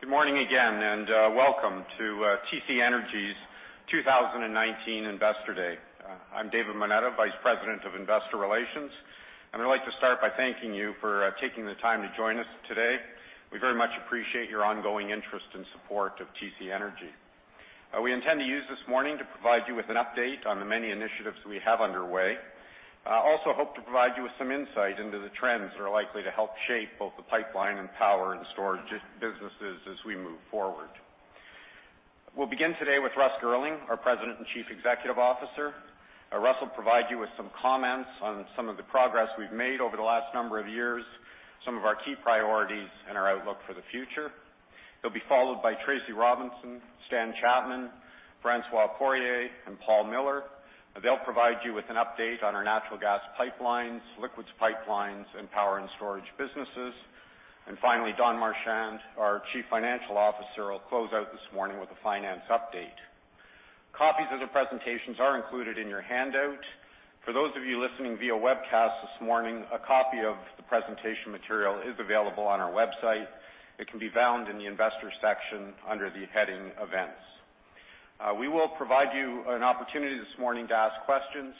Good morning again, and welcome to TC Energy's 2019 Investor Day. I'm David Moneta, Vice President of Investor Relations, and I'd like to start by thanking you for taking the time to join us today. We very much appreciate your ongoing interest and support of TC Energy. We also hope to provide you with some insight into the trends that are likely to help shape both the pipeline and power and storage businesses as we move forward. We'll begin today with Russ Girling, our President and Chief Executive Officer. Russ will provide you with some comments on some of the progress we've made over the last number of years, some of our key priorities, and our outlook for the future. He'll be followed by Tracy Robinson, Stan Chapman, François Poirier, and Paul Miller. They'll provide you with an update on our natural gas pipelines, liquids pipelines, and power and storage businesses. Finally, Don Marchand, our Chief Financial Officer, will close out this morning with a finance update. Copies of the presentations are included in your handout. For those of you listening via webcast this morning, a copy of the presentation material is available on our website. It can be found in the Investors section under the heading Events. We will provide you an opportunity this morning to ask questions.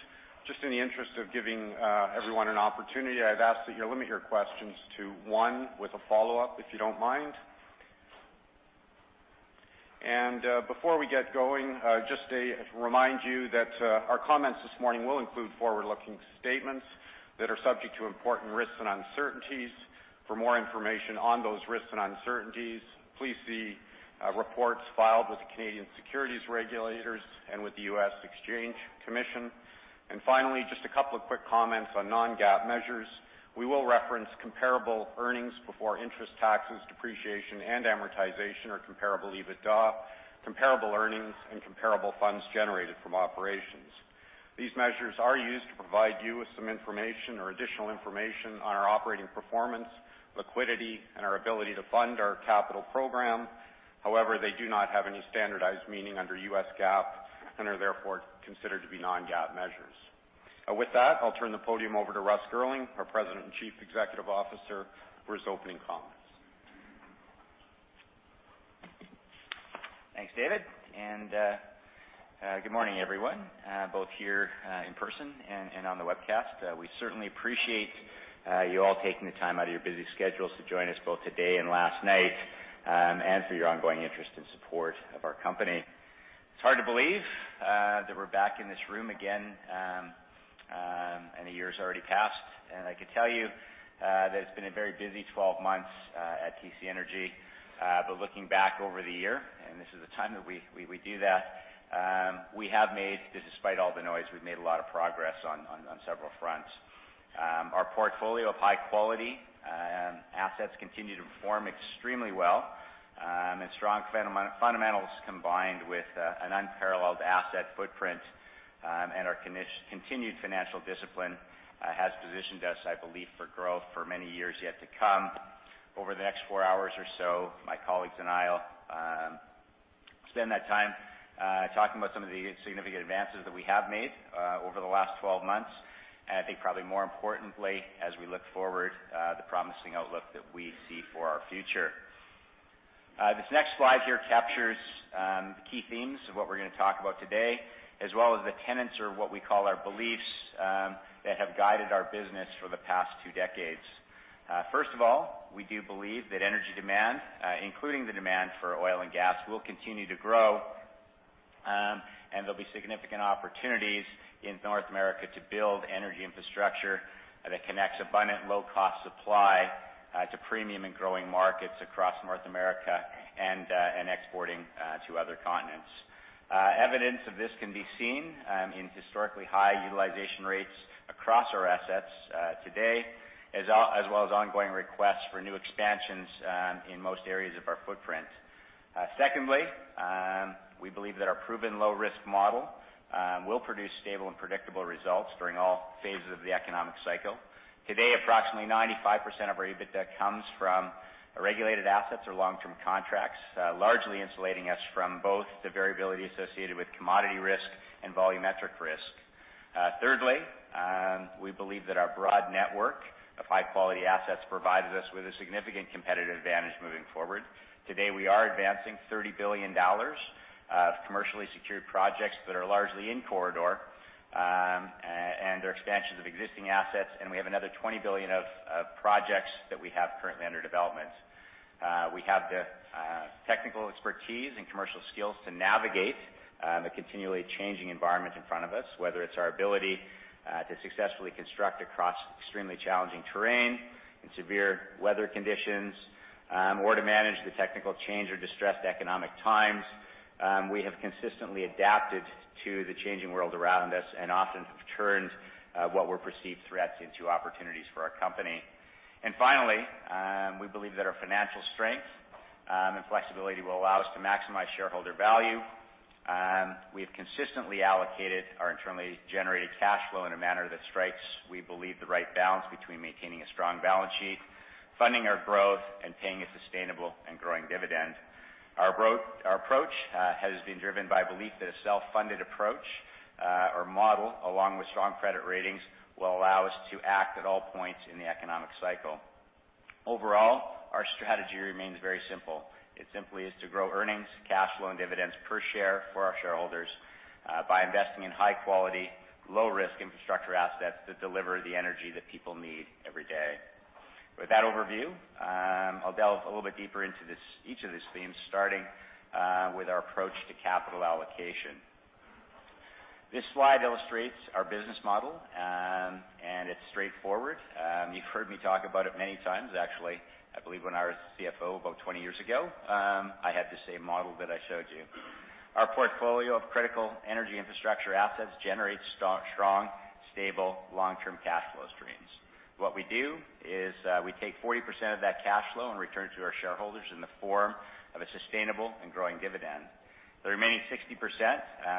Just in the interest of giving everyone an opportunity, I'd ask that you limit your questions to one with a follow-up, if you don't mind. Before we get going, just to remind you that our comments this morning will include forward-looking statements that are subject to important risks and uncertainties. For more information on those risks and uncertainties, please see reports filed with the Canadian securities regulators and with the U.S. Exchange Commission. Finally, just a couple of quick comments on non-GAAP measures. We will reference comparable earnings before interest taxes, depreciation, and amortization or comparable EBITDA, comparable earnings, and comparable funds generated from operations. These measures are used to provide you with some information or additional information on our operating performance, liquidity, and our ability to fund our capital program. However, they do not have any standardized meaning under U.S. GAAP and are therefore considered to be non-GAAP measures. With that, I'll turn the podium over to Russ Girling, our President and Chief Executive Officer, for his opening comments. Thanks, David. Good morning, everyone, both here in person and on the webcast. We certainly appreciate you all taking the time out of your busy schedules to join us both today and last night, and for your ongoing interest and support of our company. It's hard to believe that we're back in this room again. A year's already passed. I can tell you that it's been a very busy 12 months at TC Energy. Looking back over the year, this is the time that we do that, we have made, despite all the noise, we've made a lot of progress on several fronts. Our portfolio of high-quality assets continue to perform extremely well. Strong fundamentals combined with an unparalleled asset footprint and our continued financial discipline has positioned us, I believe, for growth for many years yet to come. Over the next four hours or so, my colleagues and I will spend that time talking about some of the significant advances that we have made over the last 12 months, and I think probably more importantly, as we look forward, the promising outlook that we see for our future. This next slide here captures the key themes of what we're going to talk about today, as well as the tenets or what we call our beliefs that have guided our business for the past two decades. First of all, we do believe that energy demand, including the demand for oil and gas, will continue to grow, and there'll be significant opportunities in North America to build energy infrastructure that connects abundant low-cost supply to premium and growing markets across North America and exporting to other continents. Evidence of this can be seen in historically high utilization rates across our assets today, as well as ongoing requests for new expansions in most areas of our footprint. Secondly, we believe that our proven low-risk model will produce stable and predictable results during all phases of the economic cycle. Today, approximately 95% of our EBITDA comes from regulated assets or long-term contracts, largely insulating us from both the variability associated with commodity risk and volumetric risk. Thirdly, we believe that our broad network of high-quality assets provides us with a significant competitive advantage moving forward. Today, we are advancing 30 billion dollars of commercially secured projects that are largely in corridor, and they're expansions of existing assets, and we have another 20 billion of projects that we have currently under development. We have the technical expertise and commercial skills to navigate the continually changing environment in front of us, whether it's our ability to successfully construct across extremely challenging terrain and severe weather conditions, or to manage the technical change or distressed economic times. We have consistently adapted to the changing world around us and often have turned what were perceived threats into opportunities for our company. Finally, we believe that our financial strength and flexibility will allow us to maximize shareholder value. We have consistently allocated our internally generated cash flow in a manner that strikes, we believe, the right balance between maintaining a strong balance sheet, funding our growth, and paying a sustainable and growing dividend. Our approach has been driven by belief that a self-funded approach or model, along with strong credit ratings, will allow us to act at all points in the economic cycle. Overall, our strategy remains very simple. It simply is to grow earnings, cash flow, and dividends per share for our shareholders by investing in high-quality, low-risk infrastructure assets that deliver the energy that people need every day. With that overview, I'll delve a little bit deeper into each of these themes, starting with our approach to capital allocation. This slide illustrates our business model. It's straightforward. You've heard me talk about it many times. Actually, I believe when I was CFO about 20 years ago, I had the same model that I showed you. Our portfolio of critical energy infrastructure assets generates strong, stable, long-term cash flow streams. What we do is we take 40% of that cash flow and return it to our shareholders in the form of a sustainable and growing dividend. The remaining 60%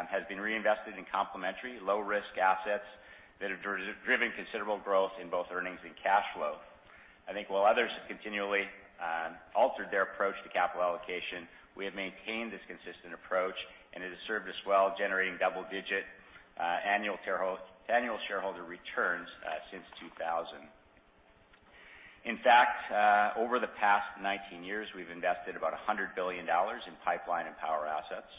has been reinvested in complementary low-risk assets that have driven considerable growth in both earnings and cash flow. I think while others have continually altered their approach to capital allocation, we have maintained this consistent approach, and it has served us well, generating double-digit annual shareholder returns since 2000. In fact, over the past 19 years, we've invested about 100 billion dollars in pipeline and power assets.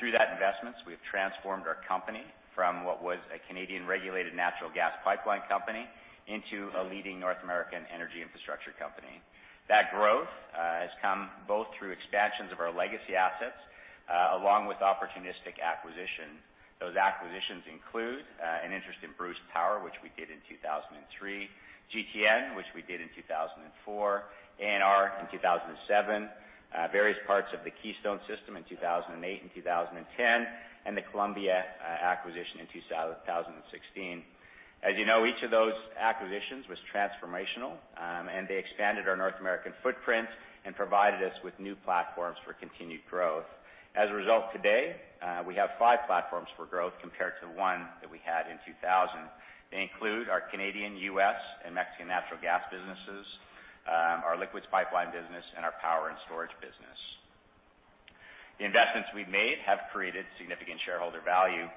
Through that investments, we've transformed our company from what was a Canadian-regulated natural gas pipeline company into a leading North American energy infrastructure company. That growth has come both through expansions of our legacy assets along with opportunistic acquisition. Those acquisitions include an interest in Bruce Power, which we did in 2003, GTN, which we did in 2004, ANR in 2007, various parts of the Keystone system in 2008 and 2010, and the Columbia acquisition in 2016. As you know, each of those acquisitions was transformational, and they expanded our North American footprint and provided us with new platforms for continued growth. As a result, today, we have five platforms for growth compared to one that we had in 2000. They include our Canadian, U.S., and Mexican natural gas businesses, our liquids pipeline business, and our power and storage business. The investments we've made have created significant shareholder value.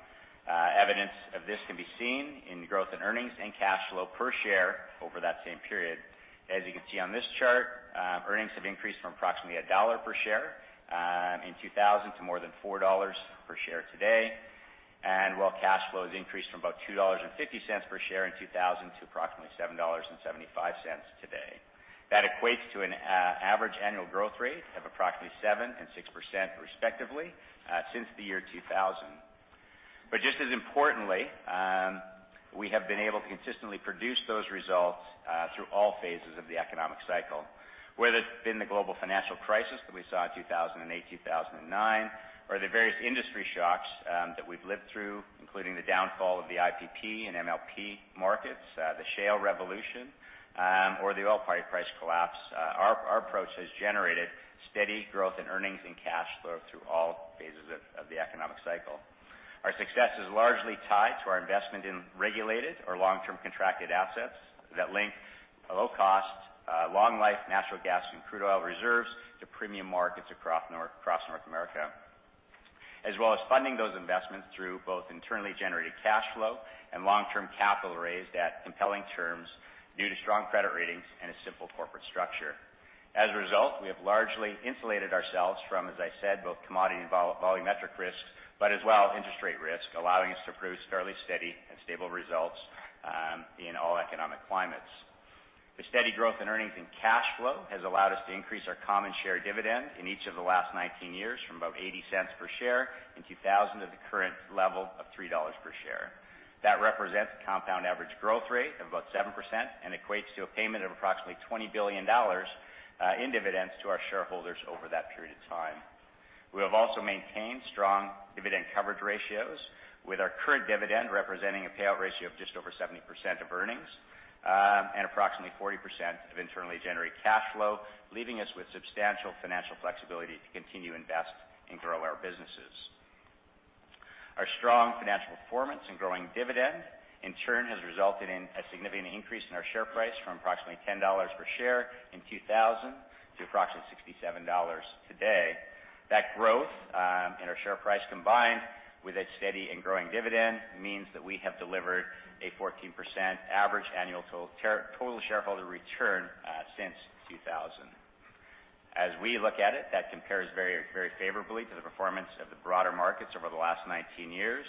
Evidence of this can be seen in growth in earnings and cash flow per share over that same period. As you can see on this chart, earnings have increased from approximately CAD 1 per share in 2000 to more than 4 dollars per share today. While cash flow has increased from about 2.50 dollars per share in 2000 to approximately 7.75 dollars today. That equates to an average annual growth rate of approximately 7% and 6%, respectively, since the year 2000. Just as importantly, we have been able to consistently produce those results through all phases of the economic cycle. Whether it's been the global financial crisis that we saw in 2008, 2009, or the various industry shocks that we've lived through, including the downfall of the IPP and MLP markets, the shale revolution, or the oil price collapse, our approach has generated steady growth in earnings and cash flow through all phases of the economic cycle. Our success is largely tied to our investment in regulated or long-term contracted assets that link low-cost, long-life natural gas and crude oil reserves to premium markets across North America, as well as funding those investments through both internally generated cash flow and long-term capital raised at compelling terms due to strong credit ratings and a simple corporate structure. We have largely insulated ourselves from, as I said, both commodity and volumetric risk, but as well, interest rate risk, allowing us to produce fairly steady and stable results in all economic climates. The steady growth in earnings and cash flow has allowed us to increase our common share dividend in each of the last 19 years from about 0.80 per share in 2000 to the current level of 3 dollars per share. That represents a compound average growth rate of about 7% and equates to a payment of approximately 20 billion dollars in dividends to our shareholders over that period of time. We have also maintained strong dividend coverage ratios, with our current dividend representing a payout ratio of just over 70% of earnings, and approximately 40% of internally generated cash flow, leaving us with substantial financial flexibility to continue to invest and grow our businesses. Our strong financial performance and growing dividend, in turn, has resulted in a significant increase in our share price from approximately 10 dollars per share in 2000 to approximately 67 dollars today. That growth in our share price, combined with a steady and growing dividend, means that we have delivered a 14% average annual total shareholder return since 2000. As we look at it, that compares very favorably to the performance of the broader markets over the last 19 years.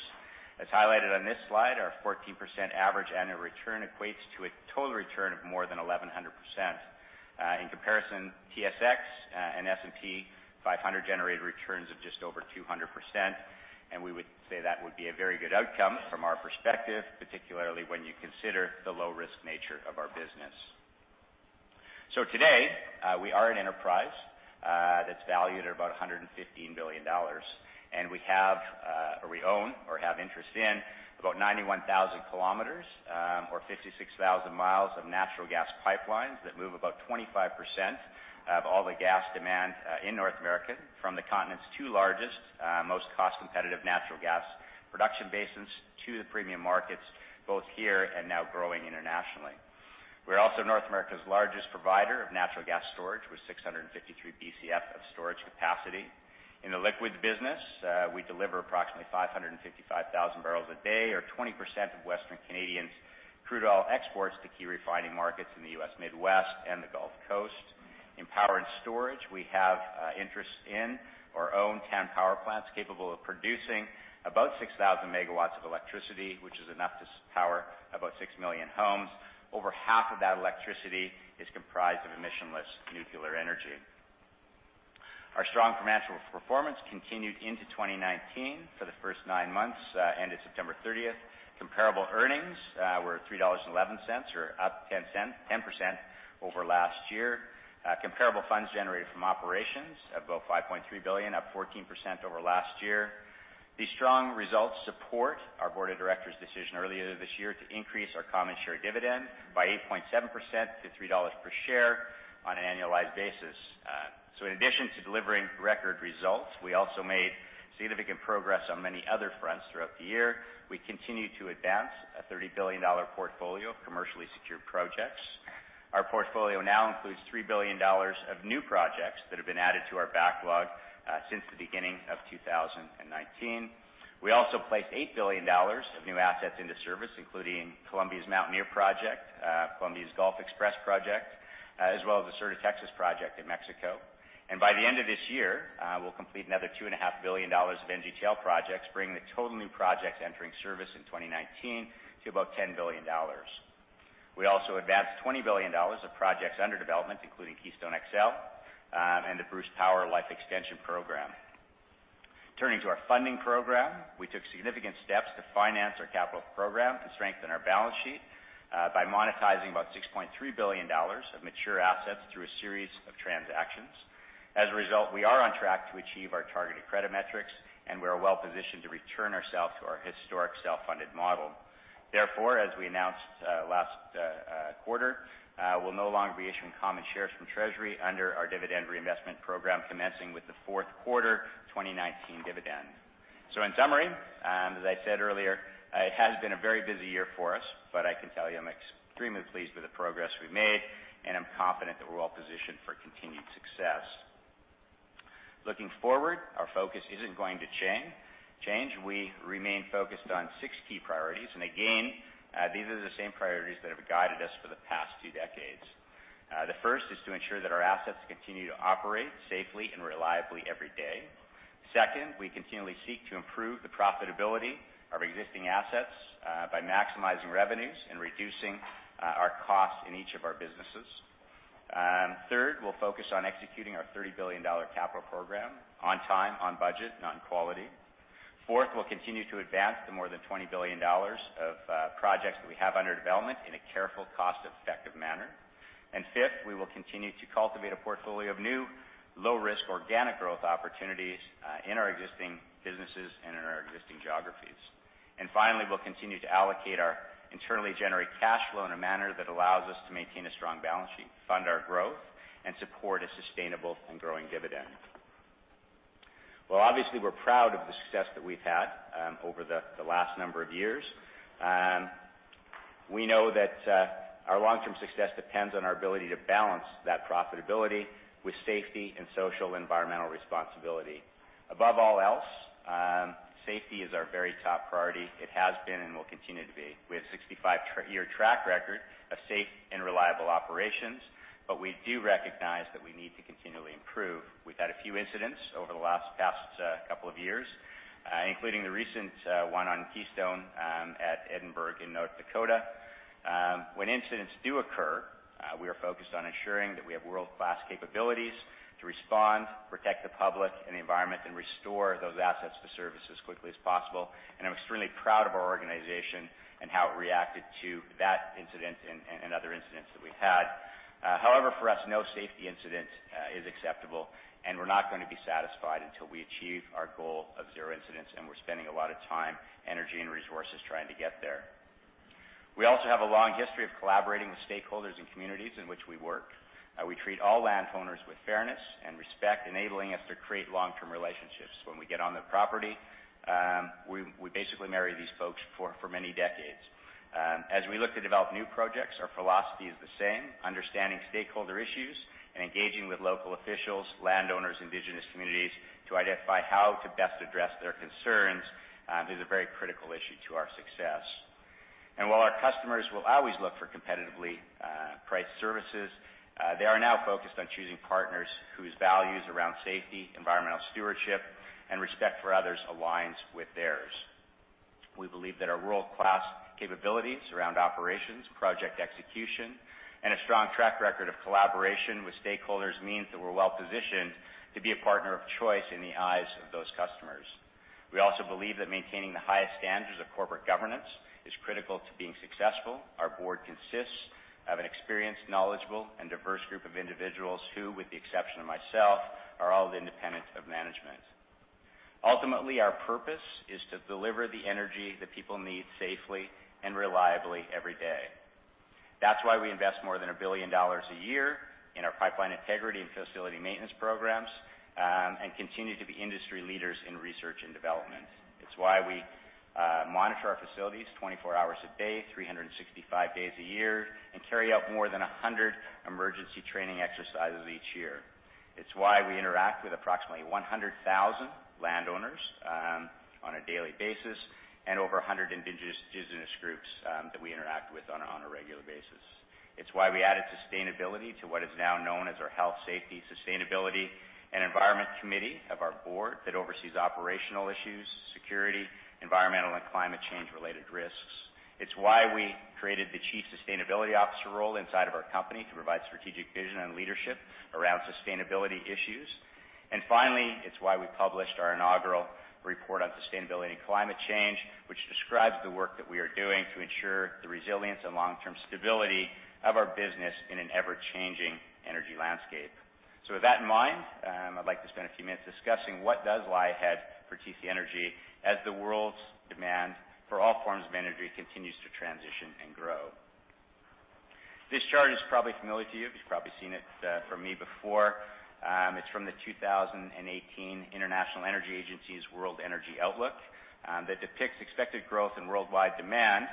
As highlighted on this slide, our 14% average annual return equates to a total return of more than 1,100%. In comparison, TSX and S&P 500 generated returns of just over 200%. We would say that would be a very good outcome from our perspective, particularly when you consider the low-risk nature of our business. Today, we are an enterprise that's valued at about 115 billion dollars, and we own or have interest in about 91,000 km or 56,000 mi of natural gas pipelines that move about 25% of all the gas demand in North America from the continent's two largest, most cost-competitive natural gas production basins to the premium markets, both here and now growing internationally. We're also North America's largest provider of natural gas storage, with 653 Bcf of storage capacity. In the liquids business, we deliver approximately 555,000 barrels a day or 20% of Western Canadian crude oil exports to key refining markets in the U.S. Midwest and the Gulf Coast. In power and storage, we have interests in our own 10 power plants capable of producing about 6,000 MW of electricity, which is enough to power about 6 million homes. Over half of that electricity is comprised of emission-less nuclear energy. Our strong financial performance continued into 2019 for the first nine months, ended September 30th. Comparable earnings were 3.11 dollars, or up 10% over last year. Comparable funds generated from operations of about 5.3 billion, up 14% over last year. These strong results support our board of directors' decision earlier this year to increase our common share dividend by 8.7% to 3 dollars per share on an annualized basis. In addition to delivering record results, we also made significant progress on many other fronts throughout the year. We continued to advance a 30 billion dollar portfolio of commercially secured projects. Our portfolio now includes 3 billion dollars of new projects that have been added to our backlog since the beginning of 2019. We also placed 8 billion dollars of new assets into service, including Columbia's Mountaineer project, Columbia's Gulf XPress project, as well as the Sur de Texas project in Mexico. By the end of this year, we'll complete another 2.5 billion dollars of NGTL projects, bringing the total new projects entering service in 2019 to about 10 billion dollars. We also advanced 20 billion dollars of projects under development, including Keystone XL and the Bruce Power Life-Extension Program. Turning to our funding program, we took significant steps to finance our capital program to strengthen our balance sheet by monetizing about 6.3 billion dollars of mature assets through a series of transactions. As a result, we are on track to achieve our targeted credit metrics, and we are well-positioned to return ourselves to our historic self-funded model. Therefore, as we announced last quarter, we'll no longer be issuing common shares from Treasury under our dividend reinvestment program, commencing with the fourth quarter 2019 dividend. In summary, as I said earlier, it has been a very busy year for us, but I can tell you I'm extremely pleased with the progress we've made, and I'm confident that we're well-positioned for continued success. Looking forward, our focus isn't going to change. We remain focused on six key priorities, and again, these are the same priorities that have guided us for the past two decades. The first is to ensure that our assets continue to operate safely and reliably every day. Second, we continually seek to improve the profitability of our existing assets by maximizing revenues and reducing our costs in each of our businesses. Third, we'll focus on executing our 30 billion dollar capital program on time, on budget, and on quality. Fourth, we'll continue to advance the more than 20 billion dollars of projects that we have under development in a careful, cost-effective manner. Fifth, we will continue to cultivate a portfolio of new, low-risk, organic growth opportunities in our existing businesses and in our existing geographies. Finally, we'll continue to allocate our internally generate cash flow in a manner that allows us to maintain a strong balance sheet, fund our growth, and support a sustainable and growing dividend. While obviously, we're proud of the success that we've had over the last number of years, we know that our long-term success depends on our ability to balance that profitability with safety and social environmental responsibility. Above all else, safety is our very top priority. It has been and will continue to be. We have a 65-year track record of safe and reliable operations, but we do recognize that we need to continually improve. We've had a few incidents over the last past couple of years, including the recent one on Keystone at Edinburg in North Dakota. When incidents do occur, we are focused on ensuring that we have world-class capabilities to respond, protect the public and the environment, and restore those assets to service as quickly as possible. I'm extremely proud of our organization and how it reacted to that incident and other incidents that we've had. However, for us, no safety incident is acceptable, and we're not going to be satisfied until we achieve our goal of zero incidents, and we're spending a lot of time, energy, and resources trying to get there. We also have a long history of collaborating with stakeholders and communities in which we work. We treat all landowners with fairness and respect, enabling us to create long-term relationships. When we get on their property, we basically marry these folks for many decades. As we look to develop new projects, our philosophy is the same, understanding stakeholder issues and engaging with local officials, landowners, indigenous communities to identify how to best address their concerns is a very critical issue to our success. While our customers will always look for competitively priced services, they are now focused on choosing partners whose values around safety, environmental stewardship, and respect for others aligns with theirs. We believe that our world-class capabilities around operations, project execution, and a strong track record of collaboration with stakeholders means that we're well-positioned to be a partner of choice in the eyes of those customers. We also believe that maintaining the highest standards of corporate governance is critical to being successful. Our board consists of an experienced, knowledgeable, and diverse group of individuals who, with the exception of myself, are all independent of management. Ultimately, our purpose is to deliver the energy that people need safely and reliably every day. That's why we invest more than 1 billion dollars a year in our pipeline integrity and facility maintenance programs and continue to be industry leaders in research and development. It's why we monitor our facilities 24 hours a day, 365 days a year, and carry out more than 100 emergency training exercises each year. It's why we interact with approximately 100,000 landowners on a daily basis and over 100 indigenous business groups that we interact with on a regular basis. It's why we added sustainability to what is now known as our Health, Safety, Sustainability and Environment Committee of our board that oversees operational issues, security, environmental, and climate change-related risks. It's why we created the Chief Sustainability Officer role inside of our company to provide strategic vision and leadership around sustainability issues. Finally, it's why we published our inaugural report on sustainability and climate change, which describes the work that we are doing to ensure the resilience and long-term stability of our business in an ever-changing energy landscape. With that in mind, I'd like to spend a few minutes discussing what does lie ahead for TC Energy as the world's demand for all forms of energy continues to transition and grow. This chart is probably familiar to you. You've probably seen it from me before. It's from the 2018 International Energy Agency's World Energy Outlook that depicts expected growth in worldwide demand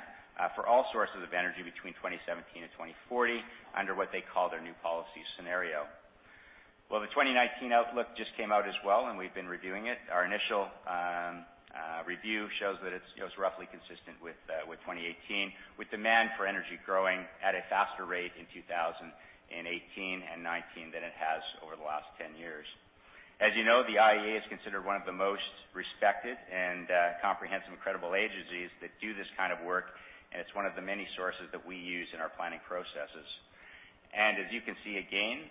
for all sources of energy between 2017 and 2040 under what they call their new policy scenario. Well, the 2019 outlook just came out as well, and we've been reviewing it. Our initial review shows that it's roughly consistent with 2018, with demand for energy growing at a faster rate in 2018 and 2019 than it has over the last 10 years. As you know, the IEA is considered one of the most respected and comprehensive, credible agencies that do this kind of work, and it's one of the many sources that we use in our planning processes. As you can see again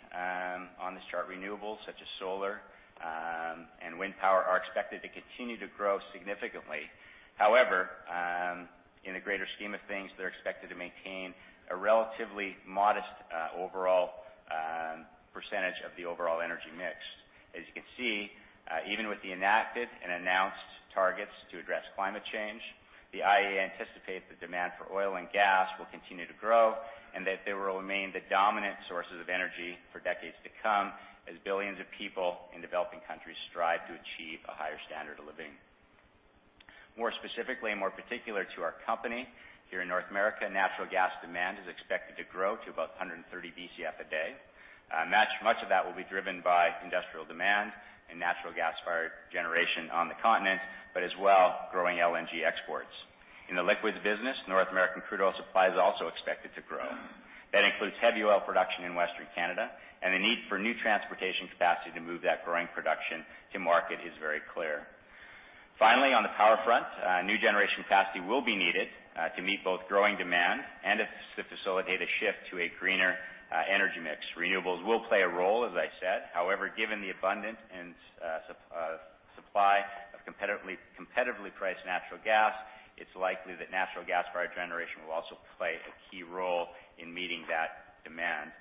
on this chart, renewables such as solar and wind power are expected to continue to grow significantly. However, in the greater scheme of things, they're expected to maintain a relatively modest overall percentage of the overall energy mix. As you can see, even with the enacted and announced targets to address climate change, the IEA anticipates that demand for oil and gas will continue to grow, and that they will remain the dominant sources of energy for decades to come as billions of people in developing countries strive to achieve a higher standard of living. More specifically and more particular to our company, here in North America, natural gas demand is expected to grow to about 130 Bcf a day. Much of that will be driven by industrial demand and natural gas-fired generation on the continent, but as well, growing LNG exports. In the liquids business, North American crude oil supply is also expected to grow. That includes heavy oil production in Western Canada, and the need for new transportation capacity to move that growing production to market is very clear. Finally, on the power front, new generation capacity will be needed to meet both growing demand and to facilitate a shift to a greener energy mix. Renewables will play a role, as I said. Given the abundant supply of competitively priced natural gas, it's likely that natural gas-fired generation will also play a key role in meeting that demand.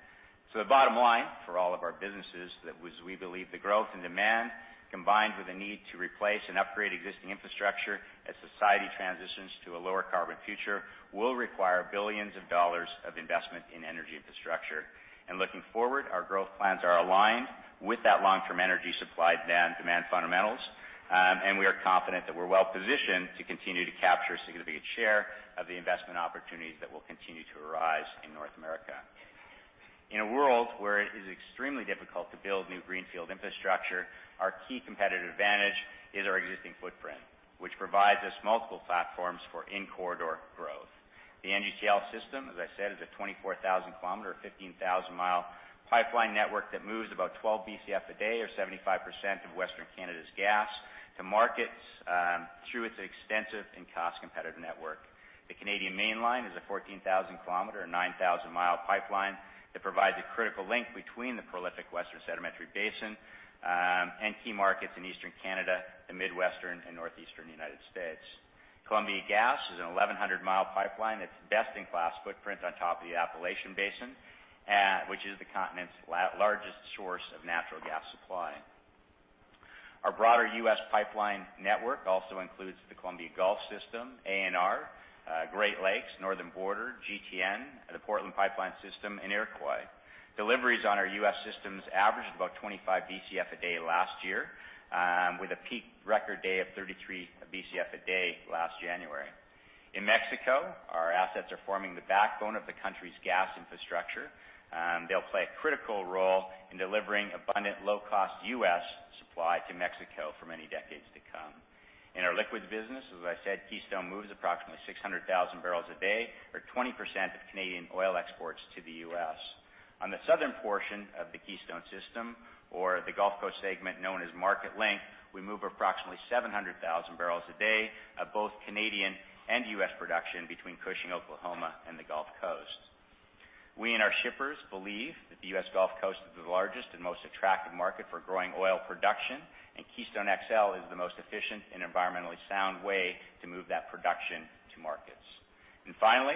The bottom line for all of our businesses is that we believe the growth in demand, combined with the need to replace and upgrade existing infrastructure as society transitions to a lower carbon future, will require billions of dollars of investment in energy infrastructure. Looking forward, our growth plans are aligned with that long-term energy supply and demand fundamentals. We are confident that we're well-positioned to continue to capture a significant share of the investment opportunities that will continue to arise in North America. In a world where it is extremely difficult to build new greenfield infrastructure, our key competitive advantage is our existing footprint, which provides us multiple platforms for in-corridor growth. The NGTL system, as I said, is a 24,000 km, or 15,000 mi, pipeline network that moves about 12 Bcf a day, or 75% of Western Canada's gas, to markets through its extensive and cost-competitive network. The Canadian Mainline is a 14,000 km, or 9,000 mi, pipeline that provides a critical link between the prolific Western Sedimentary Basin and key markets in Eastern Canada, the Midwestern, and Northeastern U.S. Columbia Gas is an 1,100 mi pipeline that's a best-in-class footprint on top of the Appalachian Basin, which is the continent's largest source of natural gas supply. Our broader U.S. pipeline network also includes the Columbia Gulf system, ANR, Great Lakes, Northern Border, GTN, the Portland pipeline system, and Iroquois. Deliveries on our U.S. systems averaged about 25 Bcf a day last year, with a peak record day of 33 Bcf a day last January. In Mexico, our assets are forming the backbone of the country's gas infrastructure. They'll play a critical role in delivering abundant, low-cost U.S. supply to Mexico for many decades to come. In our liquids business, as I said, Keystone moves approximately 600,000 barrels a day, or 20% of Canadian oil exports to the U.S. On the southern portion of the Keystone system, or the Gulf Coast segment known as Marketlink, we move approximately 700,000 barrels a day of both Canadian and U.S. production between Cushing, Oklahoma, and the Gulf Coast. We and our shippers believe that the U.S. Gulf Coast is the largest and most attractive market for growing oil production. Keystone XL is the most efficient and environmentally sound way to move that production to markets. Finally,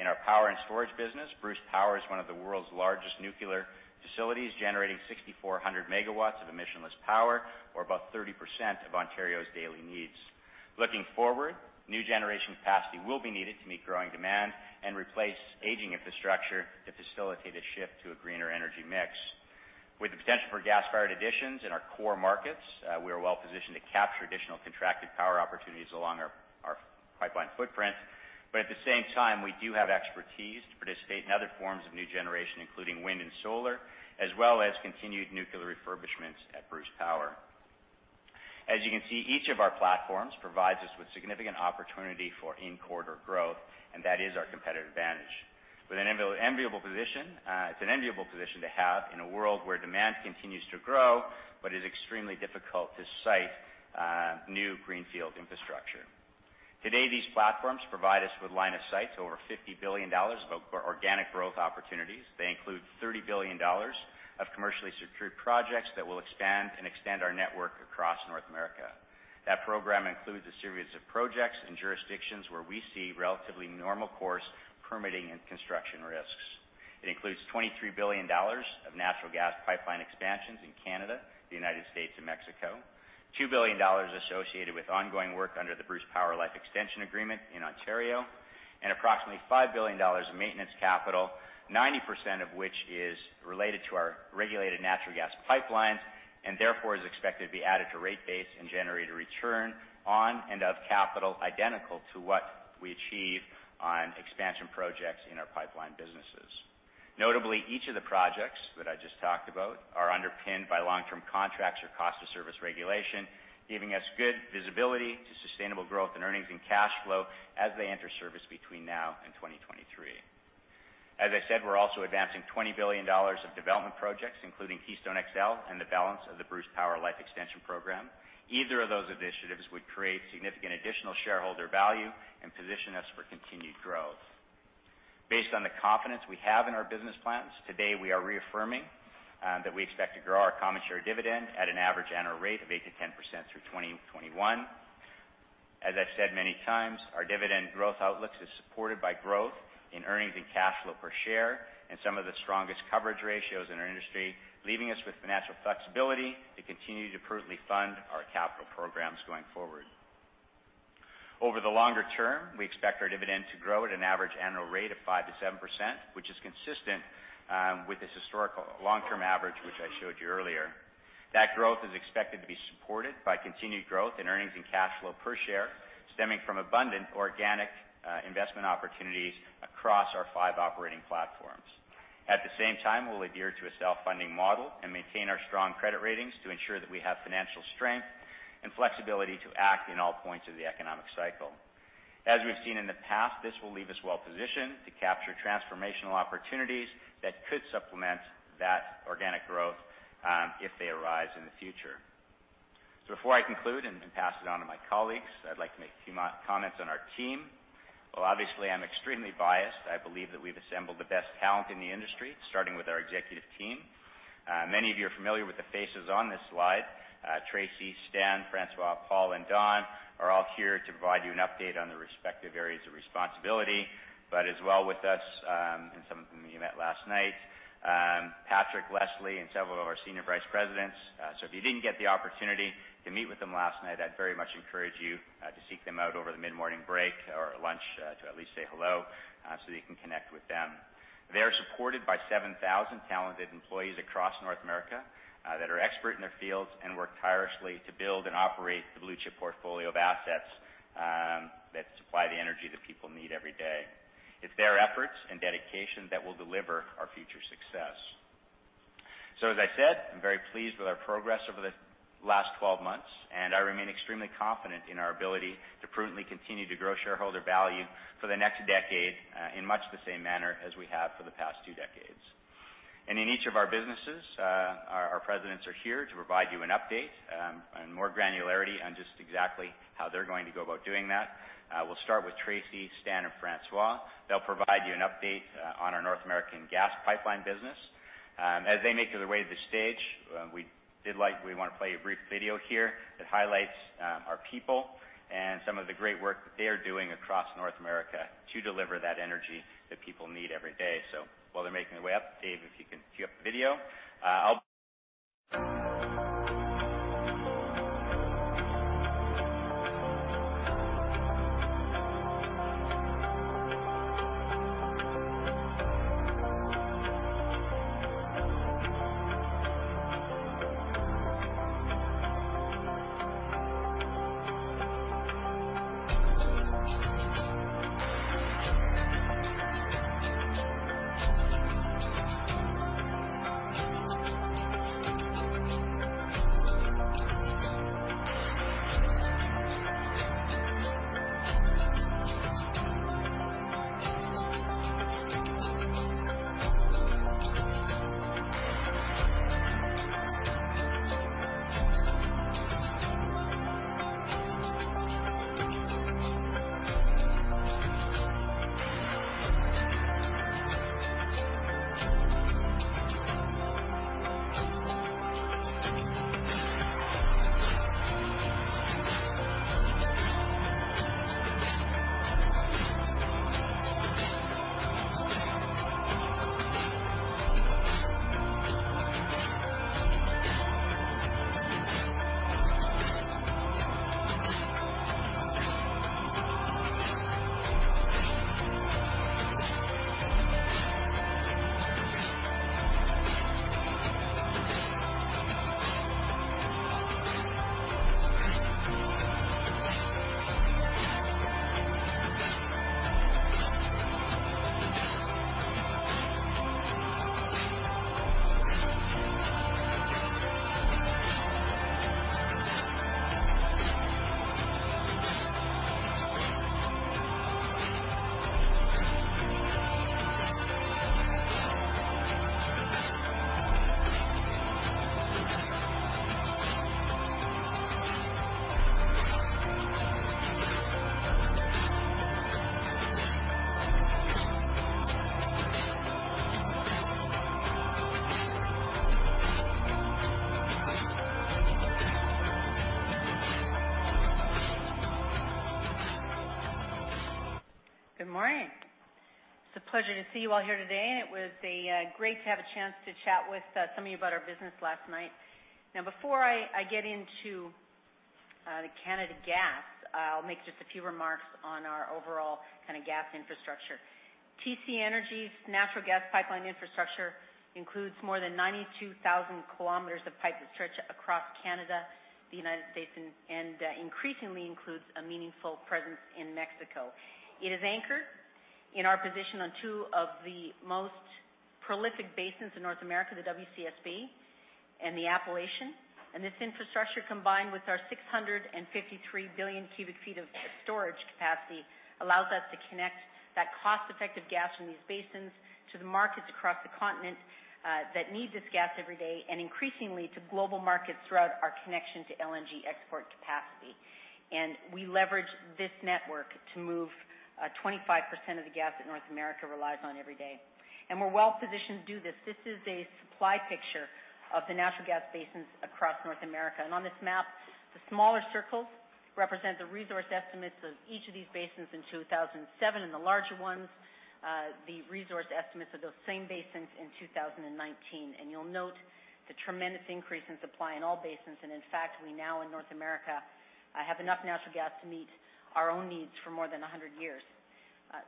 in our power and storage business, Bruce Power is one of the world's largest nuclear facilities, generating 6,400 MW of emissionless power, or about 30% of Ontario's daily needs. Looking forward, new generation capacity will be needed to meet growing demand and replace aging infrastructure to facilitate a shift to a greener energy mix. With the potential for gas-fired additions in our core markets, we are well-positioned to capture additional contracted power opportunities along our pipeline footprint. At the same time, we do have expertise to participate in other forms of new generation, including wind and solar, as well as continued nuclear refurbishments at Bruce Power. As you can see, each of our platforms provides us with significant opportunity for in-quarter growth. That is our competitive advantage. It's an enviable position to have in a world where demand continues to grow. It is extremely difficult to site new greenfield infrastructure. Today, these platforms provide us with line of sight to over 50 billion dollars of organic growth opportunities. They include 30 billion dollars of commercially secured projects that will expand and extend our network across North America. That program includes a series of projects and jurisdictions where we see relatively normal course permitting and construction risks. It includes 23 billion dollars of natural gas pipeline expansions in Canada, the United States, and Mexico, 2 billion dollars associated with ongoing work under the Bruce Power Life-Extension Agreement in Ontario, and approximately 5 billion dollars in maintenance capital, 90% of which is related to our regulated natural gas pipelines, and therefore is expected to be added to rate base and generate a return on and of capital identical to what we achieve on expansion projects in our pipeline businesses. Notably, each of the projects that I just talked about are underpinned by long-term contracts or cost of service regulation, giving us good visibility to sustainable growth in earnings and cash flow as they enter service between now and 2023. As I said, we're also advancing 20 billion dollars of development projects, including Keystone XL and the balance of the Bruce Power Life-Extension program. Either of those initiatives would create significant additional shareholder value and position us for continued growth. Based on the confidence we have in our business plans, today, we are reaffirming that we expect to grow our common share dividend at an average annual rate of 8%-10% through 2021. As I've said many times, our dividend growth outlook is supported by growth in earnings and cash flow per share and some of the strongest coverage ratios in our industry, leaving us with the financial flexibility to continue to prudently fund our capital programs going forward. Over the longer term, we expect our dividend to grow at an average annual rate of 5%-7%, which is consistent with this historical long-term average, which I showed you earlier. That growth is expected to be supported by continued growth in earnings and cash flow per share, stemming from abundant organic investment opportunities across our five operating platforms. At the same time, we'll adhere to a self-funding model and maintain our strong credit ratings to ensure that we have financial strength and flexibility to act in all points of the economic cycle. As we've seen in the past, this will leave us well positioned to capture transformational opportunities that could supplement that organic growth if they arise in the future. Before I conclude and pass it on to my colleagues, I'd like to make a few comments on our team. Well, obviously, I'm extremely biased. I believe that we've assembled the best talent in the industry, starting with our executive team. Many of you are familiar with the faces on this slide. Tracy, Stan, François, Paul, and Don are all here to provide you an update on their respective areas of responsibility. As well with us, and some of them you met last night, Patrick, Leslie, and several of our Senior Vice Presidents. If you didn't get the opportunity to meet with them last night, I'd very much encourage you to seek them out over the mid-morning break or lunch to at least say hello so that you can connect with them. They are supported by 7,000 talented employees across North America that are expert in their fields and work tirelessly to build and operate the blue-chip portfolio of assets that supply the energy that people need every day. It's their efforts and dedication that will deliver our future success. As I said, I'm very pleased with our progress over the last 12 months, and I remain extremely confident in our ability to prudently continue to grow shareholder value for the next decade in much the same manner as we have for the past two decades. In each of our businesses, our Presidents are here to provide you an update and more granularity on just exactly how they're going to go about doing that. We'll start with Tracy, Stan, and François. They'll provide you an update on our North American gas pipeline business. As they make their way to the stage, we want to play a brief video here that highlights our people and some of the great work that they are doing across North America to deliver that energy that people need every day. While they're making their way up, Dave, if you can queue up the video. Good morning. It's a pleasure to see you all here today, and it was great to have a chance to chat with some of you about our business last night. Now, before I get into the Canada Gas, I'll make just a few remarks on our overall gas infrastructure. TC Energy's natural gas pipeline infrastructure includes more than 92,000 km of pipe that stretch across Canada, the United States, and increasingly includes a meaningful presence in Mexico. It is anchored in our position on two of the most prolific basins in North America, the WCSB and the Appalachian. This infrastructure, combined with our 653 billion cu ft of storage capacity, allows us to connect that cost-effective gas from these basins to the markets across the continent that need this gas every day, and increasingly, to global markets throughout our connection to LNG export capacity. We leverage this network to move 25% of the gas that North America relies on every day. We're well-positioned to do this. This is a supply picture of the natural gas basins across North America. On this map, the smaller circles represent the resource estimates of each of these basins in 2007, and the larger ones, the resource estimates of those same basins in 2019. You'll note the tremendous increase in supply in all basins. In fact, we now in North America, have enough natural gas to meet our own needs for more than 100 years.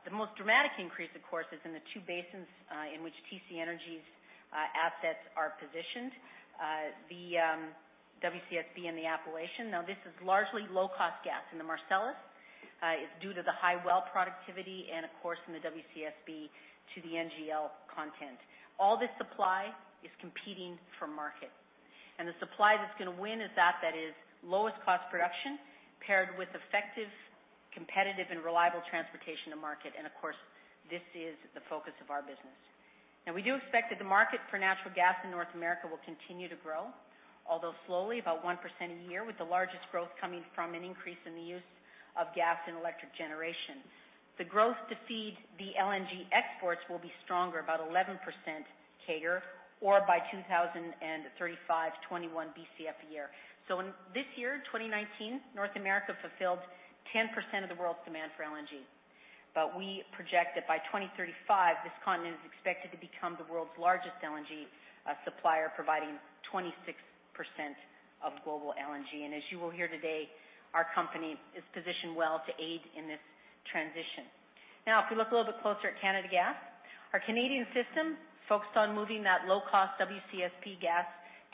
The most dramatic increase, of course, is in the two basins in which TC Energy's assets are positioned, the WCSB and the Appalachian. Now, this is largely low-cost gas. In the Marcellus, it's due to the high well productivity and of course, in the WCSB to the NGL content. All this supply is competing for market. The supply that's going to win is that that is lowest cost production, paired with effective, competitive, and reliable transportation to market, and of course, this is the focus of our business. We do expect that the market for natural gas in North America will continue to grow, although slowly, about 1% a year, with the largest growth coming from an increase in the use of gas and electric generation. The growth to feed the LNG exports will be stronger, about 11% CAGR or by 2035, 21 Bcf a year. In this year, 2019, North America fulfilled 10% of the world's demand for LNG. We project that by 2035, this continent is expected to become the world's largest LNG supplier, providing 26% of global LNG. As you will hear today, our company is positioned well to aid in this transition. If we look a little bit closer at Canada Gas, our Canadian system focused on moving that low-cost WCSB gas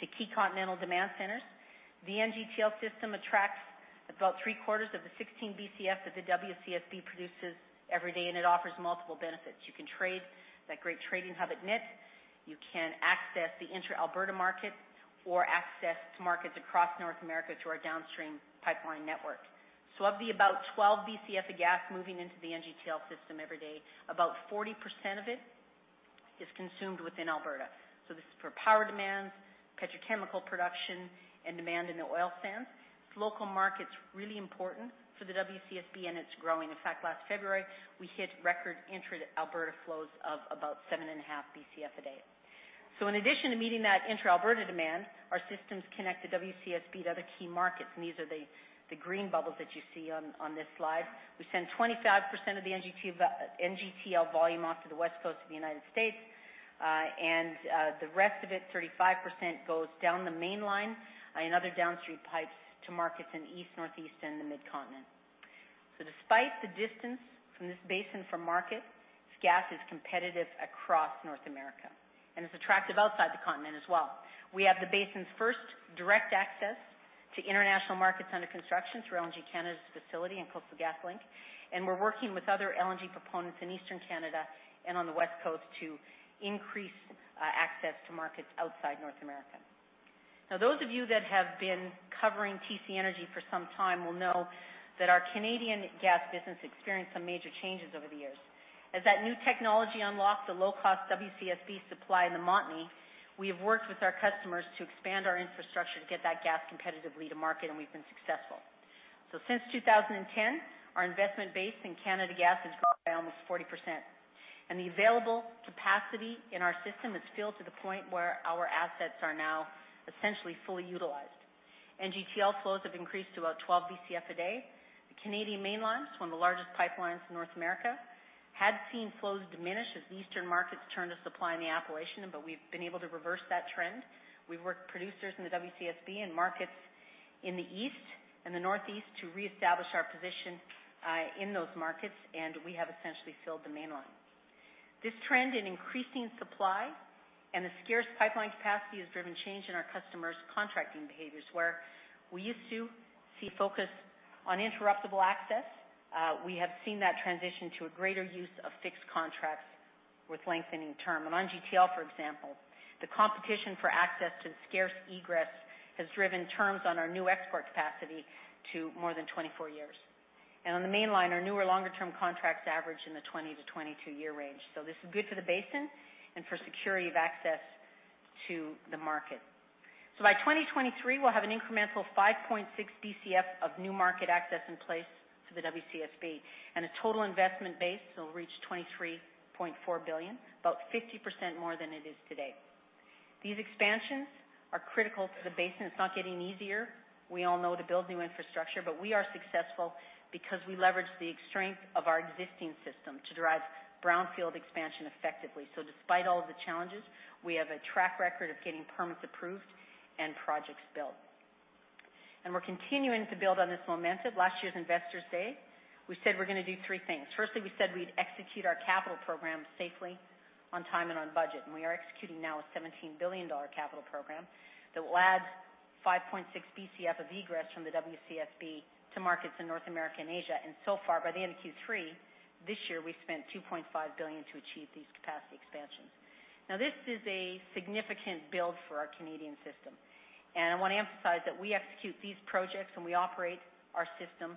to key continental demand centers. The NGTL system attracts about three-quarters of the 16 Bcf that the WCSB produces every day, it offers multiple benefits. You can trade that great trading hub at NIT. You can access the intra-Alberta markets or access markets across North America through our downstream pipeline network. Of the about 12 Bcf of gas moving into the NGTL system every day, about 40% of it is consumed within Alberta. This is for power demands, petrochemical production, and demand in the oil sands. This local market's really important for the WCSB, it's growing. In fact, last February, we hit record intra-Alberta flows of about seven and a half Bcf a day. In addition to meeting that intra-Alberta demand, our systems connect the WCSB to other key markets, and these are the green bubbles that you see on this slide. We send 25% of the NGTL volume off to the West Coast of the U.S., and the rest of it, 35%, goes down the Mainline and other downstream pipes to markets in the East, Northeast, and the mid-continent. Despite the distance from this basin from market, this gas is competitive across North America and is attractive outside the continent as well. We have the basin's first direct access to international markets under construction through LNG Canada's facility and Coastal GasLink. We're working with other LNG proponents in Eastern Canada and on the West Coast to increase access to markets outside North America. Those of you that have been covering TC Energy for some time will know that our Canadian gas business experienced some major changes over the years. As that new technology unlocked the low-cost WCSB supply in the Montney, we have worked with our customers to expand our infrastructure to get that gas competitively to market. We've been successful. Since 2010, our investment base in Canada Gas has grown by almost 40%. The available capacity in our system is filled to the point where our assets are now essentially fully utilized. NGTL flows have increased to about 12 Bcf a day. The Canadian Mainline is one of the largest pipelines in North America, had seen flows diminish as Eastern markets turned to supply in the Appalachian, we've been able to reverse that trend. We've worked producers in the WCSB and markets in the East and the Northeast to reestablish our position in those markets, we have essentially filled the Mainline. This trend in increasing supply and the scarce pipeline capacity has driven change in our customers' contracting behaviors, where we used to see focus on interruptible access, we have seen that transition to a greater use of fixed contracts with lengthening term. On NGTL, for example, the competition for access to the scarce egress has driven terms on our new export capacity to more than 24 years. On the Mainline, our newer longer-term contracts average in the 20-22-year range. This is good for the basin and for security of access to the market. By 2023, we'll have an incremental 5.6 Bcf of new market access in place to the WCSB and a total investment base that will reach 23.4 billion, about 50% more than it is today. These expansions are critical to the basin. It's not getting easier, we all know, to build new infrastructure, but we are successful because we leverage the strength of our existing system to drive brownfield expansion effectively. Despite all of the challenges, we have a track record of getting permits approved and projects built. We're continuing to build on this momentum. Last year's Investor Day, we said we're going to do three things. Firstly, we said we'd execute our capital program safely, on time and on budget. We are executing now a 17 billion dollar capital program that will add 5.6 Bcf of egress from the WCSB to markets in North America and Asia. So far, by the end of Q3 this year, we've spent 2.5 billion to achieve these capacity expansions. This is a significant build for our Canadian system. I want to emphasize that we execute these projects and we operate our system,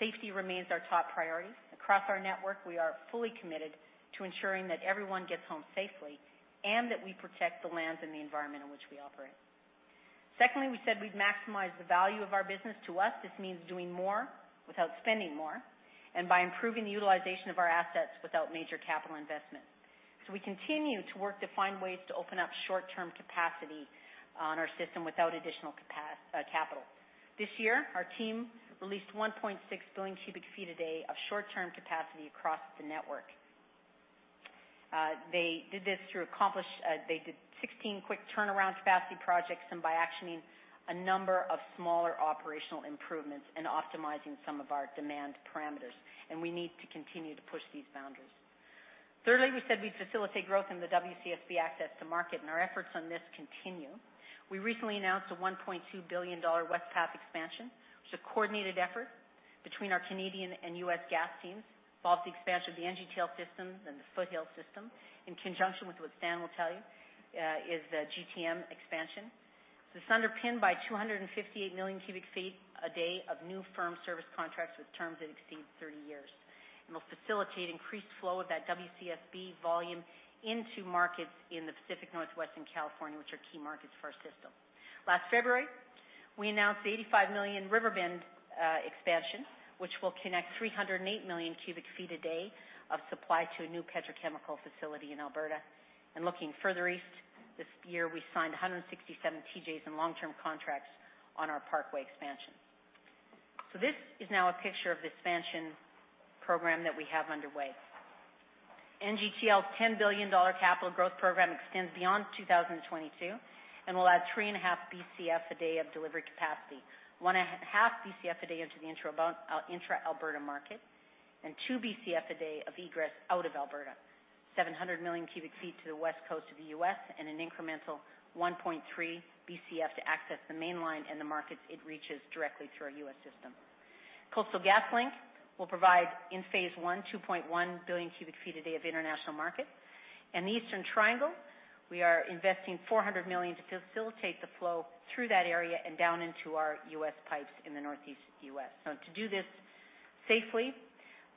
safety remains our top priority. Across our network, we are fully committed to ensuring that everyone gets home safely and that we protect the lands and the environment in which we operate. Secondly, we said we'd maximize the value of our business. To us, this means doing more without spending more and by improving the utilization of our assets without major capital investment. We continue to work to find ways to open up short-term capacity on our system without additional capital. This year, our team released 1.6 billion cu ft a day of short-term capacity across the network. They did this through 16 quick turnaround capacity projects and by actioning a number of smaller operational improvements and optimizing some of our demand parameters. We need to continue to push these boundaries. Thirdly, we said we'd facilitate growth in the WCSB access to market, our efforts on this continue. We recently announced a 1.2 billion dollar West Path expansion, which is a coordinated effort between our Canadian and U.S. gas teams, involves the expansion of the NGTL system and the Foothills system, in conjunction with what Stan will tell you is the GTN expansion. This is underpinned by 258 million cu ft a day of new firm service contracts with terms that exceed 30 years and will facilitate increased flow of that WCSB volume into markets in the Pacific Northwest and California, which are key markets for our system. Last February, we announced the 85 million Riverbend expansion, which will connect 308 million cu ft a day of supply to a new petrochemical facility in Alberta. Looking further east, this year we signed 167 TJs in long-term contracts on our Parkway expansion. This is now a picture of the expansion program that we have underway. NGTL's 10 billion dollar capital growth program extends beyond 2022 and will add 3.5 Bcf a day of delivery capacity, 1.5 Bcf a day into the intra-Alberta market, and two Bcf a day of egress out of Alberta, 700 million cubic feet to the West Coast of the U.S. and an incremental 1.3 Bcf to access the mainline and the markets it reaches directly through our U.S. system. Coastal GasLink will provide in phase one, 2.1 billion cubic feet a day of international market. In the Eastern Triangle, we are investing 400 million to facilitate the flow through that area and down into our U.S. pipes in the Northeast U.S. To do this safely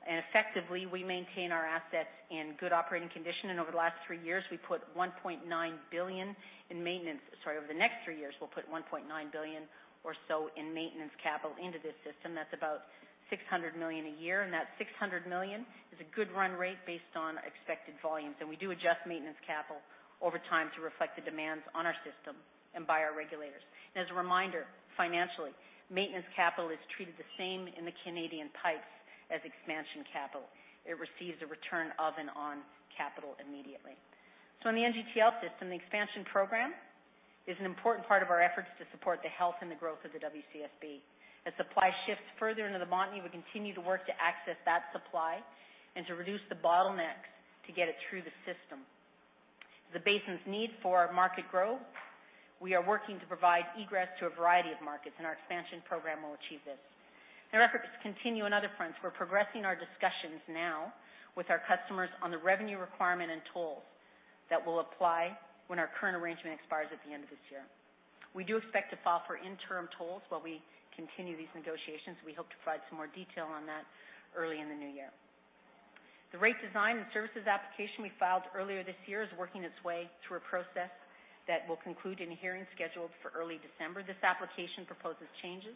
and effectively, we maintain our assets in good operating condition, and over the last three years, we put 1.9 billion in maintenance. Sorry, over the next three years, we'll put 1.9 billion or so in maintenance capital into this system. That's about 600 million a year, and that 600 million is a good run rate based on expected volumes. We do adjust maintenance capital over time to reflect the demands on our system and by our regulators. As a reminder, financially, maintenance capital is treated the same in the Canadian pipes as expansion capital. It receives a return of and on capital immediately. In the NGTL system, the expansion program is an important part of our efforts to support the health and the growth of the WCSB. As supply shifts further into the Montney, we continue to work to access that supply and to reduce the bottlenecks to get it through the system. As the basin's need for our market grows, we are working to provide egress to a variety of markets, our expansion program will achieve this. Our efforts continue on other fronts. We're progressing our discussions now with our customers on the revenue requirement and tolls that will apply when our current arrangement expires at the end of this year. We do expect to file for interim tolls while we continue these negotiations. We hope to provide some more detail on that early in the new year. The rate design and services application we filed earlier this year is working its way through a process that will conclude in a hearing scheduled for early December. This application proposes changes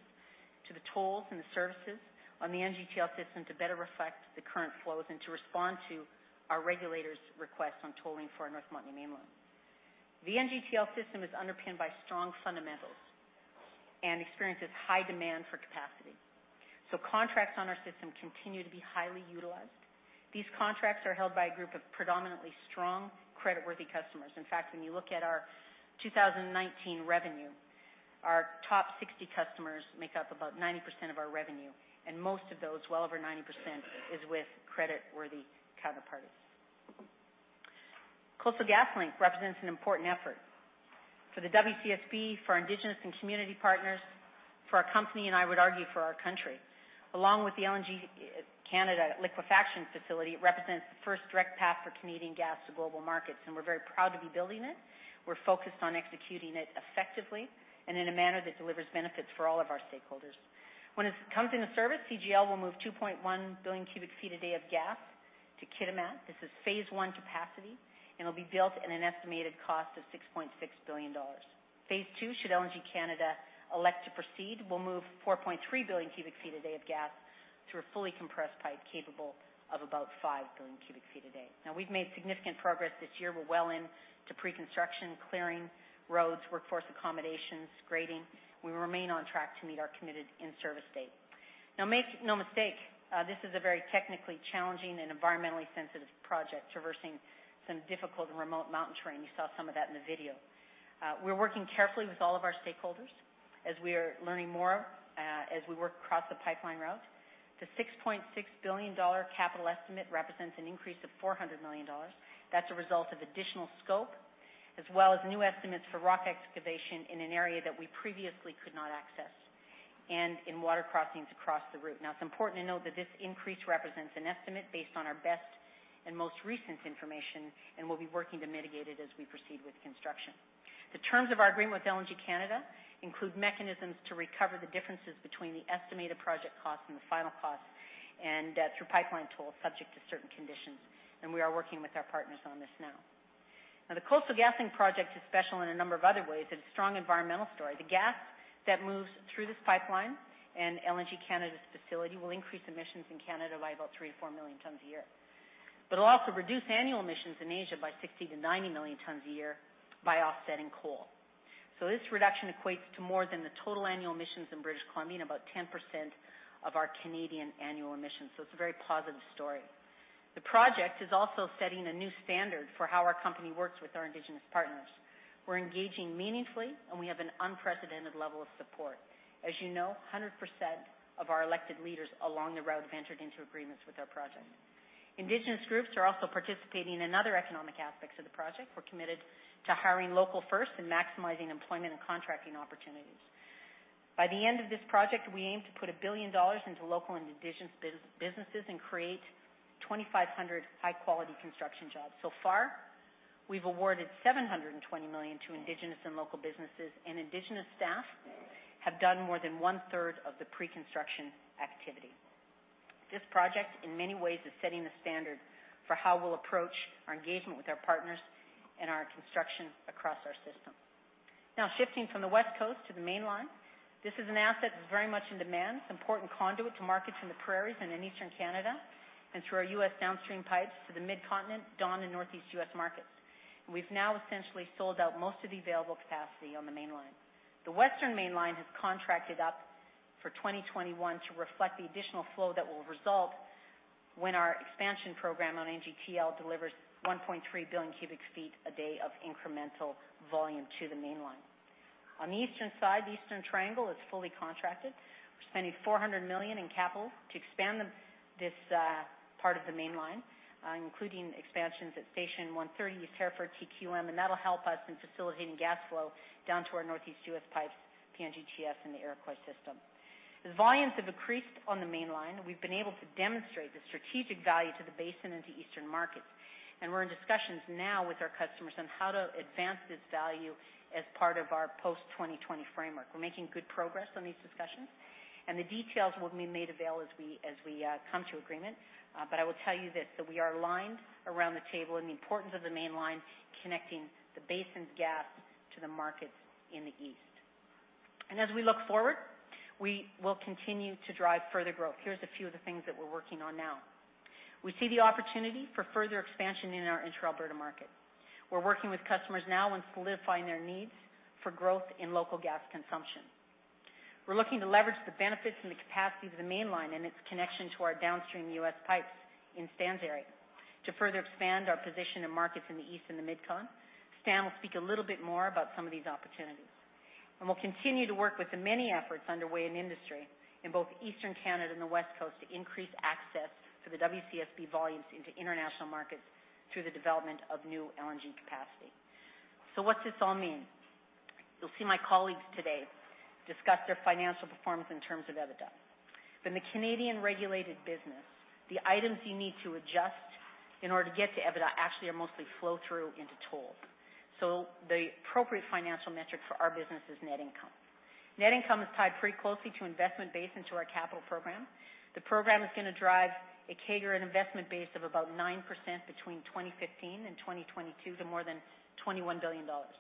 to the tolls and the services on the NGTL System to better reflect the current flows and to respond to our regulators' requests on tolling for our North Montney Mainline. The NGTL System is underpinned by strong fundamentals and experiences high demand for capacity. Contracts on our system continue to be highly utilized. These contracts are held by a group of predominantly strong, credit-worthy customers. In fact, when you look at our 2019 revenue, our top 60 customers make up about 90% of our revenue, and most of those, well over 90%, is with credit-worthy counterparties. Coastal GasLink represents an important effort for the WCSB, for indigenous and community partners, for our company, and I would argue for our country. Along with the LNG Canada liquefaction facility, it represents the first direct path for Canadian gas to global markets, and we're very proud to be building it. We're focused on executing it effectively and in a manner that delivers benefits for all of our stakeholders. When it comes into service, CGL will move 2.1 billion cu ft a day of gas to Kitimat. This is phase one capacity, and it'll be built at an estimated cost of 6.6 billion dollars. Phase two, should LNG Canada elect to proceed, will move 4.3 billion cu ft a day of gas through a fully compressed pipe capable of about 5 billion cubic feet a day. Now, we've made significant progress this year. We're well into pre-construction, clearing roads, workforce accommodations, grading. We remain on track to meet our committed in-service date. Make no mistake, this is a very technically challenging and environmentally sensitive project, traversing some difficult and remote mountain terrain. You saw some of that in the video. We're working carefully with all of our stakeholders as we are learning more, as we work across the pipeline route. The 6.6 billion dollar capital estimate represents an increase of 400 million dollars. That's a result of additional scope, as well as new estimates for rock excavation in an area that we previously could not access, and in water crossings across the route. It's important to note that this increase represents an estimate based on our best and most recent information, and we'll be working to mitigate it as we proceed with construction. The terms of our agreement with LNG Canada include mechanisms to recover the differences between the estimated project cost and the final cost through pipeline tools subject to certain conditions. We are working with our partners on this now. The Coastal GasLink project is special in a number of other ways. It's a strong environmental story. The gas that moves through this pipeline and LNG Canada's facility will increase emissions in Canada by about 3 million tons-4 million tons a year. It'll also reduce annual emissions in Asia by 60 million tons-90 million tons a year by offsetting coal. This reduction equates to more than the total annual emissions in British Columbia and about 10% of our Canadian annual emissions. It's a very positive story. The project is also setting a new standard for how our company works with our indigenous partners. We're engaging meaningfully, and we have an unprecedented level of support. As you know, 100% of our elected leaders along the route have entered into agreements with our project. Indigenous groups are also participating in other economic aspects of the project. We're committed to hiring local first and maximizing employment and contracting opportunities. By the end of this project, we aim to put 1 billion dollars into local and indigenous businesses and create 2,500 high-quality construction jobs. So far, we've awarded 720 million to indigenous and local businesses, and indigenous staff have done more than one-third of the pre-construction activity. This project, in many ways, is setting the standard for how we'll approach our engagement with our partners and our construction across our system. Shifting from the West Coast to the Canadian Mainline, this is an asset that's very much in demand. It's an important conduit to markets in the Prairies and in Eastern Canada, and through our U.S. downstream pipes to the Mid-Continent, Dawn, and Northeast U.S. markets. We've now essentially sold out most of the available capacity on the Canadian Mainline. The Canadian Mainline has contracted up for 2021 to reflect the additional flow that will result when our expansion program on NGTL delivers 1.3 Bcf a day of incremental volume to the Canadian Mainline. On the eastern side, the Eastern Triangle is fully contracted. We're spending 400 million in capital to expand this part of the Canadian Mainline, including expansions at Station 130, East Hereford, TQM, and that'll help us in facilitating gas flow down to our Northeast U.S. pipes, PNGTS, and the Iroquois system. As volumes have increased on the Mainline, we've been able to demonstrate the strategic value to the basin and to Eastern markets. We're in discussions now with our customers on how to advance this value as part of our post-2020 framework. We're making good progress on these discussions. The details will be made available as we come to agreement. I will tell you this, that we are aligned around the table in the importance of the Mainline connecting the basin's gas to the markets in the East. As we look forward, we will continue to drive further growth. Here's a few of the things that we're working on now. We see the opportunity for further expansion in our intra-Alberta market. We're working with customers now on solidifying their needs for growth in local gas consumption. We're looking to leverage the benefits and the capacity of the Canadian Mainline and its connection to our downstream U.S. pipes in Stan's area to further expand our position in markets in the East and the Mid-Con. Stan will speak a little bit more about some of these opportunities. We'll continue to work with the many efforts underway in industry in both Eastern Canada and the West Coast to increase access for the WCSB volumes into international markets through the development of new LNG capacity. What's this all mean? You'll see my colleagues today discuss their financial performance in terms of EBITDA. In the Canadian regulated business, the items you need to adjust in order to get to EBITDA actually are mostly flow-through into tolls. The appropriate financial metric for our business is net income. Net income is tied pretty closely to investment base into our capital program. The program is going to drive a CAGR and investment base of about 9% between 2015 and 2022 to more than 21 billion dollars.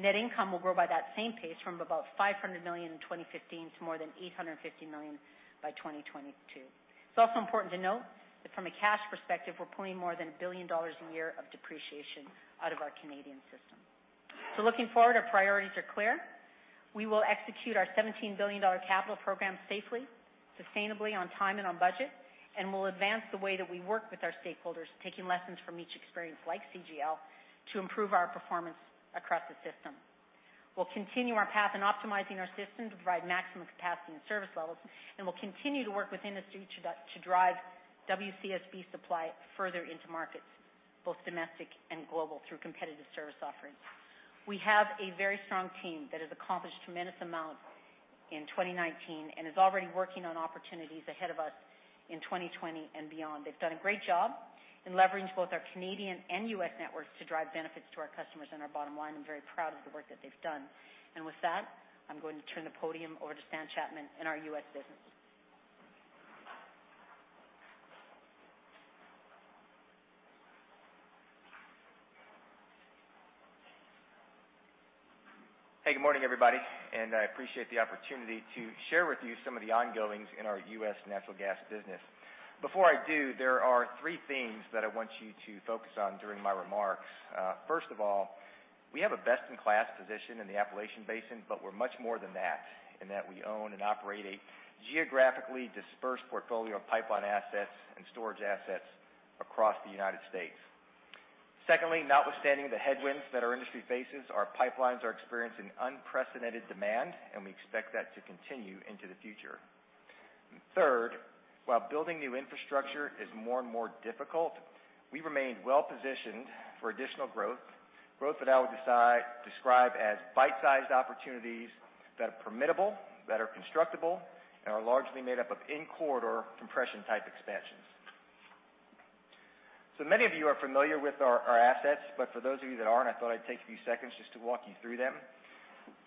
Net income will grow by that same pace from about 500 million in 2015 to more than 850 million by 2022. It's also important to note that from a cash perspective, we're pulling more than 1 billion dollars a year of depreciation out of our Canadian system. Looking forward, our priorities are clear. We will execute our 17 billion dollar capital program safely, sustainably, on time, and on budget, and we'll advance the way that we work with our stakeholders, taking lessons from each experience like CGL to improve our performance across the system. We'll continue our path in optimizing our system to provide maximum capacity and service levels, and we'll continue to work with industry to drive WCSB supply further into markets, both domestic and global, through competitive service offerings. We have a very strong team that has accomplished tremendous amounts in 2019 and is already working on opportunities ahead of us in 2020 and beyond. They've done a great job in leveraging both our Canadian and U.S. networks to drive benefits to our customers and our bottom line. I'm very proud of the work that they've done. With that, I'm going to turn the podium over to Stan Chapman in our U.S. business. Hey, good morning, everybody, I appreciate the opportunity to share with you some of the ongoings in our U.S. natural gas business. Before I do, there are three things that I want you to focus on during my remarks. First of all, we have a best-in-class position in the Appalachian Basin, but we're much more than that in that we own and operate a geographically dispersed portfolio of pipeline assets and storage assets across the United States. Secondly, notwithstanding the headwinds that our industry faces, our pipelines are experiencing unprecedented demand, and we expect that to continue into the future. Third, while building new infrastructure is more and more difficult, we remain well-positioned for additional growth that I would describe as bite-sized opportunities that are permittable, that are constructable, and are largely made up of in-corridor compression-type expansions. Many of you are familiar with our assets, but for those of you that aren't, I thought I'd take a few seconds just to walk you through them.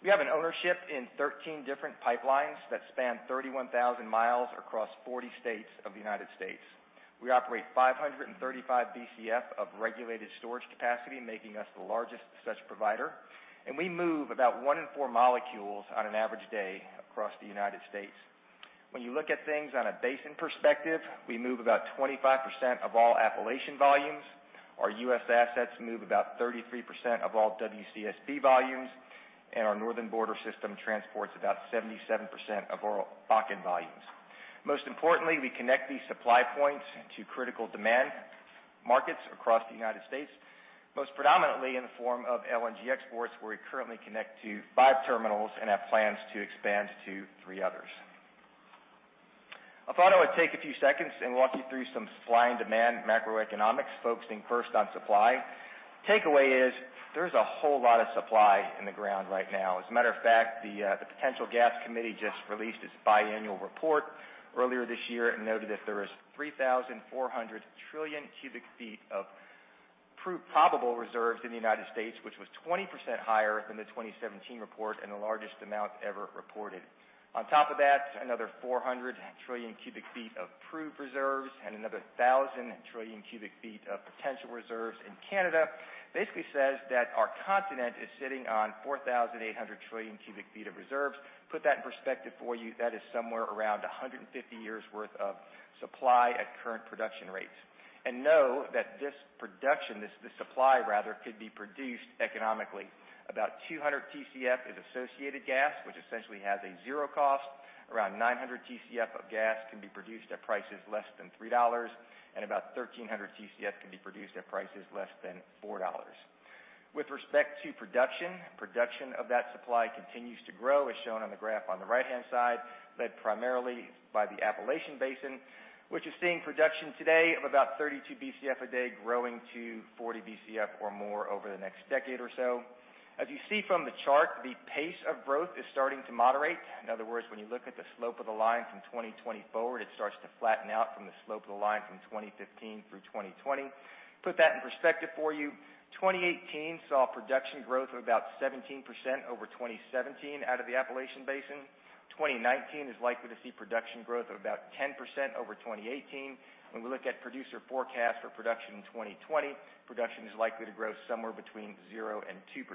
We have an ownership in 13 different pipelines that span 31,000 mi across 40 states of the United States. We operate 535 Bcf of regulated storage capacity, making us the largest such provider, and we move about one in four molecules on an average day across the United States. When you look at things on a basin perspective, we move about 25% of all Appalachian volumes. Our U.S. assets move about 33% of all WCSB volumes, and our Northern Border system transports about 77% of our Bakken volumes. Most importantly, we connect these supply points to critical demand markets across the U.S., most predominantly in the form of LNG exports, where we currently connect to five terminals and have plans to expand to three others. I thought I would take a few seconds and walk you through some supply and demand macroeconomics, focusing first on supply. Takeaway is there's a whole lot of supply in the ground right now. As a matter of fact, the Potential Gas Committee just released its biannual report earlier this year and noted that there is 3,400 trillion cubic feet of proved probable reserves in the U.S., which was 20% higher than the 2017 report and the largest amount ever reported. On top of that, another 400 trillion cubic feet of proved reserves and another 1,000 trillion cubic feet of potential reserves in Canada. Says that our continent is sitting on 4,800 trillion cubic feet of reserves. Put that in perspective for you, that is somewhere around 150 years' worth of supply at current production rates. Know that this production, this supply rather, could be produced economically. About 200 Tcf is associated gas, which essentially has a zero cost. Around 900 Tcf of gas can be produced at prices less than $3, and about 1,300 Tcf can be produced at prices less than $4. With respect to production of that supply continues to grow, as shown on the graph on the right-hand side, led primarily by the Appalachian Basin, which is seeing production today of about 32 Bcf a day growing to 40 Bcf or more over the next decade or so. As you see from the chart, the pace of growth is starting to moderate. In other words, when you look at the slope of the line from 2020 forward, it starts to flatten out from the slope of the line from 2015 through 2020. Put that in perspective for you. 2018 saw production growth of about 17% over 2017 out of the Appalachian Basin. 2019 is likely to see production growth of about 10% over 2018. When we look at producer forecasts for production in 2020, production is likely to grow somewhere between 0 and 2%.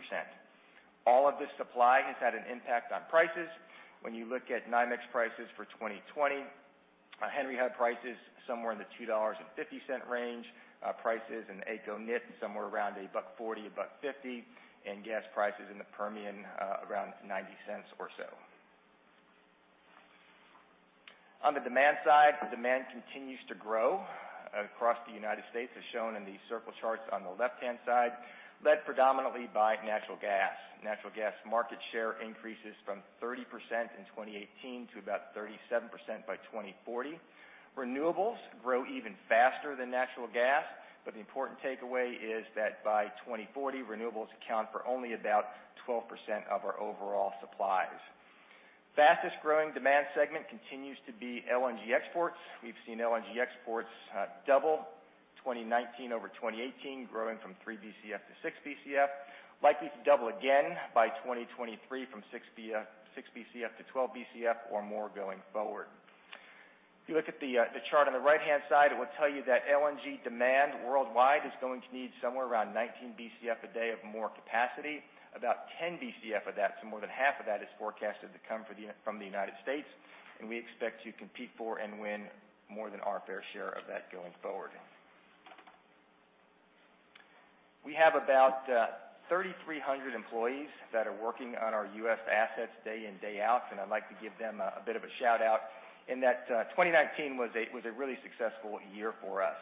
All of this supply has had an impact on prices. When you look at NYMEX prices for 2020, Henry Hub prices somewhere in the $2.50 range. Prices in Algonquin are somewhere around $1.40, $1.50, and gas prices in the Permian around $0.90 or so. On the demand side, the demand continues to grow across the U.S., as shown in the circle charts on the left-hand side, led predominantly by natural gas. Natural gas market share increases from 30% in 2018 to about 37% by 2040. Renewables grow even faster than natural gas, the important takeaway is that by 2040, renewables account for only about 12% of our overall supplies. Fastest-growing demand segment continues to be LNG exports. We've seen LNG exports double 2019 over 2018, growing from 3 Bcf-6 Bcf, likely to double again by 2023 from 6 Bcf-12 Bcf or more going forward. If you look at the chart on the right-hand side, it will tell you that LNG demand worldwide is going to need somewhere around 19 Bcf a day of more capacity. About 10 Bcf of that, so more than half of that, is forecasted to come from the U.S., we expect to compete for and win more than our fair share of that going forward. We have about 3,300 employees that are working on our U.S. assets day in, day out, I'd like to give them a bit of a shout-out in that 2019 was a really successful year for us.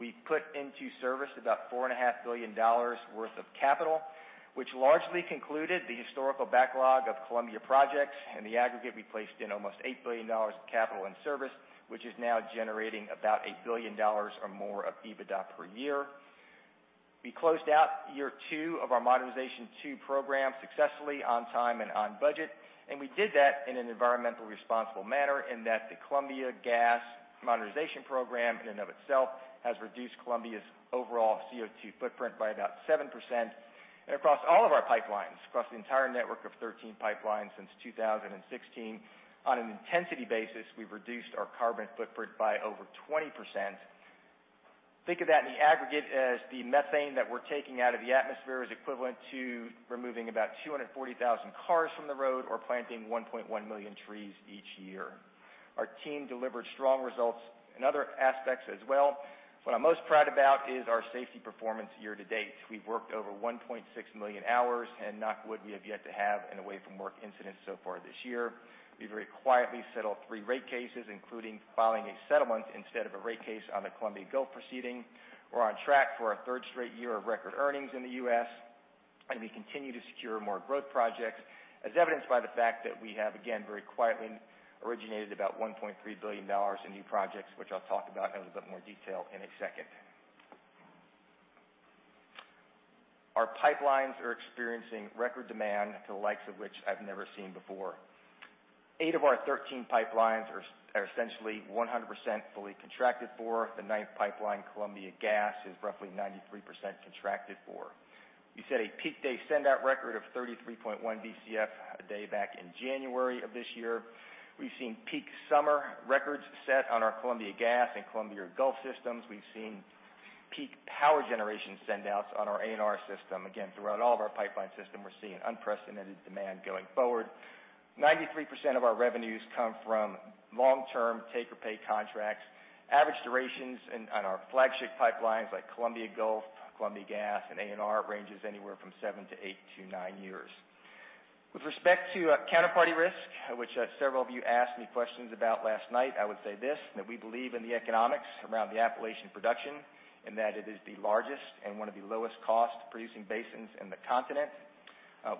We put into service about 4.5 billion dollars worth of capital, which largely concluded the historical backlog of Columbia projects. In the aggregate, we placed in almost 8 billion dollars of capital and service, which is now generating about 1 billion dollars or more of EBITDA per year. We closed out year two of our Modernization II program successfully on time and on budget. We did that in an environmentally responsible manner in that the Columbia Gas Modernization program in and of itself has reduced Columbia's overall CO2 footprint by about 7%. Across all of our pipelines, across the entire network of 13 pipelines since 2016, on an intensity basis, we've reduced our carbon footprint by over 20%. Think of that in the aggregate as the methane that we're taking out of the atmosphere is equivalent to removing about 240,000 cars from the road or planting 1.1 million trees each year. Our team delivered strong results in other aspects as well. What I'm most proud about is our safety performance year to date. We've worked over 1.6 million hours. Knock wood we have yet to have an away from work incident so far this year. We very quietly settled 3 rate cases, including filing a settlement instead of a rate case on the Columbia Gulf proceeding. We're on track for our 3rd straight year of record earnings in the U.S., and we continue to secure more growth projects, as evidenced by the fact that we have, again, very quietly originated about 1.3 billion dollars in new projects, which I'll talk about in a bit more detail in a second. Our pipelines are experiencing record demand the likes of which I've never seen before. 8 of our 13 pipelines are essentially 100% fully contracted for. The 9th pipeline, Columbia Gas, is roughly 93% contracted for. We set a peak day sendout record of 33.1 Bcf a day back in January of this year. We've seen peak summer records set on our Columbia Gas and Columbia Gulf systems. We've seen peak power generation sendouts on our ANR system. Again, throughout all of our pipeline system, we're seeing unprecedented demand going forward. 93% of our revenues come from long-term take-or-pay contracts. Average durations on our flagship pipelines like Columbia Gulf, Columbia Gas, and ANR ranges anywhere from seven to eight to nine years. With respect to counterparty risk, which several of you asked me questions about last night, I would say this, that we believe in the economics around the Appalachian production, and that it is the largest and one of the lowest cost-producing basins in the continent.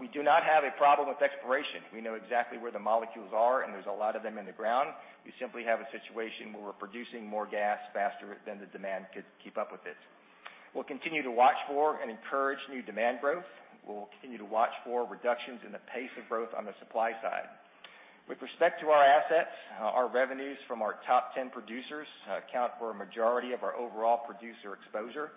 We do not have a problem with exploration. We know exactly where the molecules are, and there's a lot of them in the ground. We simply have a situation where we're producing more gas faster than the demand could keep up with it. We'll continue to watch for and encourage new demand growth. We'll continue to watch for reductions in the pace of growth on the supply side. With respect to our assets, our revenues from our top 10 producers account for a majority of our overall producer exposure.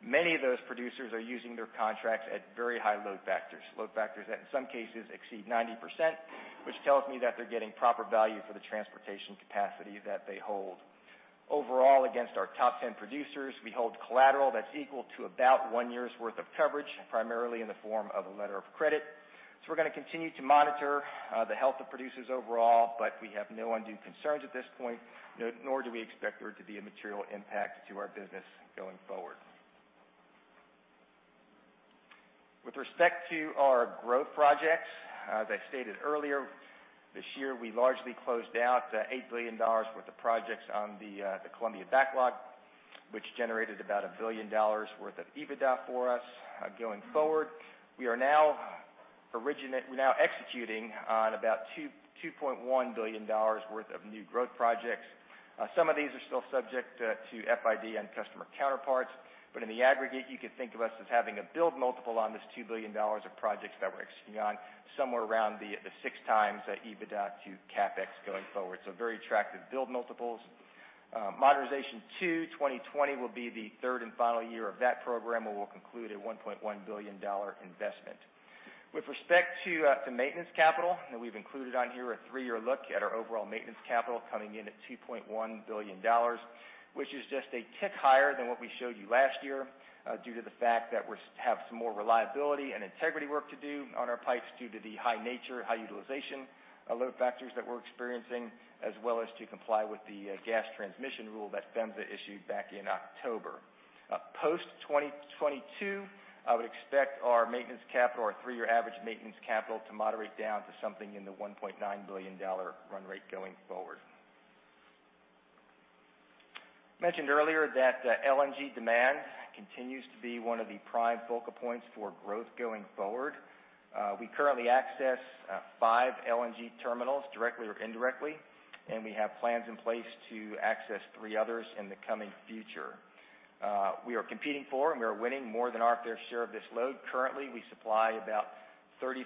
Many of those producers are using their contracts at very high load factors. Load factors that in some cases exceed 90%, which tells me that they're getting proper value for the transportation capacity that they hold. Overall, against our top 10 producers, we hold collateral that's equal to about one year's worth of coverage, primarily in the form of a letter of credit. We're going to continue to monitor the health of producers overall, but we have no undue concerns at this point, nor do we expect there to be a material impact to our business going forward. With respect to our growth projects, as I stated earlier, this year, we largely closed out 8 billion dollars worth of projects on the Columbia backlog, which generated about 1 billion dollars worth of EBITDA for us. We're now executing on about 2.1 billion dollars worth of new growth projects. Some of these are still subject to FID and customer counterparts, in the aggregate, you could think of us as having a build multiple on this 2 billion dollars of projects that we're executing on, somewhere around the 6x EBITDA to CapEx going forward. Very attractive build multiples. Modernization II, 2020 will be the third and final year of that program, where we'll conclude a 1.1 billion dollar investment. With respect to the maintenance capital that we've included on here, a three-year look at our overall maintenance capital coming in at 2.1 billion dollars, which is just a tick higher than what we showed you last year, due to the fact that we have some more reliability and integrity work to do on our pipes due to the high nature, high utilization load factors that we're experiencing, as well as to comply with the gas transmission rule that PHMSA issued back in October. Post-2022, I would expect our maintenance capital, our three-year average maintenance capital, to moderate down to something in the 1.9 billion dollar run rate going forward. Mentioned earlier that LNG demand continues to be one of the prime focal points for growth going forward. We currently access five LNG terminals directly or indirectly, and we have plans in place to access three others in the coming future. We are competing for and we are winning more than our fair share of this load. Currently, we supply about 33%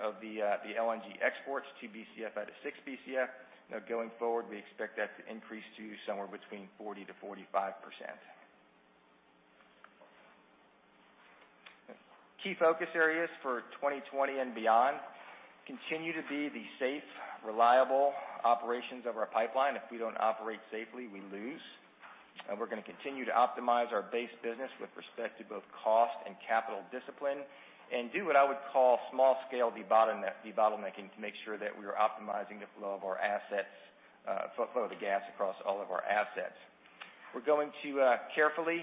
of the LNG exports, 2 Bcf out of 6 Bcf. Going forward, we expect that to increase to somewhere between 40%-45%. Key focus areas for 2020 and beyond continue to be the safe, reliable operations of our pipeline. If we don't operate safely, we lose. We're going to continue to optimize our base business with respect to both cost and capital discipline, and do what I would call small-scale debottlenecking to make sure that we are optimizing the flow of the gas across all of our assets. We're going to carefully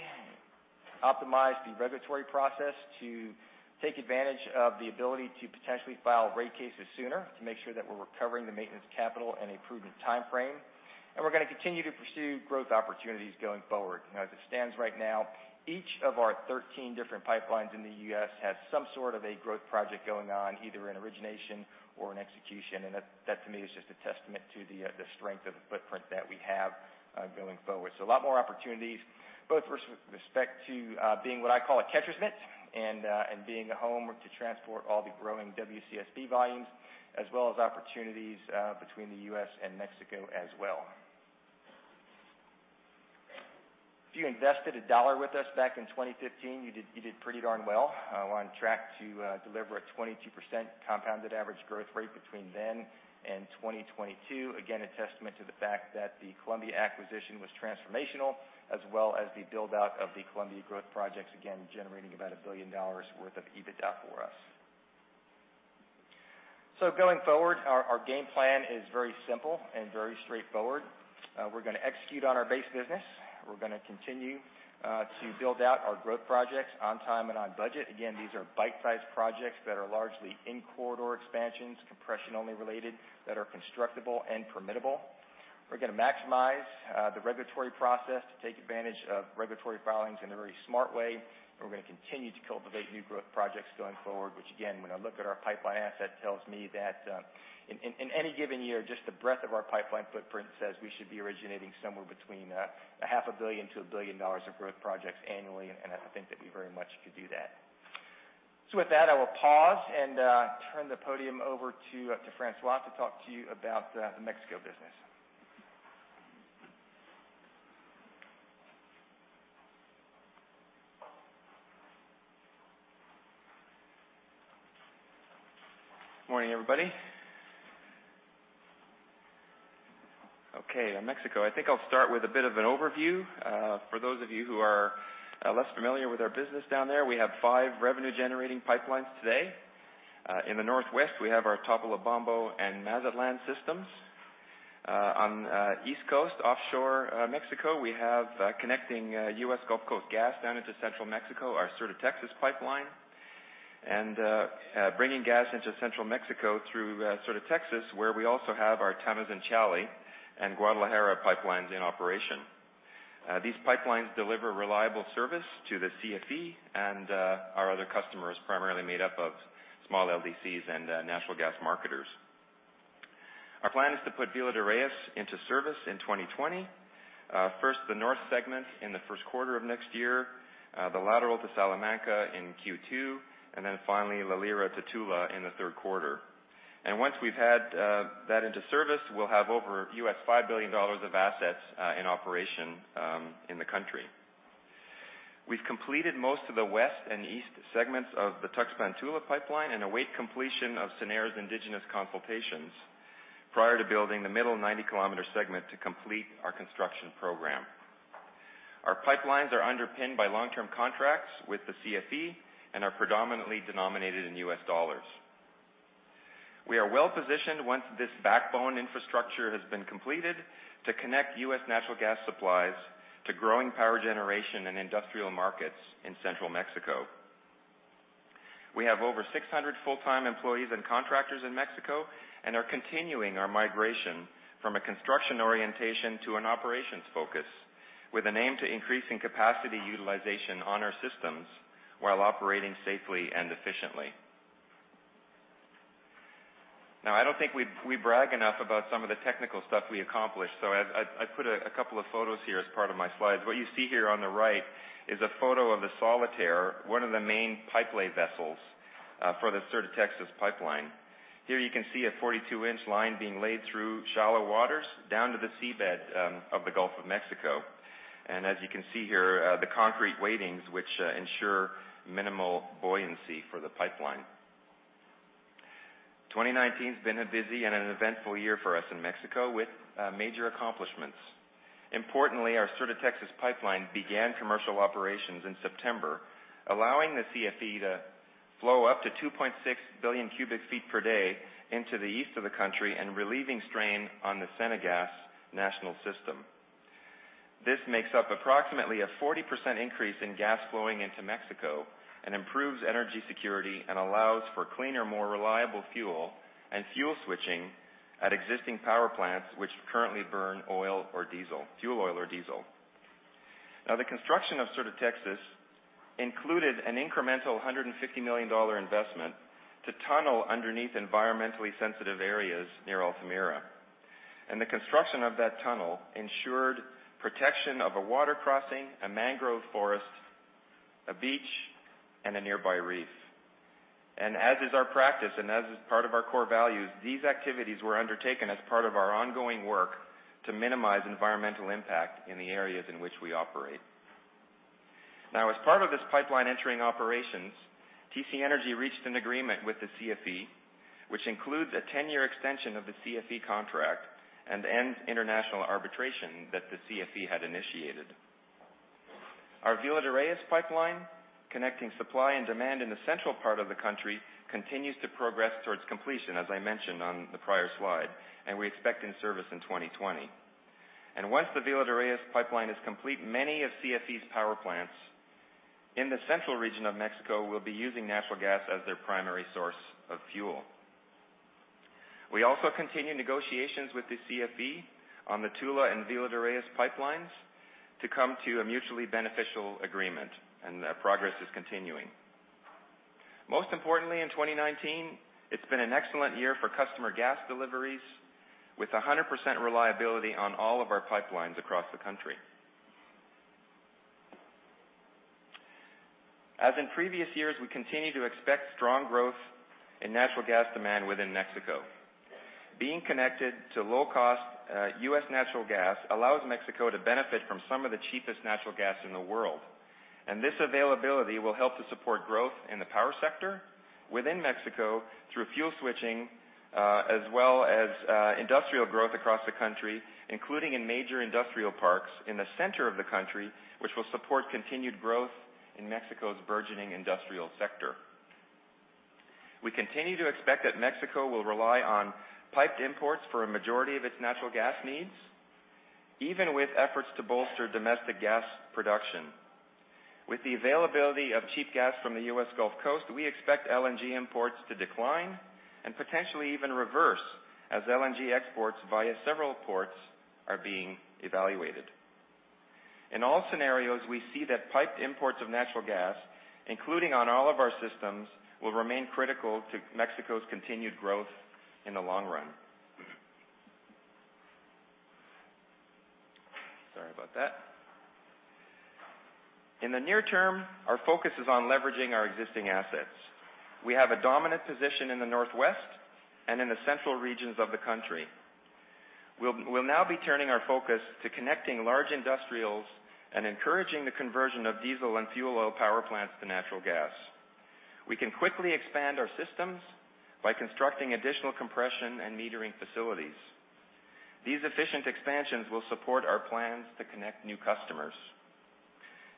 optimize the regulatory process to take advantage of the ability to potentially file rate cases sooner to make sure that we're recovering the maintenance capital in a prudent timeframe. We're going to continue to pursue growth opportunities going forward. As it stands right now, each of our 13 different pipelines in the U.S. has some sort of a growth project going on, either in origination or in execution. That, to me, is just a testament to the strength of the footprint that we have going forward. A lot more opportunities, both with respect to being what I call a catcher's mitt and being a home to transport all the growing WCSB volumes, as well as opportunities between the U.S. and Mexico as well. If you invested CAD 1 with us back in 2015, you did pretty darn well. We're on track to deliver a 22% compounded average growth rate between then and 2022. Again, a testament to the fact that the Columbia acquisition was transformational, as well as the build-out of the Columbia growth projects, again, generating about 1 billion dollars worth of EBITDA for us. Going forward, our game plan is very simple and very straightforward. We're going to execute on our base business. We're going to continue to build out our growth projects on time and on budget. Again, these are bite-sized projects that are largely in-corridor expansions, compression-only related, that are constructible and permittable. We're going to maximize the regulatory process to take advantage of regulatory filings in a very smart way. We're going to continue to cultivate new growth projects going forward, which again, when I look at our pipeline asset tells me that in any given year, just the breadth of our pipeline footprint says we should be originating somewhere between CAD half a billion to 1 billion dollars of growth projects annually, and I think that we very much could do that. With that, I will pause and turn the podium over to François to talk to you about the Mexico business. Morning, everybody. Okay, Mexico. I think I'll start with a bit of an overview. For those of you who are less familiar with our business down there, we have five revenue-generating pipelines today. In the Northwest, we have our Topolobampo and Mazatlán systems. On the East Coast, offshore Mexico, we have connecting U.S. Gulf Coast gas down into Central Mexico, our Sur de Texas pipeline, and bringing gas into Central Mexico through Sur de Texas, where we also have our Tamazunchale and Guadalajara pipelines in operation. These pipelines deliver reliable service to the CFE and our other customers, primarily made up of small LDCs and natural gas marketers. Our plan is to put Villa de Reyes into service in 2020. First the North segment in the first quarter of next year, the lateral to Salamanca in Q2, and then finally La Lira to Tula in the third quarter. Once we've had that into service, we'll have over $5 billion of assets in operation in the country. We've completed most of the west and east segments of the Tuxpan-Tula pipeline and await completion of SENER's indigenous consultations prior to building the middle 90 km segment to complete our construction program. Our pipelines are underpinned by long-term contracts with the CFE and are predominantly denominated in U.S. dollars. We are well-positioned once this backbone infrastructure has been completed to connect U.S. natural gas supplies to growing power generation and industrial markets in central Mexico. We have over 600 full-time employees and contractors in Mexico and are continuing our migration from a construction orientation to an operations focus, with an aim to increasing capacity utilization on our systems while operating safely and efficiently. I don't think we brag enough about some of the technical stuff we accomplished, I put a couple of photos here as part of my slides. What you see here on the right is a photo of the Solitaire, one of the main pipe lay vessels for the Sur de Texas pipeline. Here you can see a 42-inch line being laid through shallow waters down to the seabed of the Gulf of Mexico. As you can see here, the concrete weightings, which ensure minimal buoyancy for the pipeline. 2019's been a busy and an eventful year for us in Mexico with major accomplishments. Importantly, our Sur de Texas pipeline began commercial operations in September, allowing the CFE to flow up to 2.6 billion cubic feet per day into the east of the country and relieving strain on the CENAGAS national system. This makes up approximately a 40% increase in gas flowing into Mexico and improves energy security and allows for cleaner, more reliable fuel and fuel switching at existing power plants which currently burn oil or diesel, fuel oil or diesel. The construction of Sur de Texas included an incremental $150 million investment to tunnel underneath environmentally sensitive areas near Altamira. The construction of that tunnel ensured protection of a water crossing, a mangrove forest, a beach, and a nearby reef. As is our practice, and as is part of our core values, these activities were undertaken as part of our ongoing work to minimize environmental impact in the areas in which we operate. As part of this pipeline entering operations, TC Energy reached an agreement with the CFE, which includes a 10-year extension of the CFE contract and ends international arbitration that the CFE had initiated. Our Villa de Reyes pipeline connecting supply and demand in the central part of the country continues to progress towards completion, as I mentioned on the prior slide. We expect in service in 2020. Once the Villa de Reyes pipeline is complete, many of CFE's power plants in the central region of Mexico will be using natural gas as their primary source of fuel. We also continue negotiations with the CFE on the Tula and Villa de Reyes pipelines to come to a mutually beneficial agreement, and progress is continuing. Most importantly, in 2019, it's been an excellent year for customer gas deliveries, with 100% reliability on all of our pipelines across the country. As in previous years, we continue to expect strong growth in natural gas demand within Mexico. Being connected to low-cost U.S. natural gas allows Mexico to benefit from some of the cheapest natural gas in the world. This availability will help to support growth in the power sector within Mexico through fuel switching, as well as industrial growth across the country, including in major industrial parks in the center of the country, which will support continued growth in Mexico's burgeoning industrial sector. We continue to expect that Mexico will rely on piped imports for a majority of its natural gas needs, even with efforts to bolster domestic gas production. With the availability of cheap gas from the U.S. Gulf Coast, we expect LNG imports to decline and potentially even reverse as LNG exports via several ports are being evaluated. In all scenarios, we see that piped imports of natural gas, including on all of our systems, will remain critical to Mexico's continued growth in the long run. Sorry about that. In the near term, our focus is on leveraging our existing assets. We have a dominant position in the northwest and in the central regions of the country. We will now be turning our focus to connecting large industrials and encouraging the conversion of diesel and fuel oil power plants to natural gas. We can quickly expand our systems by constructing additional compression and metering facilities. These efficient expansions will support our plans to connect new customers.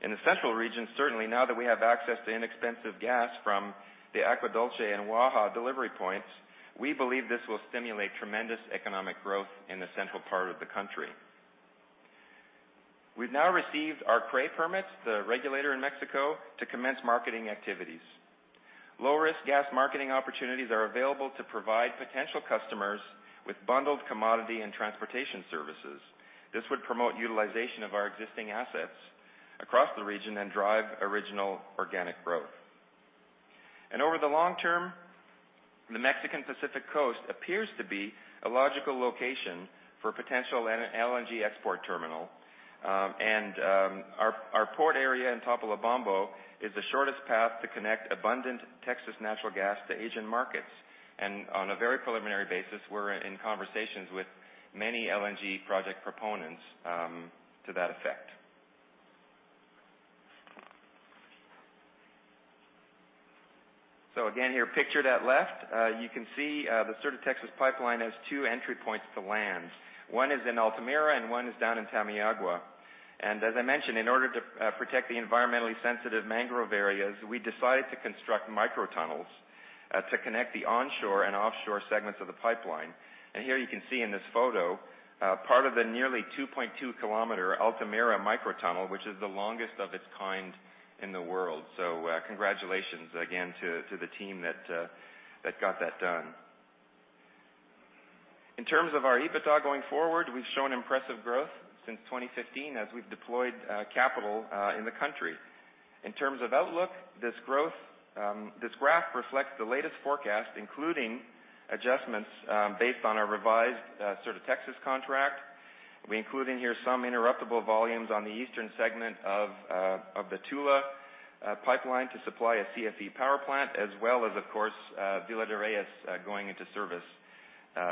In the central region, certainly now that we have access to inexpensive gas from the Agua Dulce and Waha delivery points, we believe this will stimulate tremendous economic growth in the central part of the country. We've now received our CRE permits, the regulator in Mexico, to commence marketing activities. Low-risk gas marketing opportunities are available to provide potential customers with bundled commodity and transportation services. This would promote utilization of our existing assets across the region and drive original organic growth. Over the long term, the Mexican Pacific Coast appears to be a logical location for a potential LNG export terminal. Our port area in Topolobampo is the shortest path to connect abundant Texas natural gas to Asian markets. On a very preliminary basis, we're in conversations with many LNG project proponents to that effect. Again, here pictured at left, you can see the Sur de Texas pipeline has two entry points to land. One is in Altamira and one is down in Tamiahua. As I mentioned, in order to protect the environmentally sensitive mangrove areas, we decided to construct micro tunnels to connect the onshore and offshore segments of the pipeline. Here you can see in this photo, part of the nearly 2.2 km Altamira micro tunnel, which is the longest of its kind in the world. Congratulations again to the team that got that done. In terms of our EBITDA going forward, we've shown impressive growth since 2015 as we've deployed capital in the country. In terms of outlook, this graph reflects the latest forecast, including adjustments based on our revised Sur de Texas contract. We include in here some interruptible volumes on the eastern segment of the Tula pipeline to supply a CFE power plant, as well as, of course, Villa de Reyes going into service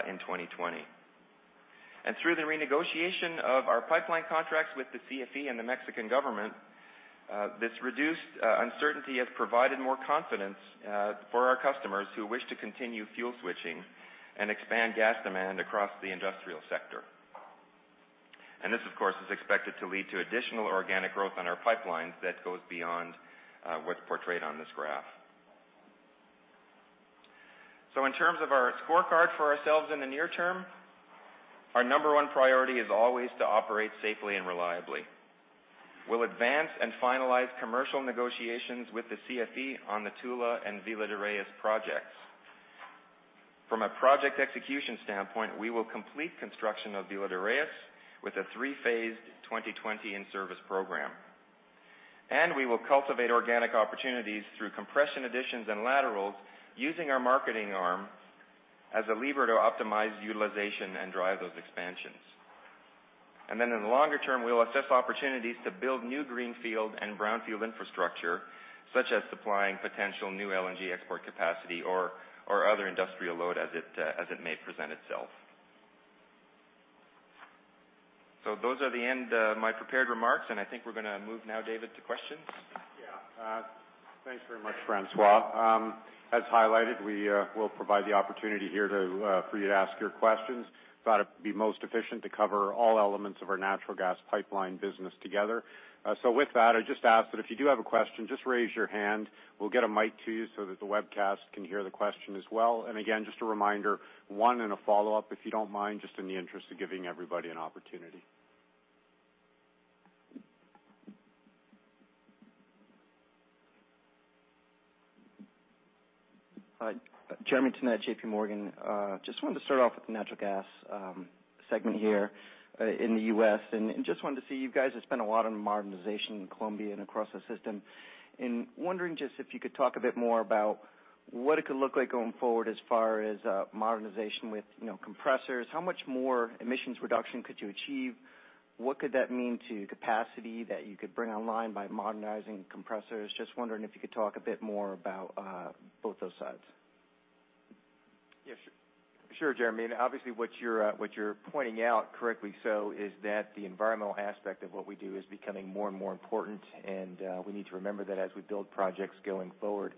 in 2020. Through the renegotiation of our pipeline contracts with the CFE and the Mexican government, this reduced uncertainty has provided more confidence for our customers who wish to continue fuel switching and expand gas demand across the industrial sector. This, of course, is expected to lead to additional organic growth on our pipelines that goes beyond what's portrayed on this graph. In terms of our scorecard for ourselves in the near term, our number one priority is always to operate safely and reliably. We'll advance and finalize commercial negotiations with the CFE on the Tula and Villa de Reyes projects. From a project execution standpoint, we will complete construction of Villa de Reyes with a three-phased 2020 in-service program. We will cultivate organic opportunities through compression additions and laterals using our marketing arm as a lever to optimize utilization and drive those expansions. Then in the longer term, we'll assess opportunities to build new greenfield and brownfield infrastructure, such as supplying potential new LNG export capacity or other industrial load as it may present itself. Those are the end of my prepared remarks, and I think we're going to move now, David, to questions. Thanks very much, François. As highlighted, we will provide the opportunity here for you to ask your questions. We thought it'd be most efficient to cover all elements of our natural gas pipeline business together. With that, I just ask that if you do have a question, just raise your hand. We'll get a mic to you so that the webcast can hear the question as well. Again, just a reminder, one and a follow-up, if you don't mind, just in the interest of giving everybody an opportunity. Hi. Jeremy Tonet, JPMorgan. Just wanted to start off with the natural gas segment here in the U.S., and just wanted to see, you guys have spent a lot on modernization in Columbia and across the system, and wondering just if you could talk a bit more about what it could look like going forward as far as modernization with compressors. How much more emissions reduction could you achieve? What could that mean to capacity that you could bring online by modernizing compressors? Just wondering if you could talk a bit more about both those sides. Yeah, sure, Jeremy. Obviously, what you're pointing out, correctly so, is that the environmental aspect of what we do is becoming more and more important, and we need to remember that as we build projects going forward.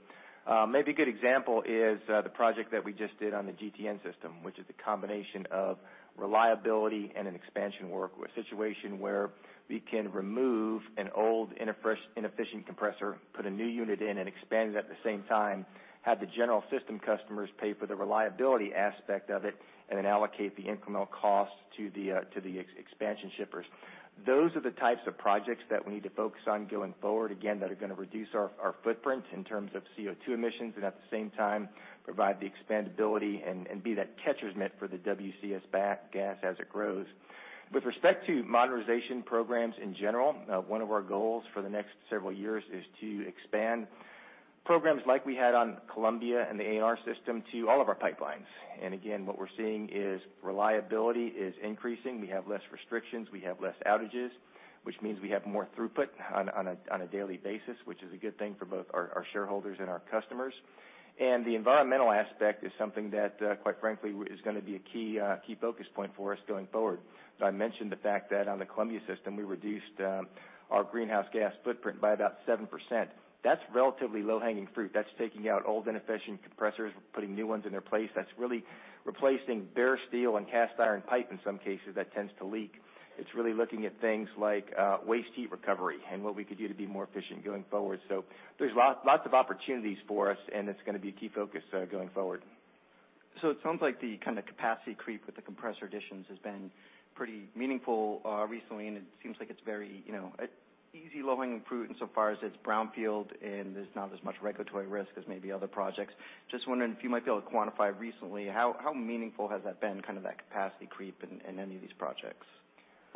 Maybe a good example is the project that we just did on the GTN system, which is a combination of reliability and an expansion work. A situation where we can remove an old inefficient compressor, put a new unit in, and expand it at the same time, have the general system customers pay for the reliability aspect of it, and then allocate the incremental cost to the expansion shippers. Those are the types of projects that we need to focus on going forward, again, that are going to reduce our footprint in terms of CO2 emissions, and at the same time, provide the expandability and be that catcher's mitt for the WCS back gas as it grows. With respect to modernization programs in general, one of our goals for the next several years is to expand programs like we had on Columbia and the ANR system to all of our pipelines. Again, what we're seeing is reliability is increasing. We have less restrictions. We have less outages, which means we have more throughput on a daily basis, which is a good thing for both our shareholders and our customers. The environmental aspect is something that, quite frankly, is going to be a key focus point for us going forward. I mentioned the fact that on the Columbia system, we reduced our greenhouse gas footprint by about 7%. That's relatively low-hanging fruit. That's taking out old inefficient compressors, putting new ones in their place. That's really replacing bare steel and cast iron pipe, in some cases, that tends to leak. It's really looking at things like waste heat recovery and what we could do to be more efficient going forward. There's lots of opportunities for us, and it's going to be a key focus going forward. It sounds like the capacity creep with the compressor additions has been pretty meaningful recently, and it seems like it's very easy low-hanging fruit in so far as it's brownfield and there's not as much regulatory risk as maybe other projects. Just wondering if you might be able to quantify recently how meaningful has that been, that capacity creep in any of these projects?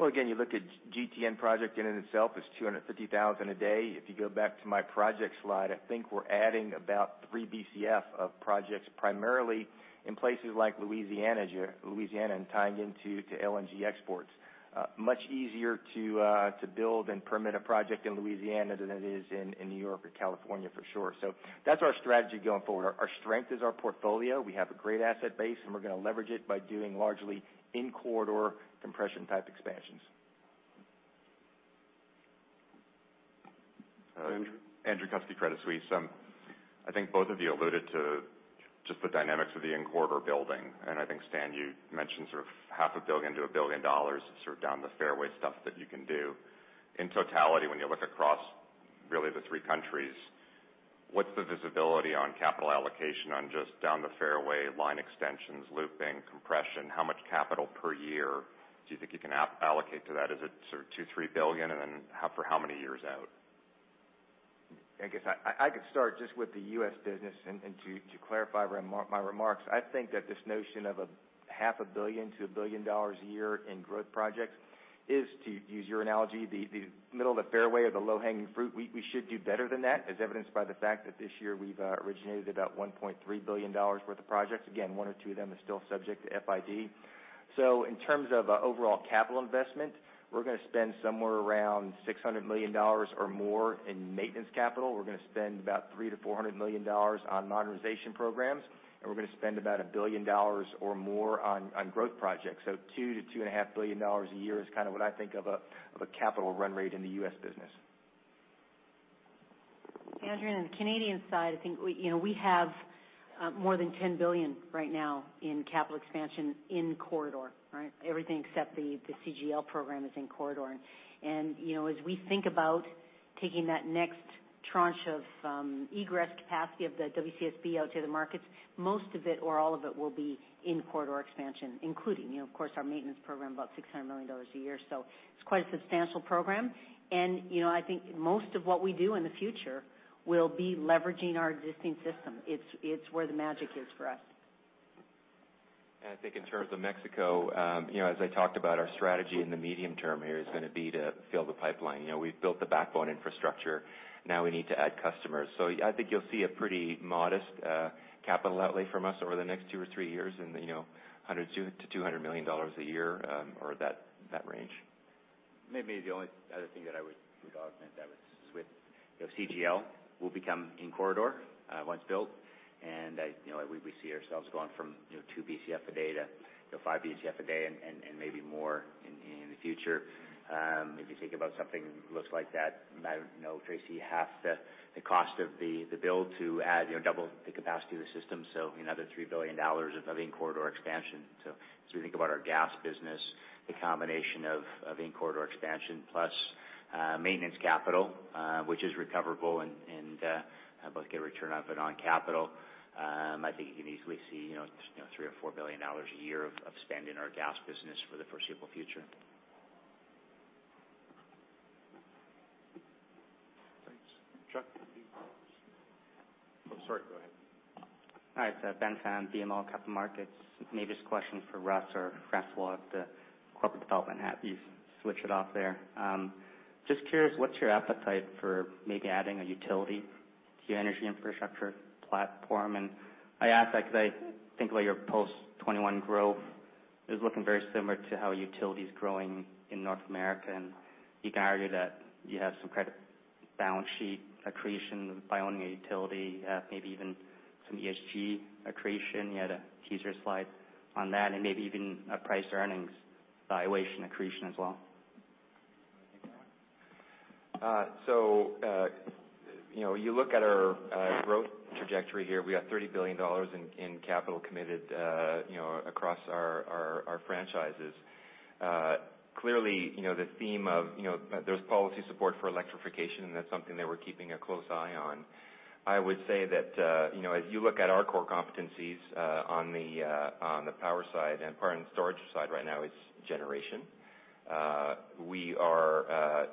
Again, you look at GTN project in and itself, it's 250,000 a day. If you go back to my project slide, I think we're adding about 3 Bcf of projects, primarily in places like Louisiana and tying into LNG exports. Much easier to build and permit a project in Louisiana than it is in New York or California, for sure. That's our strategy going forward. Our strength is our portfolio. We have a great asset base, and we're going to leverage it by doing largely in-corridor compression-type expansions. Andrew? Andrew Kuske, Credit Suisse. I think both of you alluded to just the dynamics of the in-corridor building, and I think, Stan, you mentioned sort of half a billion dollars to CAD 1 billion sort of down the fairway stuff that you can do. In totality, when you look across really the three countries, what's the visibility on capital allocation on just down the fairway line extensions, looping, compression? How much capital per year do you think you can allocate to that? Is it sort of 2 billion-3 billion, and then for how many years out? I guess I could start just with the U.S. business and to clarify my remarks. I think that this notion of a half a billion CAD to 1 billion dollars a year in growth projects is, to use your analogy, the middle of the fairway or the low-hanging fruit. We should do better than that, as evidenced by the fact that this year we've originated about 1.3 billion dollars worth of projects. Again, one or two of them are still subject to FID. In terms of overall capital investment, we're going to spend somewhere around 600 million dollars or more in maintenance capital. We're going to spend about 300 million-400 million dollars on modernization programs, and we're going to spend about 1 billion dollars or more on growth projects. 2 billion-2.5 billion dollars a year is kind of what I think of a capital run rate in the U.S. business. Andrew, on the Canadian side, I think we have more than 10 billion right now in capital expansion in corridor. Everything except the CGL program is in corridor. As we think about taking that next tranche of egress capacity of the WCSB out to the markets, most of it or all of it will be in corridor expansion, including of course our maintenance program, about 600 million dollars a year. It's quite a substantial program, and I think most of what we do in the future will be leveraging our existing system. It's where the magic is for us. I think in terms of Mexico, as I talked about our strategy in the medium term here is going to be to fill the pipeline. We've built the backbone infrastructure. Now we need to add customers. I think you'll see a pretty modest capital outlay from us over the next two or three years in the 100 million-200 million dollars a year or that range. Maybe the only other thing that I would augment that with is CGL will become InCorridor once built. We see ourselves going from 2 Bcf a day to 5 Bcf a day and maybe more in the future. If you think about something that looks like that, I know Tracy has the cost of the build to add, double the capacity of the system, so another 3 billion dollars of InCorridor expansion. As we think about our gas business, the combination of InCorridor expansion plus maintenance capital, which is recoverable and both get a return on capital, I think you can easily see 3 billion or 4 billion dollars a year of spend in our gas business for the foreseeable future. Thanks. Chuck? Oh, sorry, go ahead. Hi, it's Ben Pham, BMO Capital Markets. Maybe this question is for Russ or François if the corporate development hat, you switch it off there. Just curious, what's your appetite for maybe adding a utility to your energy infrastructure platform? I ask that because I think about your post-2021 growth is looking very similar to how utility is growing in North America, and you can argue that you have some credit balance sheet accretion by owning a utility, maybe even some ESG accretion. You had a teaser slide on that, maybe even a price-earnings valuation accretion as well. You look at our growth trajectory here. We have 30 billion dollars in capital committed across our franchises. Clearly, the theme of there's policy support for electrification, and that's something that we're keeping a close eye on. I would say that, as you look at our core competencies on the power side and power and storage side right now is generation. We are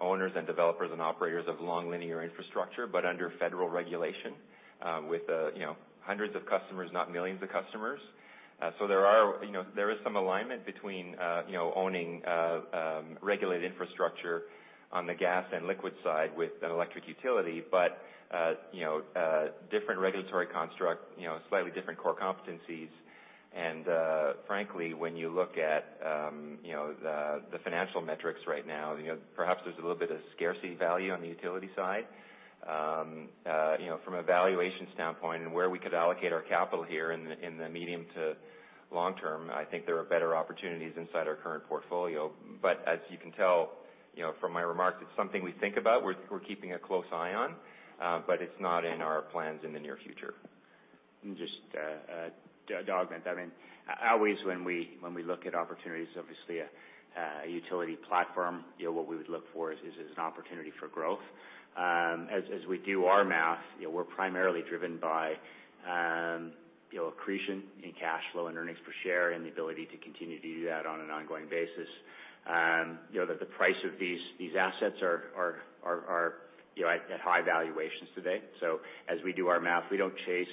owners and developers and operators of long linear infrastructure, but under federal regulation with hundreds of customers, not millions of customers. There is some alignment between owning regulated infrastructure on the gas and liquid side with an electric utility, but different regulatory construct, slightly different core competencies. Frankly, when you look at the financial metrics right now, perhaps there's a little bit of scarcity value on the utility side. From a valuation standpoint and where we could allocate our capital here in the medium to long term, I think there are better opportunities inside our current portfolio. As you can tell from my remarks, it's something we think about, we're keeping a close eye on, but it's not in our plans in the near future. Just to augment, always when we look at opportunities, obviously a utility platform, what we would look for is an opportunity for growth. As we do our math, we're primarily driven by accretion in cash flow and earnings per share and the ability to continue to do that on an ongoing basis. The price of these assets are at high valuations today. As we do our math, we don't chase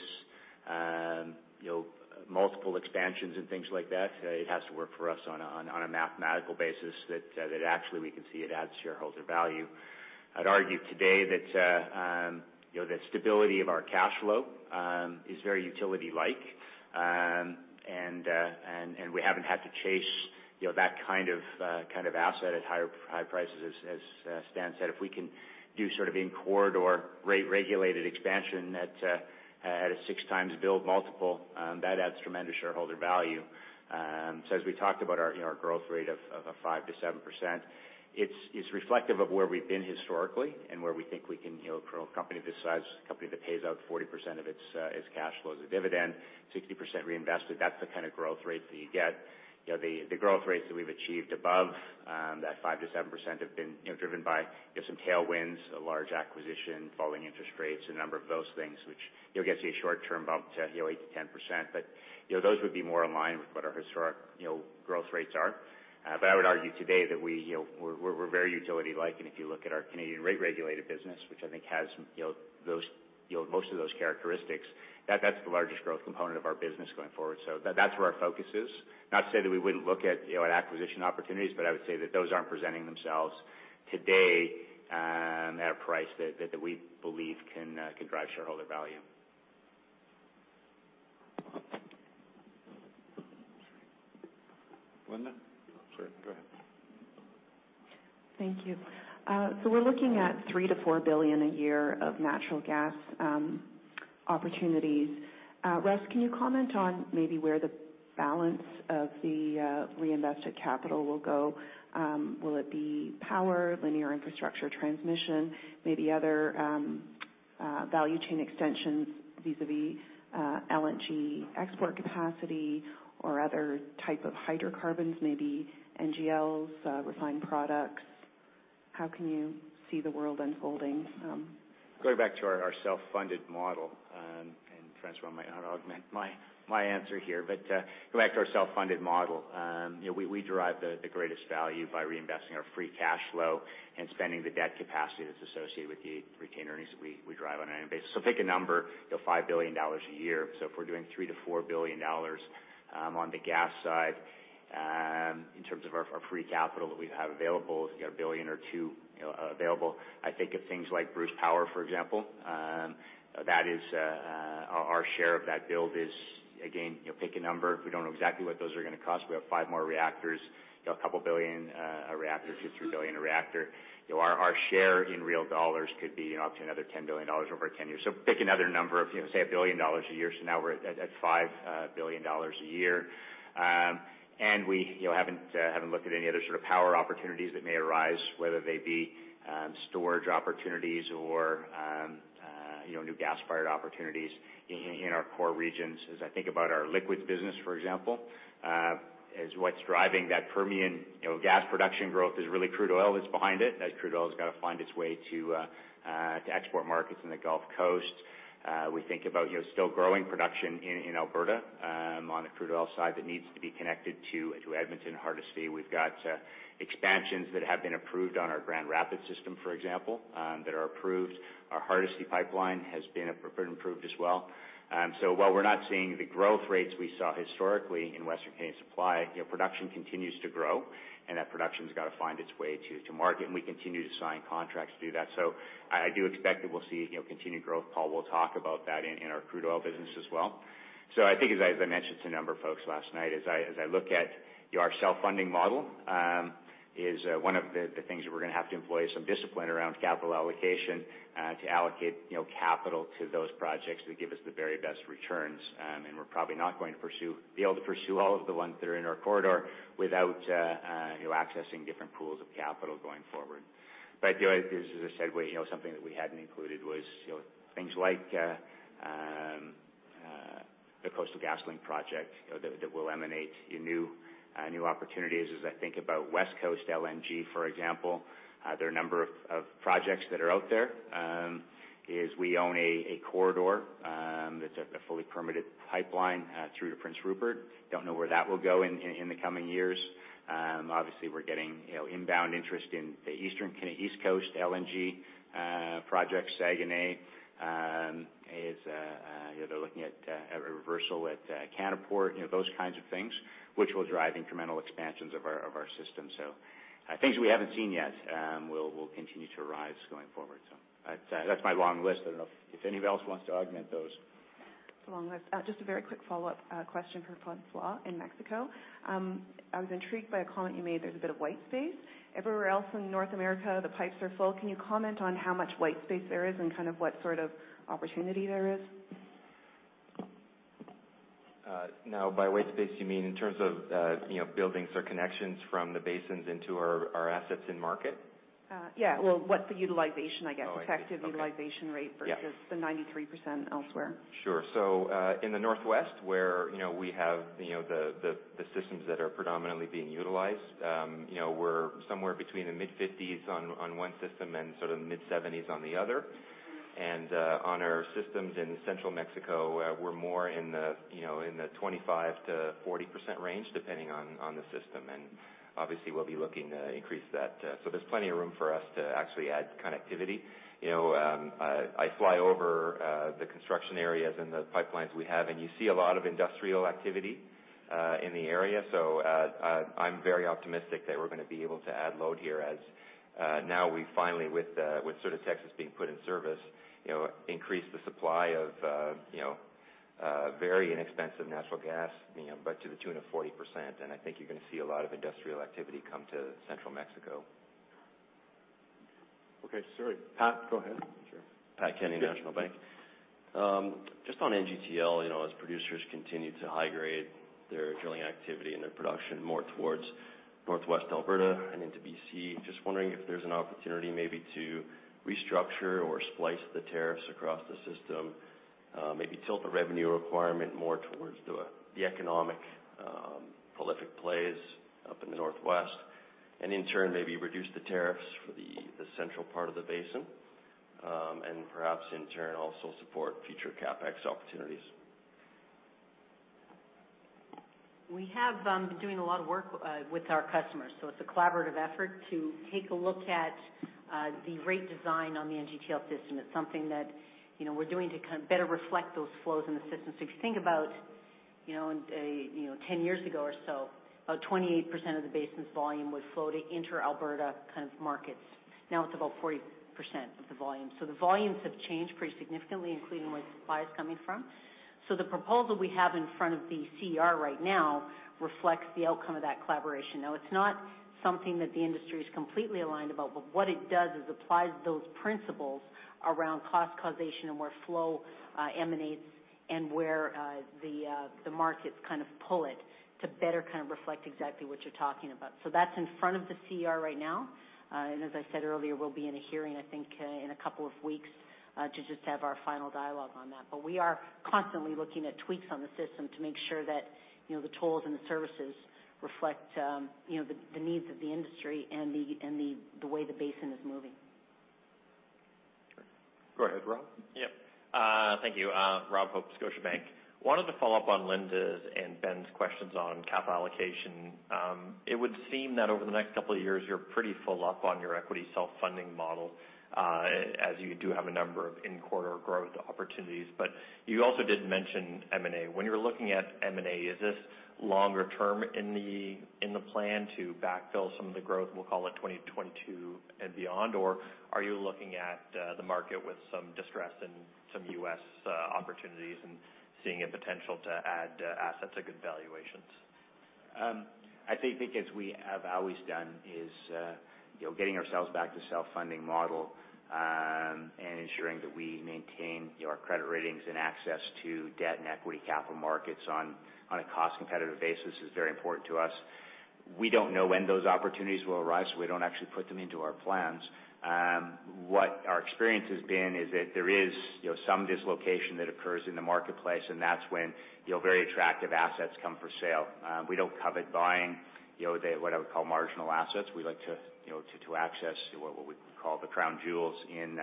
multiple expansions and things like that. It has to work for us on a mathematical basis that actually we can see it adds shareholder value. I'd argue today that the stability of our cash flow is very utility-like. We haven't had to chase that kind of asset at high prices. As Stan said, if we can do sort of InCorridor rate-regulated expansion at a 6x build multiple, that adds tremendous shareholder value. As we talked about our growth rate of 5%-7%, it's reflective of where we've been historically and where we think we can, for a company this size, a company that pays out 40% of its cash flow as a dividend, 60% reinvested, that's the kind of growth rate that you get. The growth rates that we've achieved above that 5%-7% have been driven by some tailwinds, a large acquisition, falling interest rates, a number of those things, which gets you a short-term bump to 8%-10%. Those would be more in line with what our historic growth rates are. I would argue today that we're very utility-like, and if you look at our Canadian rate-regulated business, which I think has most of those characteristics, that's the largest growth component of our business going forward. That's where our focus is. Not to say that we wouldn't look at acquisition opportunities, but I would say that those aren't presenting themselves today at a price that we believe can drive shareholder value. Linda? Sorry, go ahead. Thank you. We're looking at 3 billion-4 billion a year of natural gas opportunities. Russ, can you comment on maybe where the balance of the reinvested capital will go? Will it be power, linear infrastructure, transmission, maybe other value chain extensions vis-à-vis LNG export capacity or other type of hydrocarbons, maybe NGLs, refined products? How can you see the world unfolding? Going back to our self-funded model, and François might want to augment my answer here, but going back to our self-funded model, we derive the greatest value by reinvesting our free cash flow and spending the debt capacity that's associated with the retained earnings that we derive on an annual basis. Pick a number, 5 billion dollars a year. If we're doing 3 billion-4 billion dollars on the gas side in terms of our free capital that we have available. A 1 billion or 2 billion available. I think of things like Bruce Power, for example. Our share of that build is, again, pick a number, we don't know exactly what those are going to cost. We have five more reactors, a couple billion a reactor, 2 billion, 3 billion a reactor. Our share in real dollars could be up to another 10 billion dollars over 10 years. Pick another number of, say, 1 billion dollars a year. Now we're at 5 billion dollars a year. We haven't looked at any other sort of power opportunities that may arise, whether they be storage opportunities or new gas-fired opportunities in our core regions. I think about our liquids business, for example, as what's driving that Permian gas production growth is really crude oil that's behind it. That crude oil's got to find its way to export markets in the Gulf Coast. We think about still growing production in Alberta on the crude oil side that needs to be connected to Edmonton and Hardisty. We've got expansions that have been approved on our Grand Rapids System, for example, that are approved. Our Heartland Pipeline has been approved as well. While we're not seeing the growth rates we saw historically in Western Canadian supply, production continues to grow, and that production's got to find its way to market, and we continue to sign contracts to do that. I do expect that we'll see continued growth, Paul. We'll talk about that in our crude oil business as well. I think, as I mentioned to a number of folks last night, as I look at our self-funding model, is one of the things that we're going to have to employ some discipline around capital allocation to allocate capital to those projects that give us the very best returns. We're probably not going to be able to pursue all of the ones that are in our corridor without accessing different pools of capital going forward. This is a segue. Something that we hadn't included was things like the Coastal GasLink project that will emanate new opportunities. As I think about West Coast LNG, for example, there are a number of projects that are out there, is we own a corridor that's a fully permitted pipeline through to Prince Rupert. Don't know where that will go in the coming years. Obviously, we're getting inbound interest in the Eastern Canadian, East Coast LNG project, Saguenay. They're looking at a reversal at Canaport, those kinds of things, which will drive incremental expansions of our system. Things we haven't seen yet will continue to arise going forward. That's my long list. I don't know if anybody else wants to augment those. It's a long list. Just a very quick follow-up question for François in Mexico. I was intrigued by a comment you made, there's a bit of white space. Everywhere else in North America, the pipes are full. Can you comment on how much white space there is and what sort of opportunity there is? By white space, you mean in terms of buildings or connections from the basins into our assets in-market? Yeah. Well, what's the utilization, I guess. Oh, I see. Okay. Effective utilization rate. Yeah versus the 93% elsewhere. Sure. In the Northwest, where we have the systems that are predominantly being utilized, we're somewhere between the mid-50s on one system and mid-70s on the other. On our systems in Central Mexico, we're more in the 25%-40% range, depending on the system. Obviously, we'll be looking to increase that. There's plenty of room for us to actually add connectivity. I fly over the construction areas and the pipelines we have, and you see a lot of industrial activity in the area. I'm very optimistic that we're going to be able to add load here as now we finally, with Sur de Texas being put in service, increase the supply of very inexpensive natural gas, but to the tune of 40%. I think you're going to see a lot of industrial activity come to Central Mexico. Okay, sorry. Pat, go ahead. Sure. Pat Kenny, National Bank. Just on NGTL, as producers continue to high-grade their drilling activity and their production more towards Northwest Alberta and into B.C. Just wondering if there's an opportunity maybe to restructure or splice the tariffs across the system, maybe tilt the revenue requirement more towards the economic prolific plays up in the northwest, and in turn, maybe reduce the tariffs for the central part of the basin, and perhaps in turn, also support future CapEx opportunities? We have been doing a lot of work with our customers, so it's a collaborative effort to take a look at the rate design on the NGTL system. It's something that we're doing to better reflect those flows in the system. If you think about 10 years ago or so, about 28% of the basin's volume was flowing into Alberta markets. Now it's about 40% of the volume. The volumes have changed pretty significantly, including where supply is coming from. The proposal we have in front of the CER right now reflects the outcome of that collaboration. Now, it's not something that the industry is completely aligned about, but what it does is applies those principles around cost causation and where flow emanates and where the markets pull it to better reflect exactly what you're talking about. That's in front of the CER right now. As I said earlier, we'll be in a hearing, I think, in a couple of weeks to just have our final dialogue on that. We are constantly looking at tweaks on the system to make sure that the tolls and the services reflect the needs of the industry and the way the basin is moving. Sure. Go ahead, Rob. Yep. Thank you. Rob Hope, Scotiabank. Wanted to follow up on Linda's and Ben's questions on capital allocation. It would seem that over the next couple of years, you're pretty full up equity self-funding model, as you do have a number of in-quarter growth opportunities. You also did mention M&A. When you're looking at M&A, is this longer term in the plan to backfill some of the growth, we'll call it 2022 and beyond, or are you looking at the market with some distress in some U.S. opportunities and seeing a potential to add assets at good valuations? I think as we have always done is getting ourselves back to self-funding model, and ensuring that we maintain our credit ratings and access to debt and equity capital markets on a cost-competitive basis is very important to us. We don't know when those opportunities will arise, so we don't actually put them into our plans. What our experience has been is that there is some dislocation that occurs in the marketplace, and that's when very attractive assets come for sale. We don't covet buying what I would call marginal assets. We like to access what we call the crown jewels in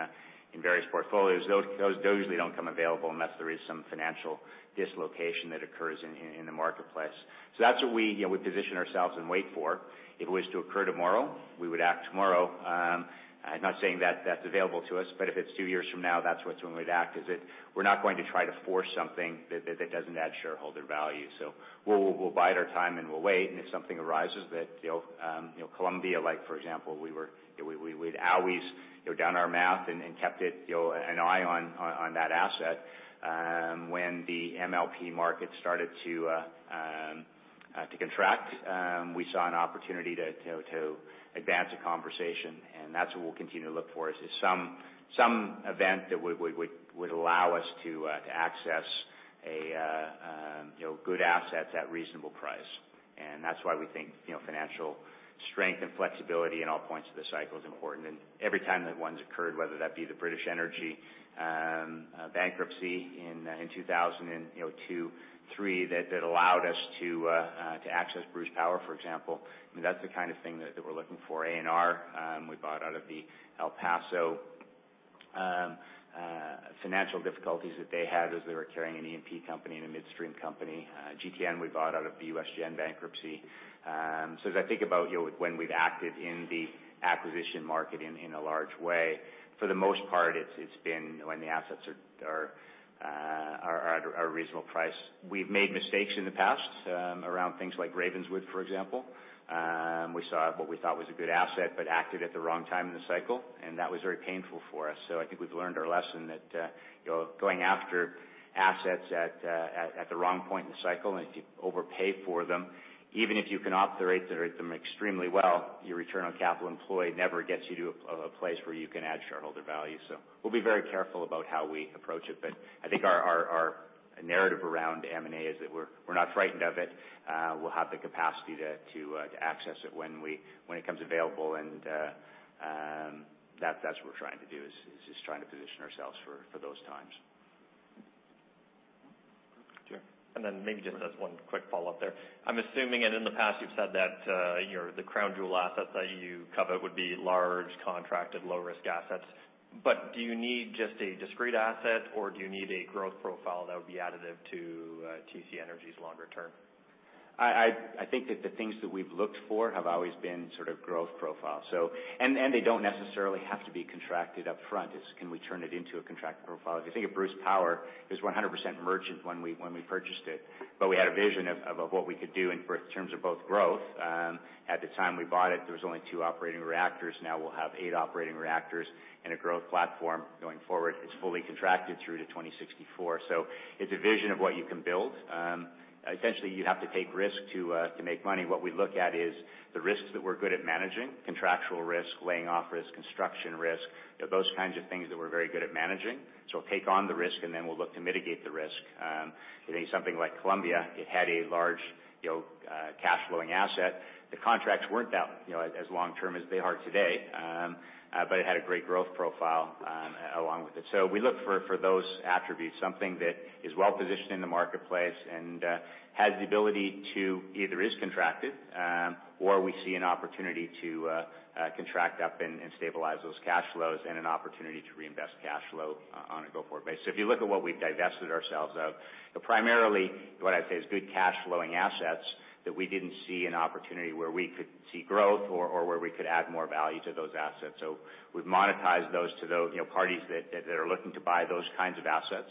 various portfolios. Those usually don't come available unless there is some financial dislocation that occurs in the marketplace. That's what we position ourselves and wait for. If it was to occur tomorrow, we would act tomorrow. I'm not saying that's available to us, but if it's two years from now, that's when we would act. We're not going to try to force something that doesn't add shareholder value. We'll bide our time, we'll wait, if something arises that Columbia, for example, we'd always had our eye on and kept an eye on that asset. When the MLP market started to contract, we saw an opportunity to advance a conversation, that's what we'll continue to look for, is some event that would allow us to access a good asset at reasonable price. That's why we think financial strength and flexibility in all points of the cycle is important. Every time that one's occurred, whether that be the British Energy bankruptcy in 2002, 2003, that allowed us to access Bruce Power, for example. That's the kind of thing that we're looking for. ANR, we bought out of the El Paso financial difficulties that they had as they were carrying an E&P company and a midstream company. GTN, we bought out of the USGen bankruptcy. As I think about when we've acted in the acquisition market in a large way, for the most part, it's been when the assets are at a reasonable price. We've made mistakes in the past, around things like Ravenswood, for example. We saw what we thought was a good asset, but acted at the wrong time in the cycle, and that was very painful for us. I think we've learned our lesson that going after assets at the wrong point in the cycle, and if you overpay for them, even if you can operate them extremely well, your return on capital employed never gets you to a place where you can add shareholder value. We'll be very careful about how we approach it. I think our narrative around M&A is that we're not frightened of it. We'll have the capacity to access it when it comes available, and that's what we're trying to do, is just trying to position ourselves for those times. Then maybe just as one quick follow-up there. I'm assuming, and in the past you've said that, the crown jewel assets that you covet would be large contracted low-risk assets. Do you need just a discrete asset or do you need a growth profile that would be additive to TC Energy's longer term? I think that the things that we've looked for have always been sort of growth profile. They don't necessarily have to be contracted upfront. It's can we turn it into a contracted profile? If you think of Bruce Power, it was 100% merchant when we purchased it, but we had a vision of what we could do in terms of both growth. At the time we bought it, there was only two operating reactors. Now we'll have eight operating reactors and a growth platform going forward. It's fully contracted through to 2064. It's a vision of what you can build. Essentially, you have to take risk to make money. What we look at is the risks that we're good at managing, contractual risk, laying off risk, construction risk, those kinds of things that we're very good at managing. We'll take on the risk, and then we'll look to mitigate the risk. If it is something like Columbia, it had a large cash flowing asset. The contracts weren't as long-term as they are today. It had a great growth profile along with it. We look for those attributes, something that is well-positioned in the marketplace and has the ability to either is contracted, or we see an opportunity to contract up and stabilize those cash flows and an opportunity to reinvest cash flow on a go-forward basis. If you look at what we've divested ourselves of, primarily what I'd say is good cash flowing assets that we didn't see an opportunity where we could see growth or where we could add more value to those assets. We've monetized those to parties that are looking to buy those kinds of assets.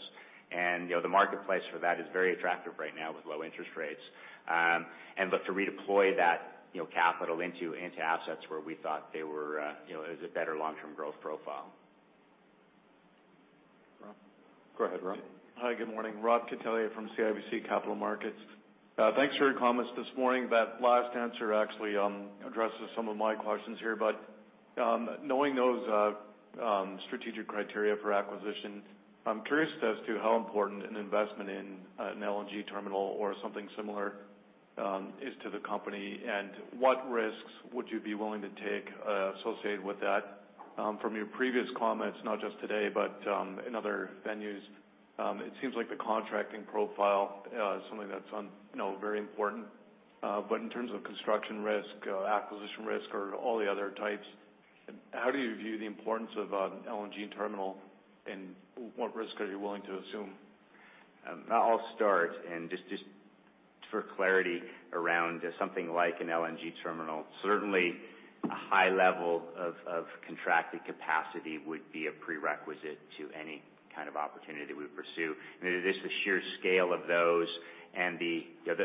The marketplace for that is very attractive right now with low interest rates. Look to redeploy that capital into assets where we thought there was a better long-term growth profile. Rob. Go ahead, Rob. Hi, good morning. Rob Catellier from CIBC Capital Markets. Thanks for your comments this morning. That last answer actually addresses some of my questions here. Knowing those strategic criteria for acquisition, I'm curious as to how important an investment in an LNG terminal or something similar is to the company, and what risks would you be willing to take associated with that? From your previous comments, not just today, but in other venues, it seems like the contracting profile is something that's very important. In terms of construction risk, acquisition risk, or all the other types, how do you view the importance of an LNG terminal, and what risk are you willing to assume? I'll start. For clarity around something like an LNG terminal. Certainly, a high level of contracted capacity would be a prerequisite to any kind of opportunity we pursue. Just the sheer scale of those, and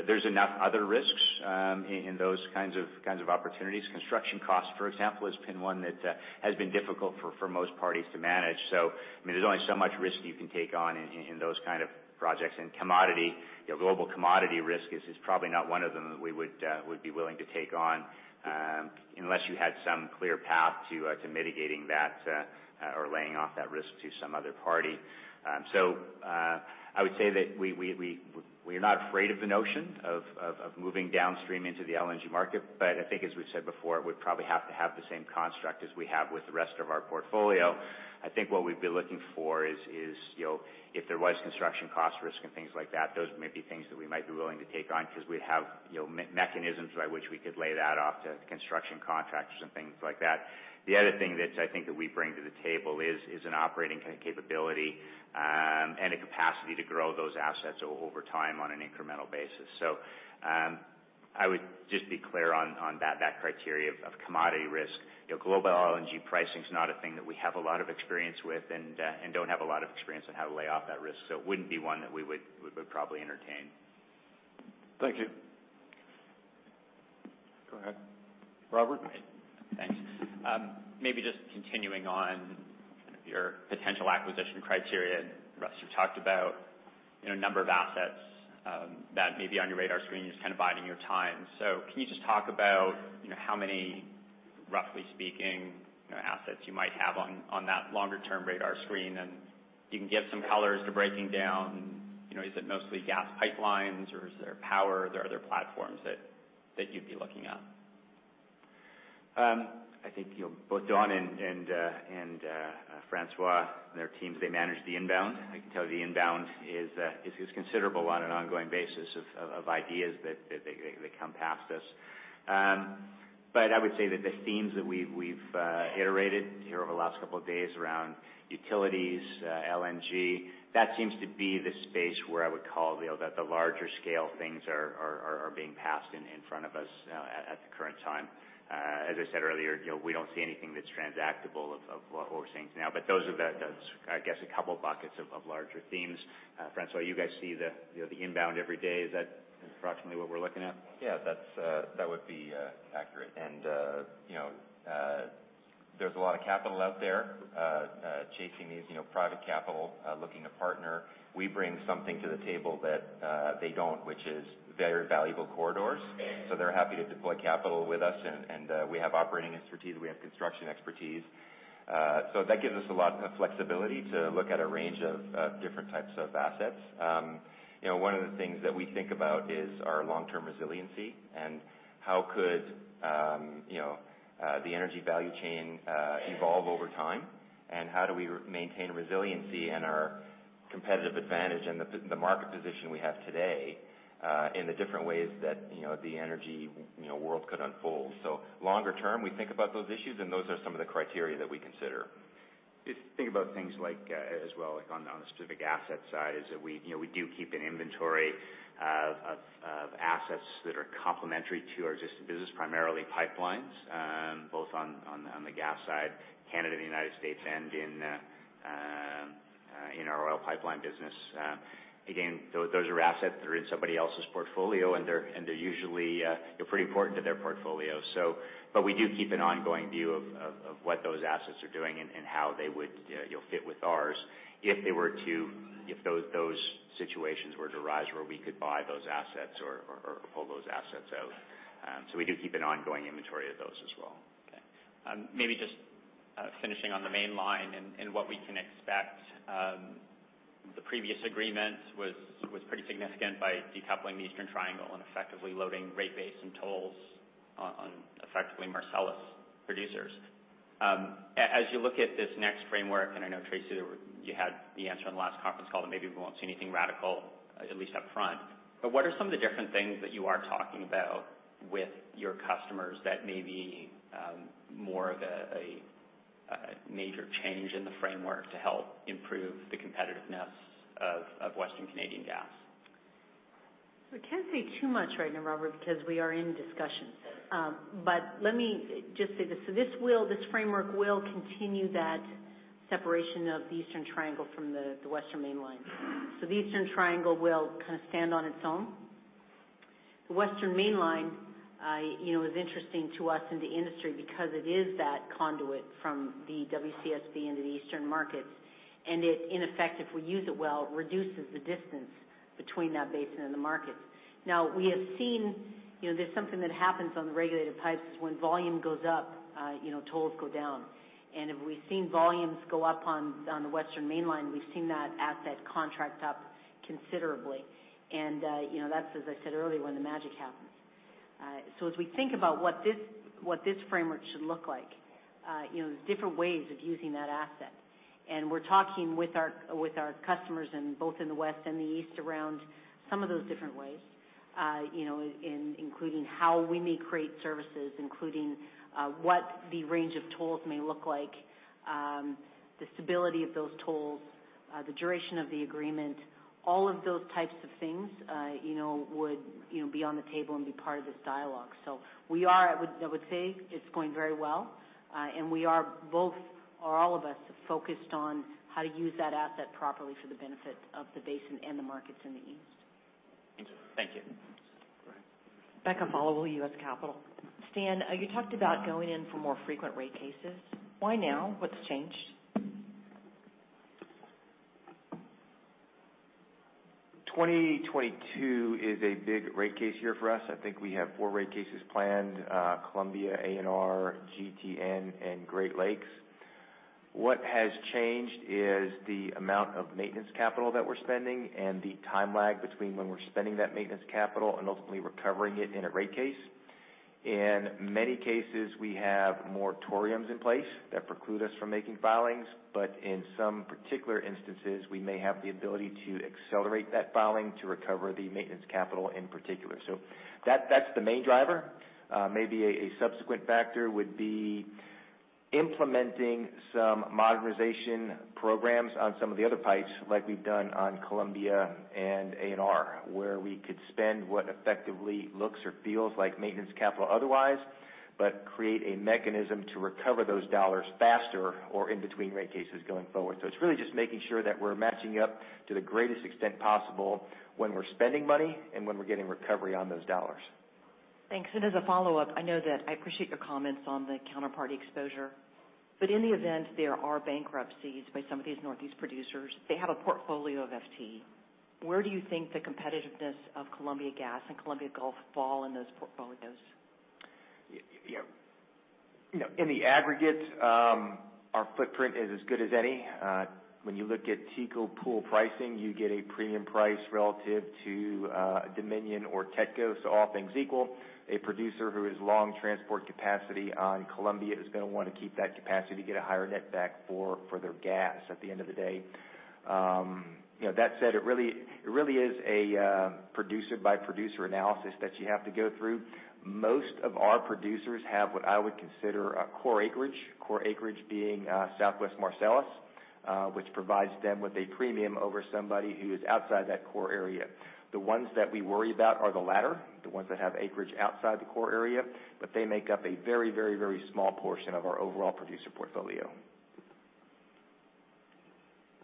there's enough other risks in those kinds of opportunities. Construction cost, for example, has been one that has been difficult for most parties to manage. There's only so much risk you can take on in those kind of projects. Global commodity risk is probably not one of them that we would be willing to take on, unless you had some clear path to mitigating that or laying off that risk to some other party. I would say that we are not afraid of the notion of moving downstream into the LNG market. I think, as we've said before, it would probably have to have the same construct as we have with the rest of our portfolio. I think what we'd be looking for is, if there was construction cost risk and things like that, those may be things that we might be willing to take on because we'd have mechanisms by which we could lay that off to construction contractors and things like that. The other thing that I think that we bring to the table is an operating capability, and a capacity to grow those assets over time on an incremental basis. I would just be clear on that criteria of commodity risk. Global LNG pricing is not a thing that we have a lot of experience with and don't have a lot of experience on how to lay off that risk. It wouldn't be one that we would probably entertain. Thank you. Go ahead, Robert. Thanks. Maybe just continuing on your potential acquisition criteria. Russ, you talked about a number of assets that may be on your radar screen, just biding your time. Can you just talk about how many, roughly speaking, assets you might have on that longer-term radar screen? If you can give some colors to breaking down, is it mostly gas pipelines, or is there power? Is there other platforms that you'd be looking at? I think both Don and François and their teams, they manage the inbound. I can tell you the inbound is considerable on an ongoing basis of ideas that come past us. I would say that the themes that we've iterated here over the last couple of days around utilities, LNG, that seems to be the space where I would call that the larger scale things are being passed in front of us at the current time. As I said earlier, we don't see anything that's transactable of what we're seeing now, but those are, I guess, a couple buckets of larger themes. François, you guys see the inbound every day. Is that approximately what we're looking at? Yeah, that would be accurate. There's a lot of capital out there chasing these, private capital, looking to partner. We bring something to the table that they don't, which is very valuable corridors. They're happy to deploy capital with us, and we have operating expertise, we have construction expertise. That gives us a lot of flexibility to look at a range of different types of assets. One of the things that we think about is our long-term resiliency and how could the energy value chain evolve over time, and how do we maintain resiliency and our competitive advantage and the market position we have today in the different ways that the energy world could unfold. Longer term, we think about those issues, and those are some of the criteria that we consider. If you think about things like, as well, on the specific asset side, is that we do keep an inventory of assets that are complementary to our existing business, primarily pipelines, both on the gas side, Canada, the U.S., and in our oil pipeline business. Again, those are assets that are in somebody else's portfolio, and they're usually pretty important to their portfolio. We do keep an ongoing view of what those assets are doing and how they would fit with ours if those situations were to arise where we could buy those assets or pull those assets out. We do keep an ongoing inventory of those as well. Okay. Maybe just finishing on the Mainline and what we can expect. The previous agreement was pretty significant by decoupling the Eastern Triangle and effectively loading rate base and tolls on, effectively, Marcellus producers. As you look at this next framework, and I know, Tracy, you had the answer on the last conference call that maybe we won't see anything radical, at least up front. What are some of the different things that you are talking about with your customers that may be more of a major change in the framework to help improve the competitiveness of Western Canadian gas? I can't say too much right now, Robert, because we are in discussions. Let me just say this. This framework will continue that separation of the Eastern Triangle from the Western Mainline. The Eastern Triangle will stand on its own. The Western Mainline is interesting to us in the industry because it is that conduit from the WCSB into the eastern markets, and it, in effect, if we use it well, reduces the distance between that basin and the markets. We have seen there's something that happens on the regulated pipes is when volume goes up, tolls go down. We've seen volumes go up on the Western Mainline. We've seen that asset contract up considerably. That's, as I said earlier, when the magic happens. As we think about what this framework should look like, there's different ways of using that asset, and we're talking with our customers, both in the west and the east, around some of those different ways, including how we may create services, including what the range of tolls may look like, the stability of those tolls, the duration of the agreement, all of those types of things would be on the table and be part of this dialogue. We are, I would say it's going very well. We are, both or all of us, focused on how to use that asset properly for the benefit of the basin and the markets in the east. Thank you. Go ahead. Becca Followill, U.S. Capital. Stan, you talked about going in for more frequent rate cases. Why now? What's changed? 2022 is a big rate case year for us. I think we have four rate cases planned: Columbia Gas, ANR, GTN, and Great Lakes. What has changed is the amount of maintenance capital that we're spending and the time lag between when we're spending that maintenance capital and ultimately recovering it in a rate case. In many cases, we have moratoriums in place that preclude us from making filings, but in some particular instances, we may have the ability to accelerate that filing to recover the maintenance capital in particular. That's the main driver. Maybe a subsequent factor would be implementing some modernization programs on some of the other pipes like we've done on Columbia Gas and ANR, where we could spend what effectively looks or feels like maintenance capital otherwise, but create a mechanism to recover those dollars faster or in between rate cases going forward. It's really just making sure that we're matching up to the greatest extent possible when we're spending money and when we're getting recovery on those dollars. Thanks. As a follow-up, I know that I appreciate your comments on the counterparty exposure, but in the event there are bankruptcies by some of these Northeast producers, they have a portfolio of FT. Where do you think the competitiveness of Columbia Gas and Columbia Gulf fall in those portfolios? In the aggregate, our footprint is as good as any. When you look at TCO pool pricing, you get a premium price relative to Dominion or TETCO. All things equal, a producer who is long transport capacity on Columbia is going to want to keep that capacity to get a higher net back for their gas at the end of the day. That said, it really is a producer-by-producer analysis that you have to go through. Most of our producers have what I would consider a core acreage. Core acreage being Southwest Marcellus, which provides them with a premium over somebody who is outside that core area. The ones that we worry about are the latter, the ones that have acreage outside the core area. They make up a very small portion of our overall producer portfolio.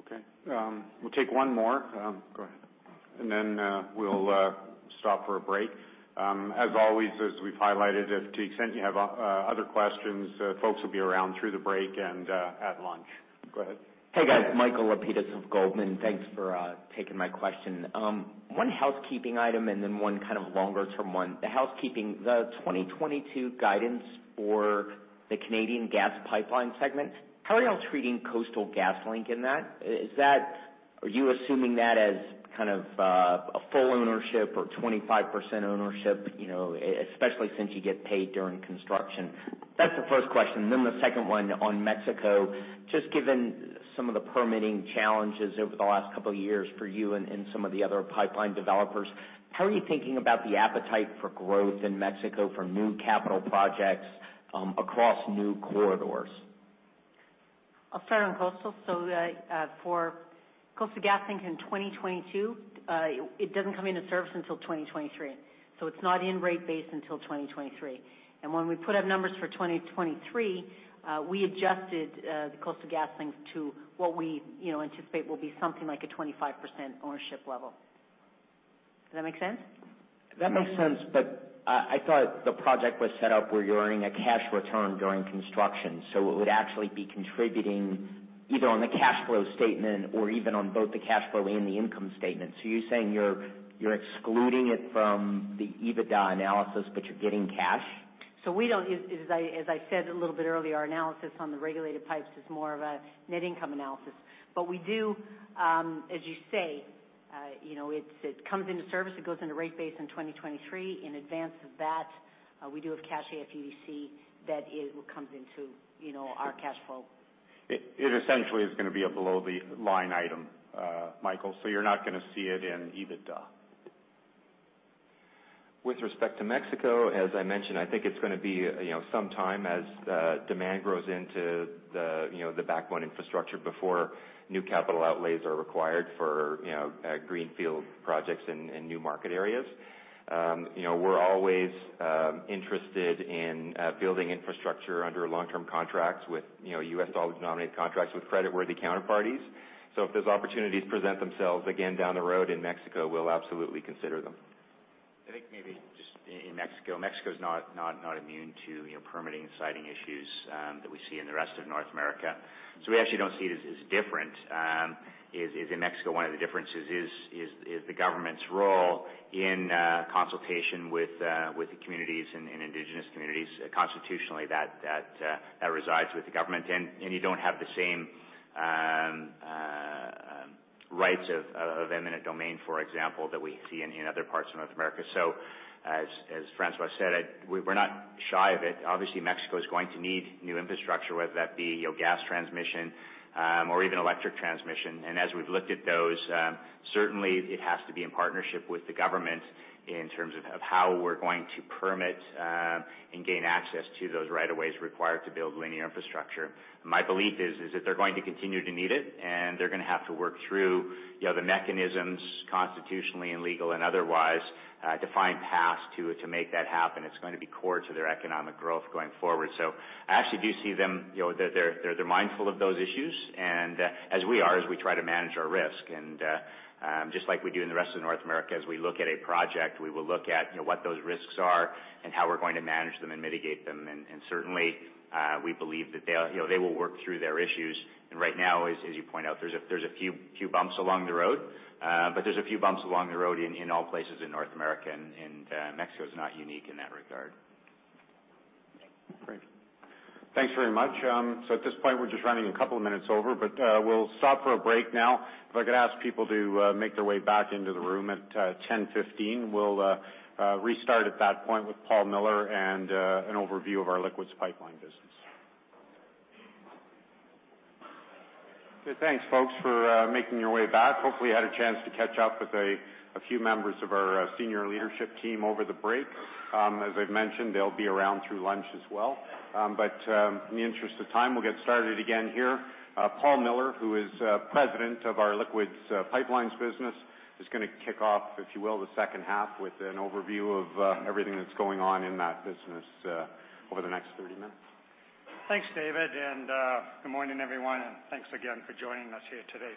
Okay. We'll take one more. Go ahead. We'll stop for a break. As always, as we've highlighted, if to the extent you have other questions, folks will be around through the break and at lunch. Go ahead. Hey, guys. Michael Lapides of Goldman. Thanks for taking my question. One housekeeping item and then one kind of longer-term one. The housekeeping, the 2022 guidance for the Canadian Gas Pipeline segment, how are you all treating Coastal GasLink in that? Are you assuming that as kind of a full ownership or 25% ownership, especially since you get paid during construction? That's the first question. The second one on Mexico. Just given some of the permitting challenges over the last couple of years for you and some of the other pipeline developers, how are you thinking about the appetite for growth in Mexico for new capital projects across new corridors? I'll start on Coastal. For Coastal GasLink in 2022, it doesn't come into service until 2023. It's not in rate base until 2023. When we put up numbers for 2023, we adjusted the Coastal GasLink to what we anticipate will be something like a 25% ownership level. Does that make sense? That makes sense, but I thought the project was set up where you're earning a cash return during construction, so it would actually be contributing either on the cash flow statement or even on both the cash flow and the income statement. You're saying you're excluding it from the EBITDA analysis, but you're getting cash? We don't. As I said a little bit earlier, our analysis on the regulated pipes is more of a net income analysis. We do as you say. It comes into service, it goes into rate base in 2023. In advance of that, we do have cash AFDC that comes into our cash flow. It essentially is going to be a below the line item, Michael. You're not going to see it in EBITDA. With respect to Mexico, as I mentioned, I think it's going to be some time as demand grows into the backbone infrastructure before new capital outlays are required for greenfield projects in new market areas. We're always interested in building infrastructure under long-term contracts with U.S. dollar-denominated contracts with creditworthy counterparties. If those opportunities present themselves again down the road in Mexico, we'll absolutely consider them. I think maybe just in Mexico. Mexico is not immune to permitting siting issues that we see in the rest of North America. We actually don't see it as different. In Mexico, one of the differences is the government's role in consultation with the communities and indigenous communities. Constitutionally, that resides with the government, and you don't have the same rights of eminent domain, for example, that we see in other parts of North America. As François said, we're not shy of it. Obviously, Mexico is going to need new infrastructure, whether that be gas transmission or even electric transmission. As we've looked at those, certainly, it has to be in partnership with the government in terms of how we're going to permit, and gain access to those right of ways required to build linear infrastructure. My belief is that they're going to continue to need it, and they're going to have to work through the mechanisms, constitutionally and legal and otherwise, to find paths to make that happen. It's going to be core to their economic growth going forward. I actually do see they're mindful of those issues as we are, as we try to manage our risk. Just like we do in the rest of North America, as we look at a project, we will look at what those risks are and how we're going to manage them and mitigate them. Certainly, we believe that they will work through their issues. Right now, as you point out, there's a few bumps along the road. There's a few bumps along the road in all places in North America, and Mexico is not unique in that regard. Great. Thanks very much. At this point, we're just running a couple of minutes over, but we'll stop for a break now. If I could ask people to make their way back into the room at 10:15 A.M. We'll restart at that point with Paul Miller and an overview of our Liquids Pipelines business. Good. Thanks, folks, for making your way back. Hopefully, you had a chance to catch up with a few members of our senior leadership team over the break. As I've mentioned, they'll be around through lunch as well. In the interest of time, we'll get started again here. Paul Miller, who is President of our Liquids Pipelines business, is going to kick off, if you will, the second half with an overview of everything that's going on in that business, over the next 30 minutes. Thanks, David. Good morning, everyone, and thanks again for joining us here today.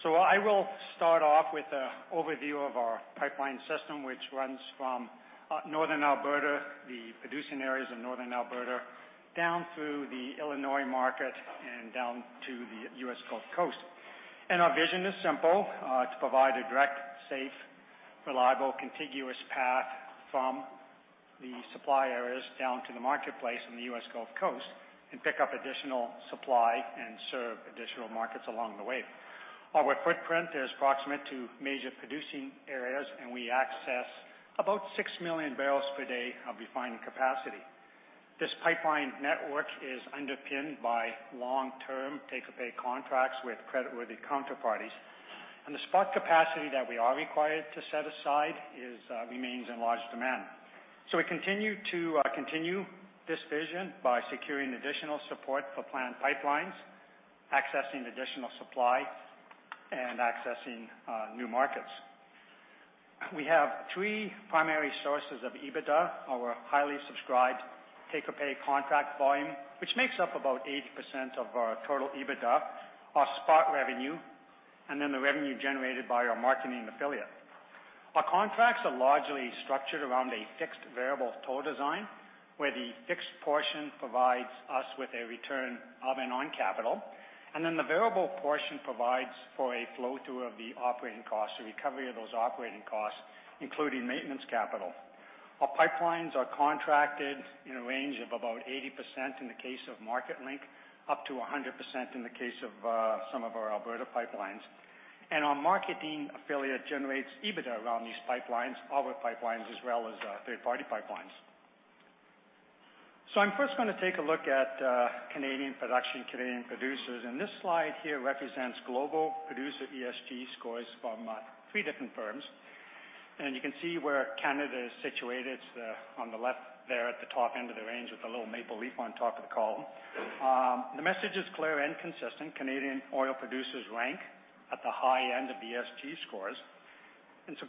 I will start off with an overview of our pipeline system, which runs from Northern Alberta, the producing areas of Northern Alberta, down through the Illinois market and down to the U.S. Gulf Coast. Our vision is simple: to provide a direct, safe, reliable, contiguous path from the supply areas down to the marketplace in the U.S. Gulf Coast and pick up additional supply and serve additional markets along the way. Our footprint is proximate to major producing areas, and we access about six million barrels per day of refining capacity. This pipeline network is underpinned by long-term take-or-pay contracts with creditworthy counterparties. The spot capacity that we are required to set aside remains in large demand. We continue this vision by securing additional support for planned pipelines, accessing additional supply, and accessing new markets. We have three primary sources of EBITDA. Our highly subscribed take-or-pay contract volume, which makes up about 80% of our total EBITDA, our spot revenue, and then the revenue generated by our marketing affiliate. Our contracts are largely structured around a fixed variable toll design, where the fixed portion provides us with a return of and on capital, and then the variable portion provides for a flow-through of the operating costs, the recovery of those operating costs, including maintenance capital. Our pipelines are contracted in a range of about 80% in the case of Marketlink, up to 100% in the case of some of our Alberta pipelines. Our marketing affiliate generates EBITDA around these pipelines, as well as third-party pipelines. I'm first going to take a look at Canadian production, Canadian producers, and this slide here represents global producer ESG scores from three different firms. You can see where Canada is situated, on the left there at the top end of the range with the little maple leaf on top of the column. The message is clear and consistent. Canadian oil producers rank at the high end of ESG scores.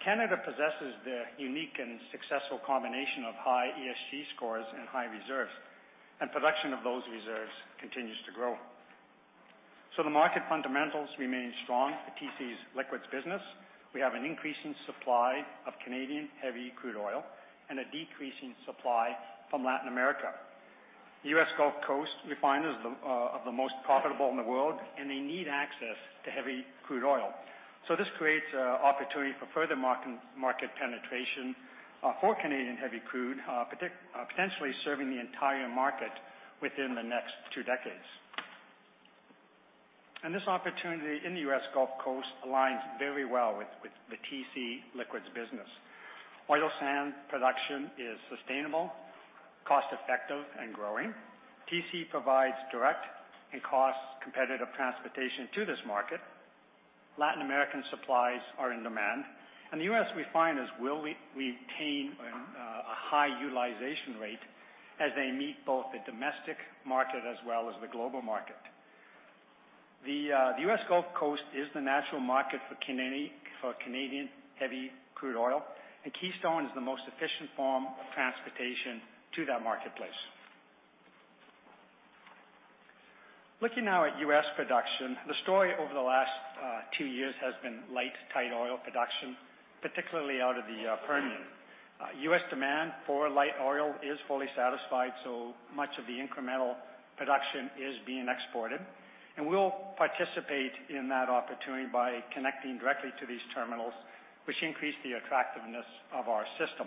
Canada possesses the unique and successful combination of high ESG scores and high reserves, and production of those reserves continues to grow. The market fundamentals remain strong for TC's liquids business. We have an increasing supply of Canadian heavy crude oil and a decreasing supply from Latin America. U.S. Gulf Coast refiners are the most profitable in the world, and they need access to heavy crude oil. This creates opportunity for further market penetration for Canadian heavy crude, potentially serving the entire market within the next two decades. This opportunity in the U.S. Gulf Coast aligns very well with the TC liquids business. Oil sands production is sustainable, cost-effective, and growing. TC provides direct and cost-competitive transportation to this market. Latin American supplies are in demand, and the U.S. refiners will retain a high utilization rate as they meet both the domestic market as well as the global market. The U.S. Gulf Coast is the natural market for Canadian heavy crude oil, and Keystone is the most efficient form of transportation to that marketplace. Looking now at U.S. production, the story over the last two years has been light tight oil production, particularly out of the Permian. U.S. demand for light oil is fully satisfied, so much of the incremental production is being exported. We'll participate in that opportunity by connecting directly to these terminals, which increase the attractiveness of our system.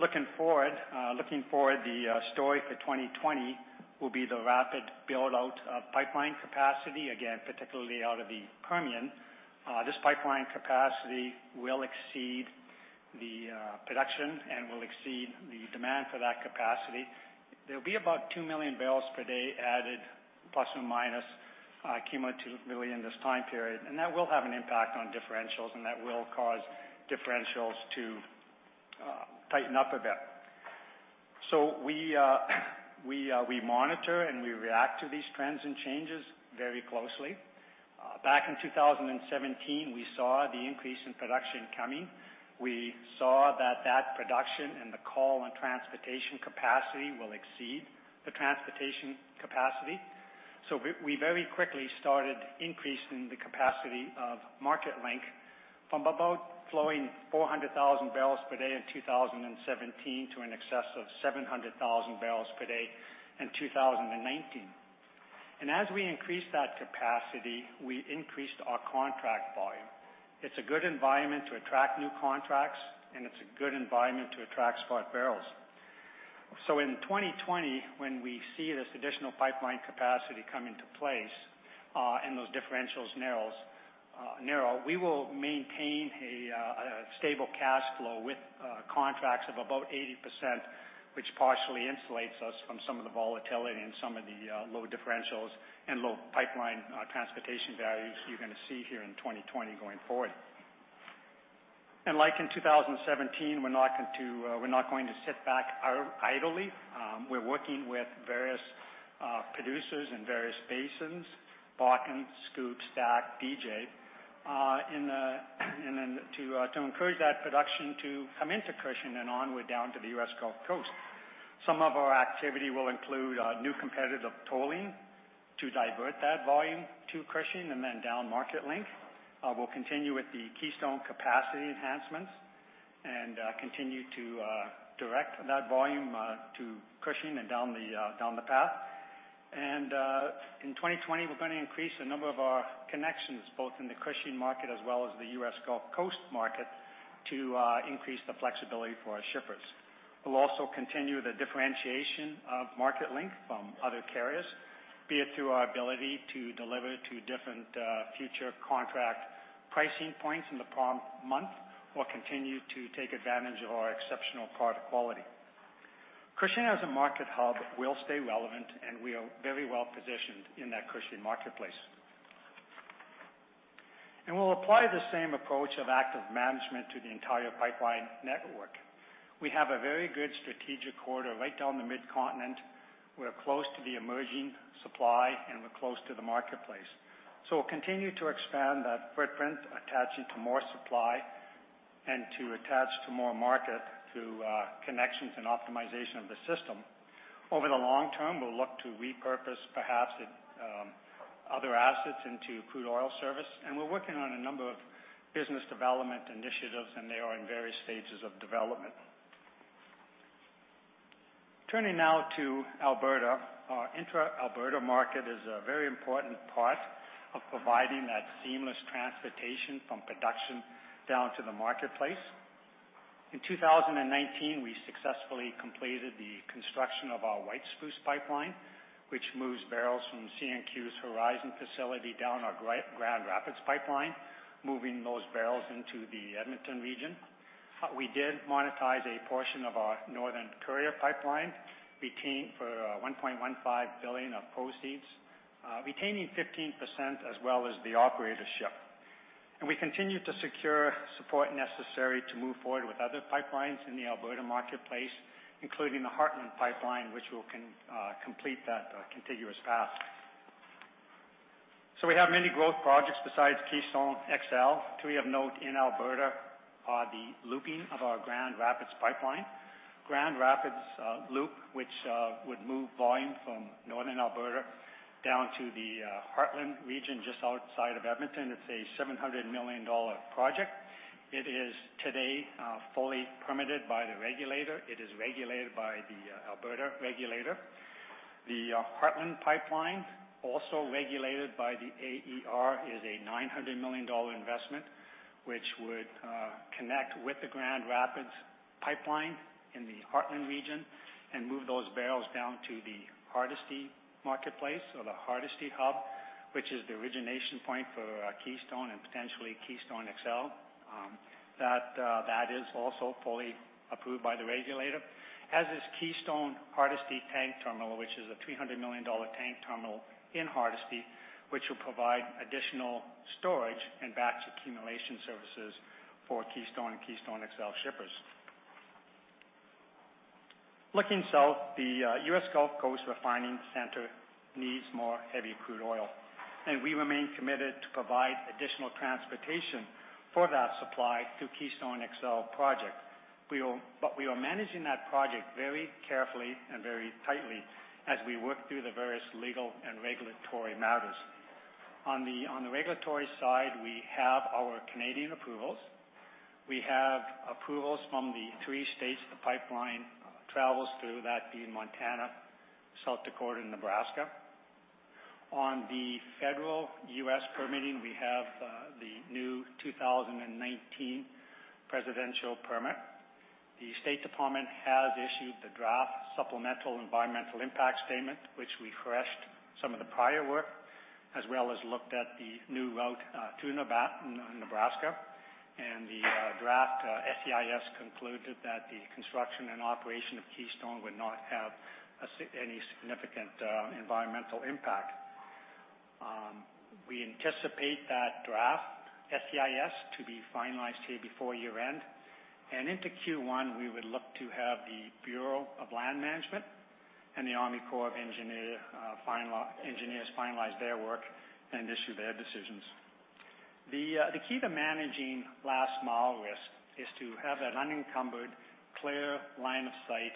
Looking forward, the story for 2020 will be the rapid build-out of pipeline capacity, again, particularly out of the Permian. This pipeline capacity will exceed the production and will exceed the demand for that capacity. There will be about two million barrels per day added, ±2 million this time period, and that will have an impact on differentials, and that will cause differentials to tighten up a bit. We monitor and we react to these trends and changes very closely. Back in 2017, we saw the increase in production coming. We saw that that production and the call on transportation capacity will exceed the transportation capacity. We very quickly started increasing the capacity of Marketlink from about flowing 400,000 barrels per day in 2017 to an excess of 700,000 barrels per day in 2019. As we increased that capacity, we increased our contract volume. It's a good environment to attract new contracts, and it's a good environment to attract spot barrels. In 2020, when we see this additional pipeline capacity come into place, and those differentials narrow, we will maintain a stable cash flow with contracts of about 80%, which partially insulates us from some of the volatility and some of the low differentials and low pipeline transportation values you're going to see here in 2020 going forward. Like in 2017, we're not going to sit back idly. We're working with various producers in various basins, Bakken, SCOOP, STACK, DJ, to encourage that production to come into Cushing and onward down to the U.S. Gulf Coast. Then some of our activity will include new competitive tolling to divert that volume to Cushing and down Marketlink. We'll continue with the Keystone capacity enhancements and continue to direct that volume to Cushing and down the path. In 2020, we're going to increase the number of our connections both in the Cushing market as well as the U.S. Gulf Coast market to increase the flexibility for our shippers. We'll also continue the differentiation of Marketlink from other carriers, be it through our ability to deliver to different future contract pricing points in the prom month or continue to take advantage of our exceptional product quality. Cushing, as a market hub, will stay relevant, and we are very well-positioned in that Cushing marketplace. We'll apply the same approach of active management to the entire pipeline network. We have a very good strategic corridor right down the Mid-Continent. We're close to the emerging supply, and we're close to the marketplace. We'll continue to expand that footprint, attaching to more supply and to attach to more market through connections and optimization of the system. Over the long term, we'll look to repurpose perhaps other assets into crude oil service, and we're working on a number of business development initiatives, and they are in various stages of development. Turning now to Alberta. Our intra-Alberta market is a very important part of providing that seamless transportation from production down to the marketplace. In 2019, we successfully completed the construction of our White Spruce pipeline, which moves barrels from CNQ's Horizon facility down our Grand Rapids pipeline, moving those barrels into the Edmonton region. We did monetize a portion of our Northern Courier pipeline for 1.15 billion of proceeds, retaining 15% as well as the operatorship. We continue to secure support necessary to move forward with other pipelines in the Alberta marketplace, including the Heartland Pipeline, which will complete that contiguous path. We have many growth projects besides Keystone XL. Three of note in Alberta are the looping of our Grand Rapids pipeline. Grand Rapids Loop, which would move volume from Northern Alberta down to the Heartland region just outside of Edmonton. It is a 700 million dollar project. It is today fully permitted by the regulator. It is regulated by the Alberta regulator. The Heartland Pipeline, also regulated by the AER, is a 900 million dollar investment, which would connect with the Grand Rapids Pipeline in the Heartland region and move those barrels down to the Hardisty marketplace or the Hardisty hub, which is the origination point for Keystone and potentially Keystone XL. That is also fully approved by the regulator. As is Keystone Hardisty Terminal, which is a 300 million dollar tank terminal in Hardisty, which will provide additional storage and batch accumulation services for Keystone and Keystone XL shippers. Looking south, the U.S. Gulf Coast refining center needs more heavy crude oil, and we remain committed to provide additional transportation for that supply through Keystone XL project. We are managing that project very carefully and very tightly as we work through the various legal and regulatory matters. On the regulatory side, we have our Canadian approvals. We have approvals from the three states the pipeline travels through, that being Montana, South Dakota, and Nebraska. On the federal U.S. permitting, we have the new 2019 Presidential Permit. The State Department has issued the draft Supplemental Environmental Impact Statement, which refreshed some of the prior work, as well as looked at the new route to Nebraska. The draft SEIS concluded that the construction and operation of Keystone would not have any significant environmental impact. We anticipate that draft SEIS to be finalized here before year-end, and into Q1, we would look to have the Bureau of Land Management and the Army Corps of Engineers finalize their work and issue their decisions. The key to managing last mile risk is to have an unencumbered clear line of sight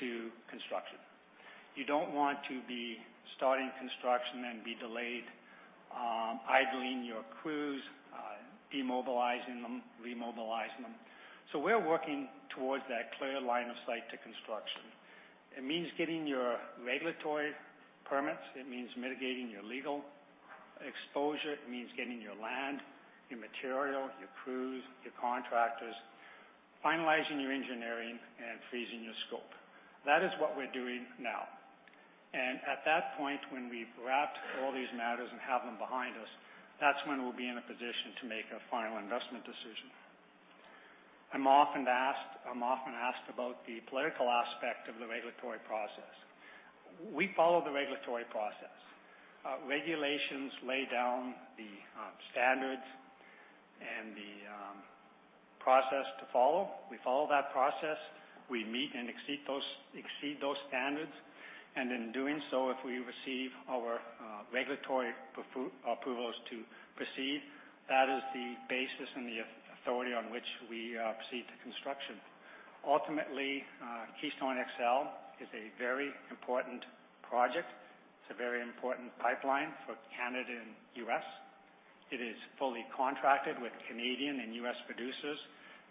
to construction. You don't want to be starting construction and be delayed, idling your crews, demobilizing them, remobilizing them. We're working towards that clear line of sight to construction. It means getting your regulatory permits. It means mitigating your legal exposure. It means getting your land, your material, your crews, your contractors, finalizing your engineering, and freezing your scope. That is what we're doing now. At that point, when we've wrapped all these matters and have them behind us, that's when we'll be in a position to make a final investment decision. I'm often asked about the political aspect of the regulatory process. We follow the regulatory process. Regulations lay down the standards and the process to follow. We follow that process. We meet and exceed those standards. In doing so, if we receive our regulatory approvals to proceed, that is the basis and the authority on which we proceed to construction. Ultimately, Keystone XL is a very important project. It's a very important pipeline for Canada and U.S. It is fully contracted with Canadian and U.S. producers,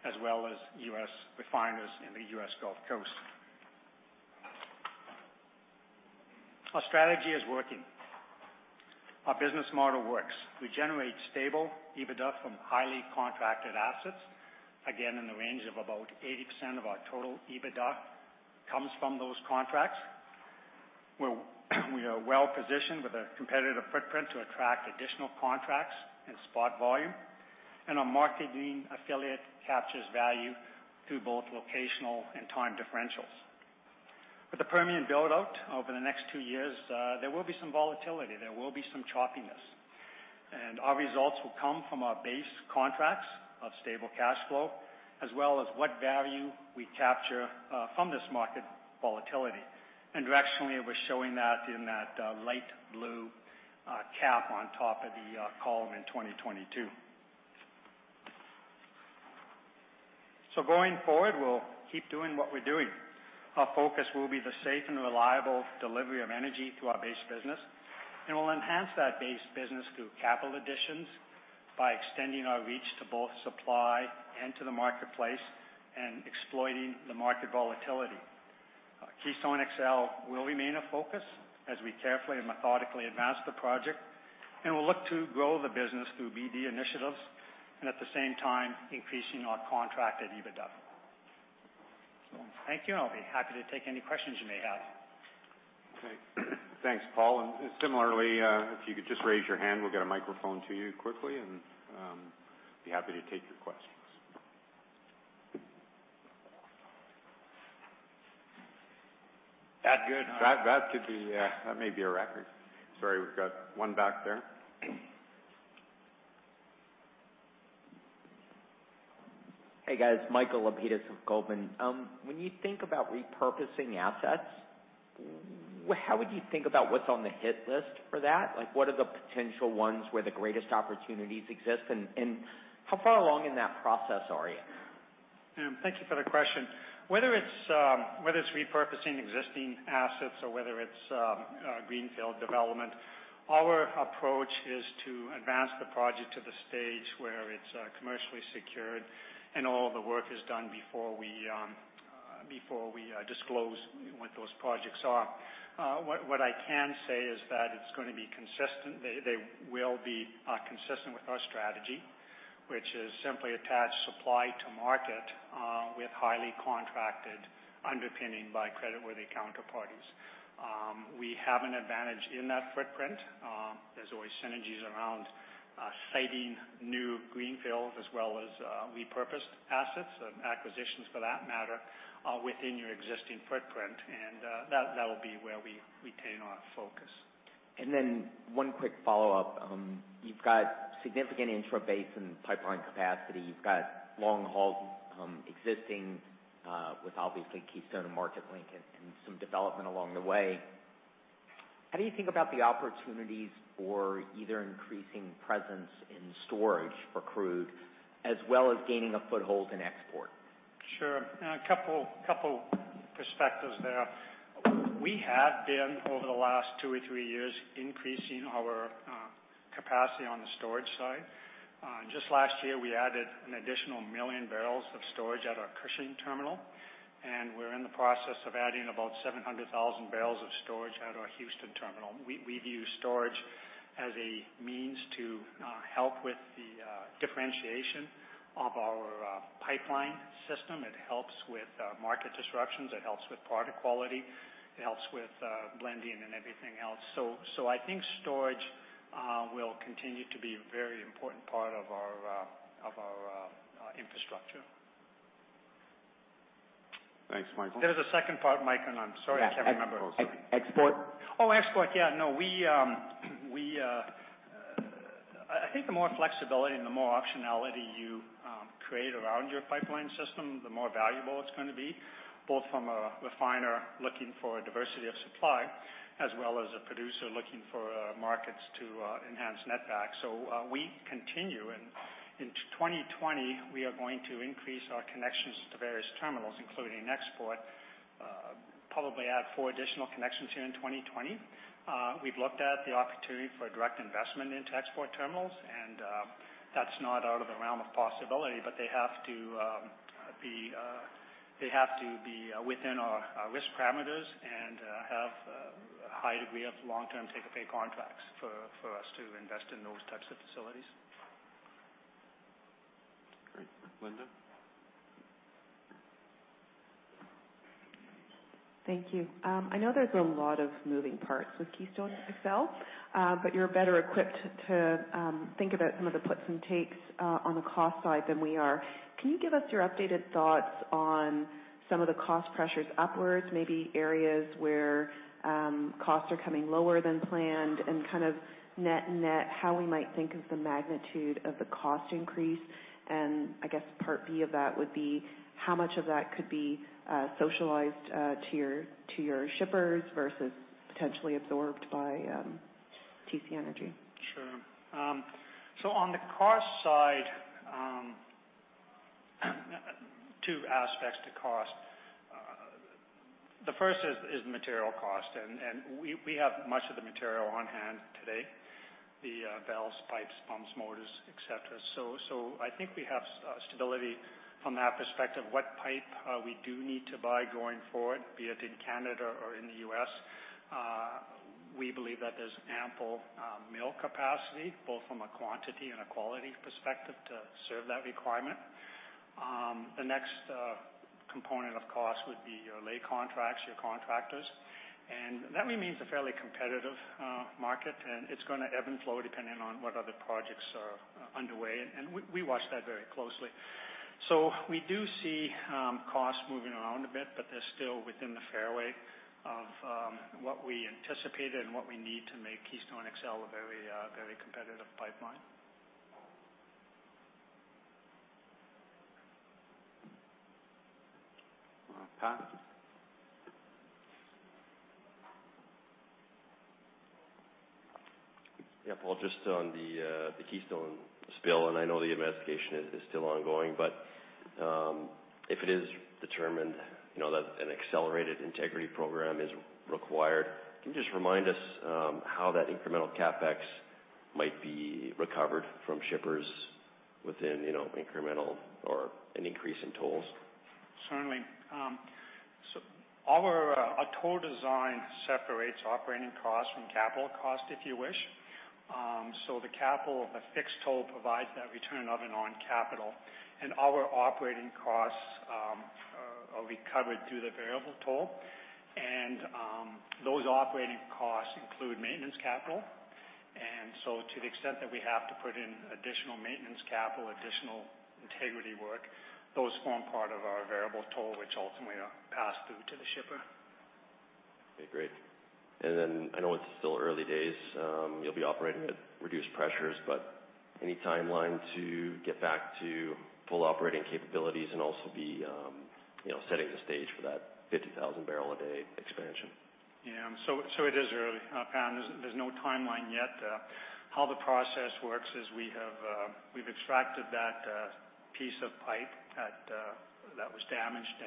as well as U.S. refiners in the U.S. Gulf Coast. Our strategy is working. Our business model works. We generate stable EBITDA from highly contracted assets. Again, in the range of about 80% of our total EBITDA comes from those contracts. We are well-positioned with a competitive footprint to attract additional contracts and spot volume. Our marketing affiliate captures value through both locational and time differentials. With the Permian build-out over the next two years, there will be some volatility. There will be some choppiness, our results will come from our base contracts of stable cash flow, as well as what value we capture from this market volatility. Directionally, we're showing that in that light blue cap on top of the column in 2022. Going forward, we'll keep doing what we're doing. Our focus will be the safe and reliable delivery of energy through our base business, and we'll enhance that base business through capital additions by extending our reach to both supply and to the marketplace and exploiting the market volatility. Keystone XL will remain a focus as we carefully and methodically advance the project, and we'll look to grow the business through BD initiatives and at the same time, increasing our contracted EBITDA. Thank you. I'll be happy to take any questions you may have. Okay, thanks, Paul. Similarly, if you could just raise your hand, we'll get a microphone to you quickly, and be happy to take your questions. That good? That may be a record. Sorry, we've got one back there. Hey, guys. Michael Lapides with Goldman. When you think about repurposing assets, how would you think about what's on the hit list for that? What are the potential ones where the greatest opportunities exist, and how far along in that process are you? Thank you for the question. Whether it's repurposing existing assets or whether it's greenfield development, our approach is to advance the project to the stage where it's commercially secured and all the work is done before we disclose what those projects are. What I can say is that they will be consistent with our strategy, which is simply attach supply to market, with highly contracted underpinning by creditworthy counterparties. We have an advantage in that footprint. There's always synergies around siting new greenfields as well as repurposed assets and acquisitions, for that matter, within your existing footprint, and that'll be where we retain our focus. One quick follow-up. You've got significant intra-basin pipeline capacity. You've got long-haul existing, with obviously Keystone and Marketlink and some development along the way. How do you think about the opportunities for either increasing presence in storage for crude as well as gaining a foothold in export? Sure. A couple perspectives there. We have been, over the last two or three years, increasing our capacity on the storage side. Just last year, we added an additional one million barrels of storage at our Cushing terminal. We're in the process of adding about 700,000 barrels of storage at our Houston terminal. We view storage as a means to help with the differentiation of our pipeline system. It helps with market disruptions. It helps with product quality. It helps with blending and everything else. I think storage will continue to be a very important part of our infrastructure. Thanks, Michael. There's a second part, Michael. I'm sorry, I can't remember. Export. Oh, export. Yeah. I think the more flexibility and the more optionality you create around your pipeline system, the more valuable it's going to be, both from a refiner looking for a diversity of supply, as well as a producer looking for markets to enhance net back. We continue, and in 2020, we are going to increase our connections to various terminals, including export, probably add four additional connections here in 2020. We've looked at the opportunity for direct investment into export terminals, and that's not out of the realm of possibility, but they have to be within our risk parameters and have a high degree of long-term take-or-pay contracts for us to invest in those types of facilities. Great. Linda? Thank you. I know there's a lot of moving parts with Keystone XL, but you're better equipped to think about some of the puts and takes on the cost side than we are. Can you give us your updated thoughts on some of the cost pressures upwards, maybe areas where costs are coming lower than planned, and kind of net-net how we might think of the magnitude of the cost increase? I guess part B of that would be how much of that could be socialized to your shippers versus potentially absorbed by TC Energy? Sure. On the cost side, two aspects to cost. The first is material cost, we have much of the material on-hand today, the valves, pipes, pumps, motors, et cetera. I think we have stability from that perspective. What pipe we do need to buy going forward, be it in Canada or in the U.S., we believe that there's ample mill capacity, both from a quantity and a quality perspective, to serve that requirement. The next component, of course, would be your lay contracts, your contractors. That remains a fairly competitive market, and it's going to ebb and flow depending on what other projects are underway. We watch that very closely. We do see costs moving around a bit, they're still within the fairway of what we anticipated and what we need to make Keystone XL a very competitive pipeline. Pat? Yeah, Paul, just on the Keystone spill, and I know the investigation is still ongoing, but if it is determined that an accelerated integrity program is required, can you just remind us how that incremental CapEx might be recovered from shippers within incremental or an increase in tolls? Certainly. Our toll design separates operating costs from capital cost, if you wish. The capital, the fixed toll, provides that return of and on capital, and our operating costs are recovered through the variable toll. Those operating costs include maintenance capital, and so to the extent that we have to put in additional maintenance capital, additional integrity work, those form part of our variable toll, which ultimately are passed through to the shipper. Okay, great. I know it's still early days. You'll be operating at reduced pressures, but any timeline to get back to full operating capabilities and also be setting the stage for that 50,000-barrel-a-day expansion? It is early, Pat, and there's no timeline yet. How the process works is we've extracted that piece of pipe that was damaged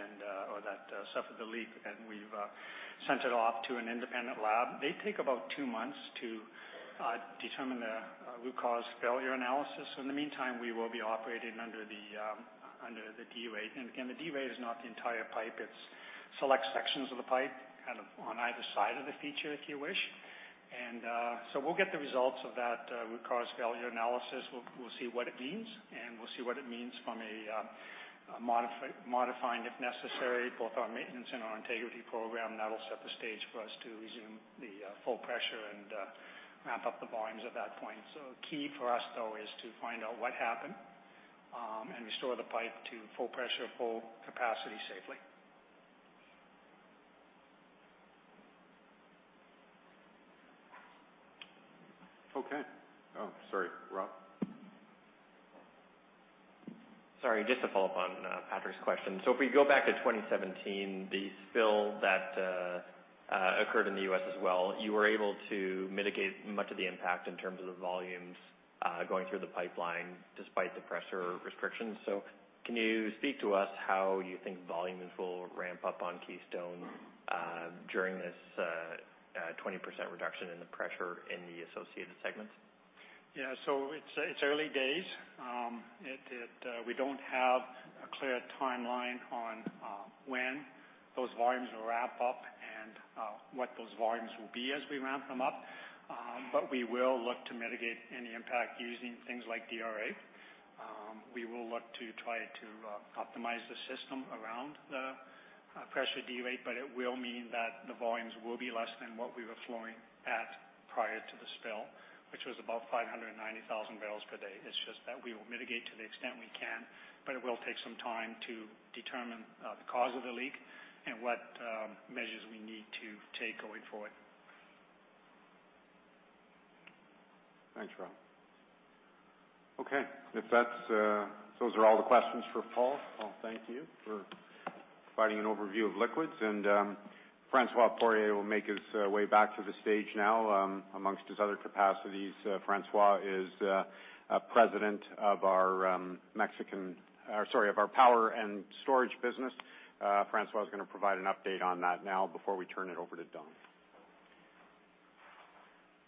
or that suffered the leak, and we've sent it off to an independent lab. They take about two months to determine the root cause failure analysis. In the meantime, we will be operating under the de-rate. Again, the de-rate is not the entire pipe, it's select sections of the pipe, on either side of the feature, if you wish. We'll get the results of that root cause failure analysis. We'll see what it means, and we'll see what it means from a modifying, if necessary, both our maintenance and our integrity program. That'll set the stage for us to resume the full pressure and ramp up the volumes at that point. Key for us, though, is to find out what happened, and restore the pipe to full pressure, full capacity safely. Okay. Oh, sorry, Rob. Sorry, just to follow up on Patrick's question. If we go back to 2017, the spill that occurred in the U.S. as well, you were able to mitigate much of the impact in terms of the volumes going through the pipeline despite the pressure restrictions. Can you speak to us how you think volumes will ramp up on Keystone during this 20% reduction in the pressure in the associated segments? It's early days. We don't have a clear timeline on when those volumes will ramp up and what those volumes will be as we ramp them up, but we will look to mitigate any impact using things like DRA. We will look to try to optimize the system around the pressure derate, but it will mean that the volumes will be less than what we were flowing at prior to the spill, which was about 590,000 barrels per day. It's just that we will mitigate to the extent we can, but it will take some time to determine the cause of the leak and what measures we need to take going forward. Thanks, Rob. Okay. If those are all the questions for Paul, well, thank you for providing an overview of liquids. François Poirier will make his way back to the stage now. Amongst his other capacities, François is President of our Power and Storage business. François is going to provide an update on that now before we turn it over to Don.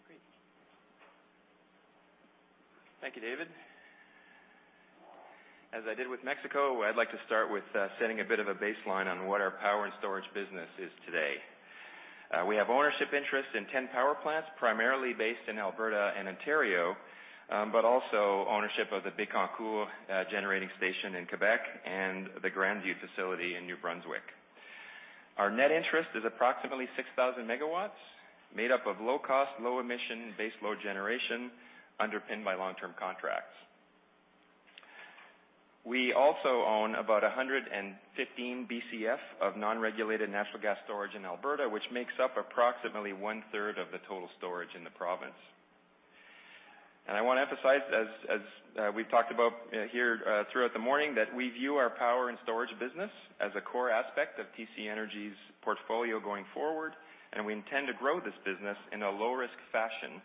Great. Thank you, David Moneta. As I did with Mexico, I'd like to start with setting a bit of a baseline on what our power and storage business is today. We have ownership interest in 10 power plants, primarily based in Alberta and Ontario, also ownership of the Bécancour Generating Station in Quebec and the Grandview facility in New Brunswick. Our net interest is approximately 6,000 MW, made up of low-cost, low-emission, base-load generation underpinned by long-term contracts. We also own about 115 BCF of non-regulated natural gas storage in Alberta, which makes up approximately one-third of the total storage in the province. I want to emphasize, as we've talked about here throughout the morning, that we view our power and storage business as a core aspect of TC Energy's portfolio going forward, and we intend to grow this business in a low-risk fashion,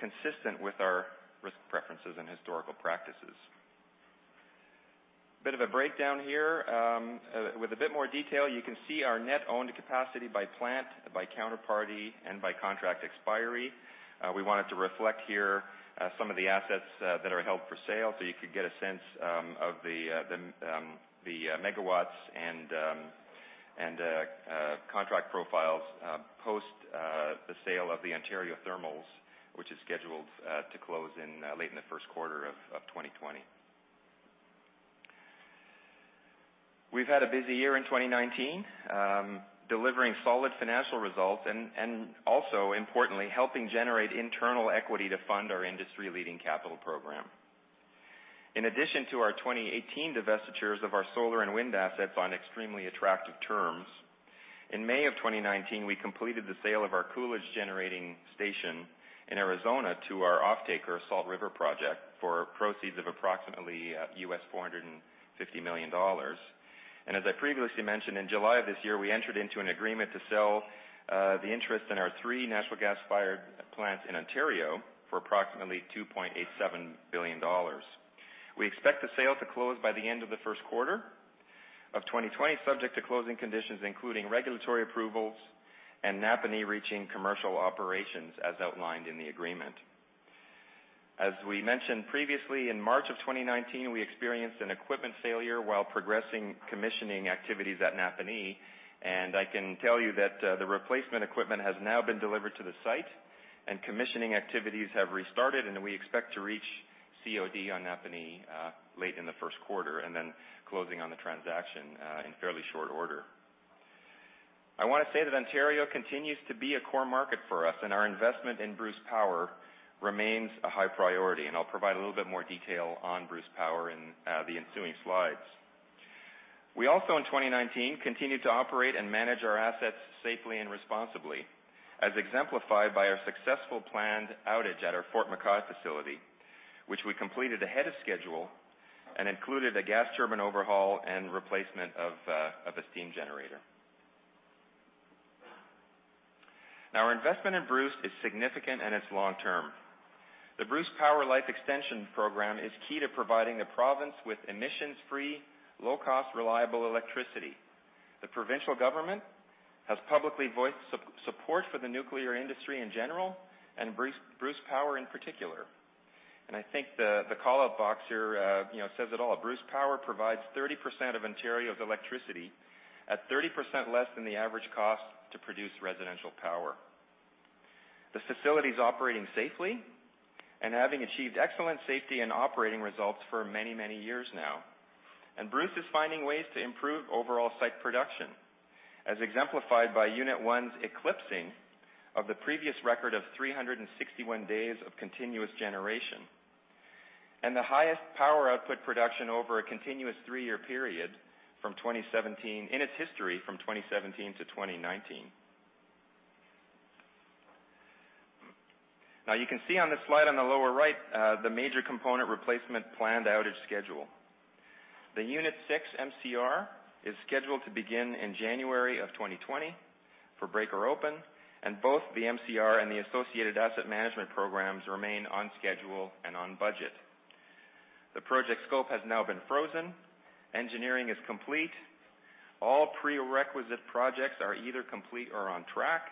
consistent with our risk preferences and historical practices. A bit of a breakdown here. With a bit more detail, you can see our net owned capacity by plant, by counterparty, and by contract expiry. We wanted to reflect here some of the assets that are held for sale, so you could get a sense of the megawatts and contract profiles post the sale of the Ontario Thermals, which is scheduled to close late in the first quarter of 2020. We've had a busy year in 2019, delivering solid financial results and also, importantly, helping generate internal equity to fund our industry-leading capital program. In addition to our 2018 divestitures of our solar and wind assets on extremely attractive terms, in May of 2019, we completed the sale of our Coolidge Generating Station in Arizona to our offtaker, Salt River Project, for proceeds of approximately US$450 million. As I previously mentioned, in July of this year, we entered into an agreement to sell the interest in our three natural gas-fired plants in Ontario for approximately 2.87 billion dollars. We expect the sale to close by the end of the first quarter of 2020, subject to closing conditions including regulatory approvals and Napanee reaching commercial operations as outlined in the agreement. As we mentioned previously, in March of 2019, we experienced an equipment failure while progressing commissioning activities at Napanee. I can tell you that the replacement equipment has now been delivered to the site and commissioning activities have restarted. We expect to reach COD on Napanee late in the first quarter, then closing on the transaction in fairly short order. I want to say that Ontario continues to be a core market for us. Our investment in Bruce Power remains a high priority. I'll provide a little bit more detail on Bruce Power in the ensuing slides. We also, in 2019, continued to operate and manage our assets safely and responsibly, as exemplified by our successful planned outage at our MCR facility, which we completed ahead of schedule and included a gas turbine overhaul and replacement of a steam generator. Now our investment in Bruce is significant, and it's long-term. The Bruce Power Life-Extension Program is key to providing the province with emissions-free, low-cost, reliable electricity. The provincial government has publicly voiced support for the nuclear industry in general and Bruce Power in particular. I think the call-out box here says it all. Bruce Power provides 30% of Ontario's electricity at 30% less than the average cost to produce residential power. The facility's operating safely and having achieved excellent safety and operating results for many years now. Bruce is finding ways to improve overall site production, as exemplified by Unit 1's eclipsing of the previous record of 361 days of continuous generation and the highest power output production over a continuous three-year period in its history from 2017 to 2019. You can see on this slide on the lower right the major component replacement planned outage schedule. The Unit 6 MCR is scheduled to begin in January of 2020 for breaker open. Both the MCR and the associated asset management programs remain on schedule and on budget. The project scope has now been frozen. Engineering is complete. All prerequisite projects are either complete or on track.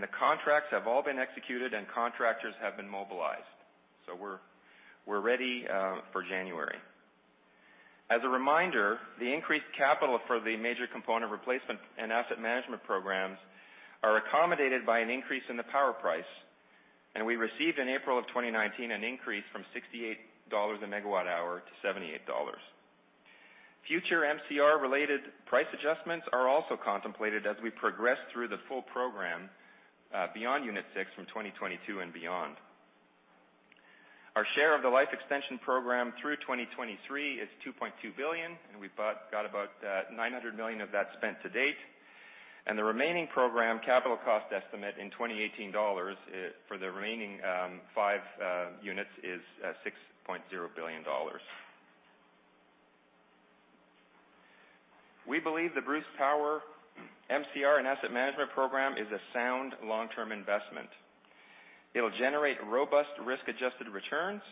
The contracts have all been executed and contractors have been mobilized. We're ready for January. As a reminder, the increased capital for the major component replacement and asset management programs are accommodated by an increase in the power price. We received in April of 2019, an increase from 68 dollars a megawatt hour to 78 dollars. Future MCR-related price adjustments are also contemplated as we progress through the full program, beyond Unit 6 from 2022 and beyond. Our share of the Bruce Power Life-Extension Program through 2023 is 2.2 billion. We've got about 900 million of that spent to date. The remaining program capital cost estimate in 2018 dollars for the remaining five units is $6.0 billion. We believe the Bruce Power MCR and Asset Management program is a sound long-term investment. It will generate robust risk-adjusted returns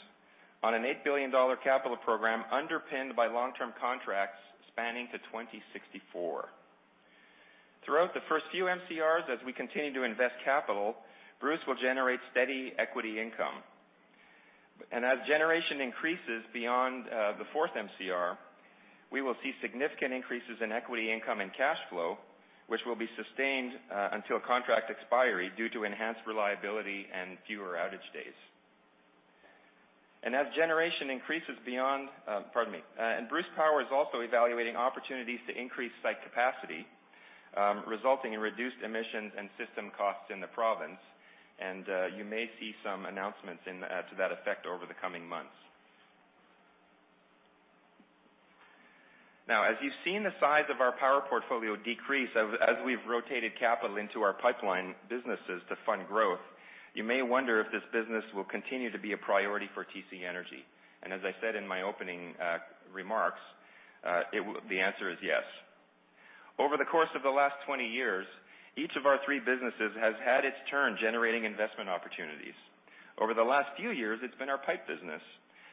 on an 8 billion dollar capital program underpinned by long-term contracts spanning to 2064. Throughout the first few MCRs, as we continue to invest capital, Bruce will generate steady equity income. As generation increases beyond the fourth MCR, we will see significant increases in equity income and cash flow, which will be sustained until contract expiry due to enhanced reliability and fewer outage days. Bruce Power is also evaluating opportunities to increase site capacity, resulting in reduced emissions and system costs in the province. You may see some announcements to that effect over the coming months. Now, as you've seen the size of our power portfolio decrease as we've rotated capital into our pipeline businesses to fund growth, you may wonder if this business will continue to be a priority for TC Energy. As I said in my opening remarks, the answer is yes. Over the course of the last 20 years, each of our three businesses has had its turn generating investment opportunities. Over the last few years, it's been our pipe business,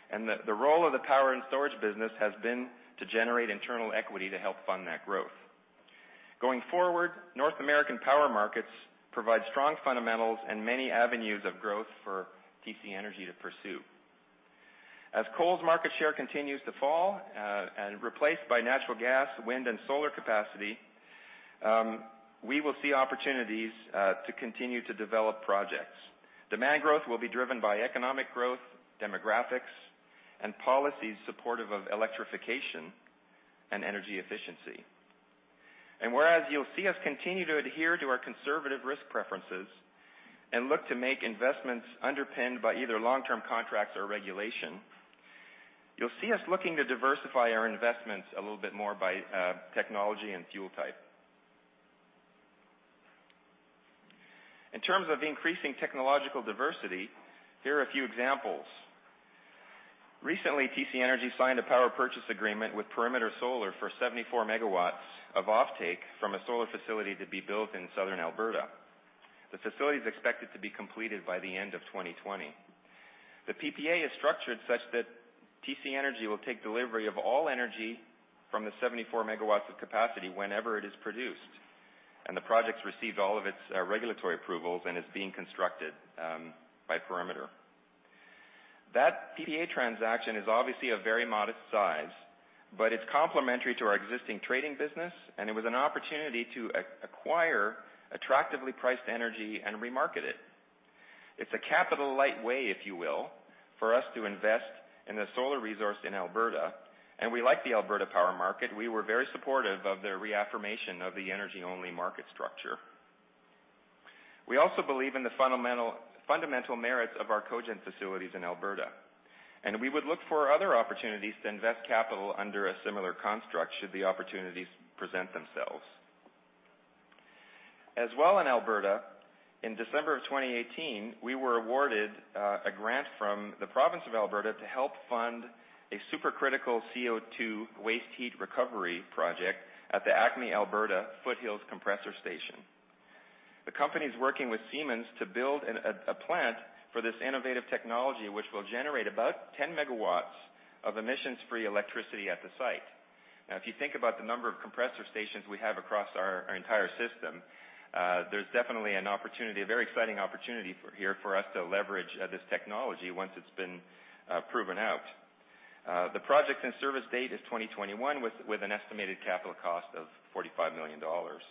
and the role of the power and storage business has been to generate internal equity to help fund that growth. Going forward, North American power markets provide strong fundamentals and many avenues of growth for TC Energy to pursue. As coal's market share continues to fall and replaced by natural gas, wind, and solar capacity, we will see opportunities to continue to develop projects. Demand growth will be driven by economic growth, demographics, and policies supportive of electrification and energy efficiency. Whereas you'll see us continue to adhere to our conservative risk preferences and look to make investments underpinned by either long-term contracts or regulation, you'll see us looking to diversify our investments a little bit more by technology and fuel type. In terms of increasing technological diversity, here are a few examples. Recently, TC Energy signed a power purchase agreement with Perimeter Solar for 74 MW of offtake from a solar facility to be built in Southern Alberta. The facility's expected to be completed by the end of 2020. The PPA is structured such that TC Energy will take delivery of all energy from the 74 MW of capacity whenever it is produced. The project's received all of its regulatory approvals and is being constructed by Perimeter. That PPA transaction is obviously a very modest size, but it's complementary to our existing trading business, and it was an opportunity to acquire attractively priced energy and remarket it. It's a capital-light way, if you will, for us to invest in the solar resource in Alberta, and we like the Alberta power market. We were very supportive of their reaffirmation of the energy-only market structure. We also believe in the fundamental merits of our cogen facilities in Alberta, and we would look for other opportunities to invest capital under a similar construct should the opportunities present themselves. In Alberta, in December 2018, we were awarded a grant from the province of Alberta to help fund a supercritical CO2 waste heat recovery project at the Acme, Alberta Foothills Compressor Station. The company's working with Siemens to build a plant for this innovative technology, which will generate about 10 MW of emissions-free electricity at the site. If you think about the number of compressor stations we have across our entire system, there's definitely a very exciting opportunity here for us to leverage this technology once it's been proven out. The project's in-service date is 2021 with an estimated capital cost of 45 million dollars.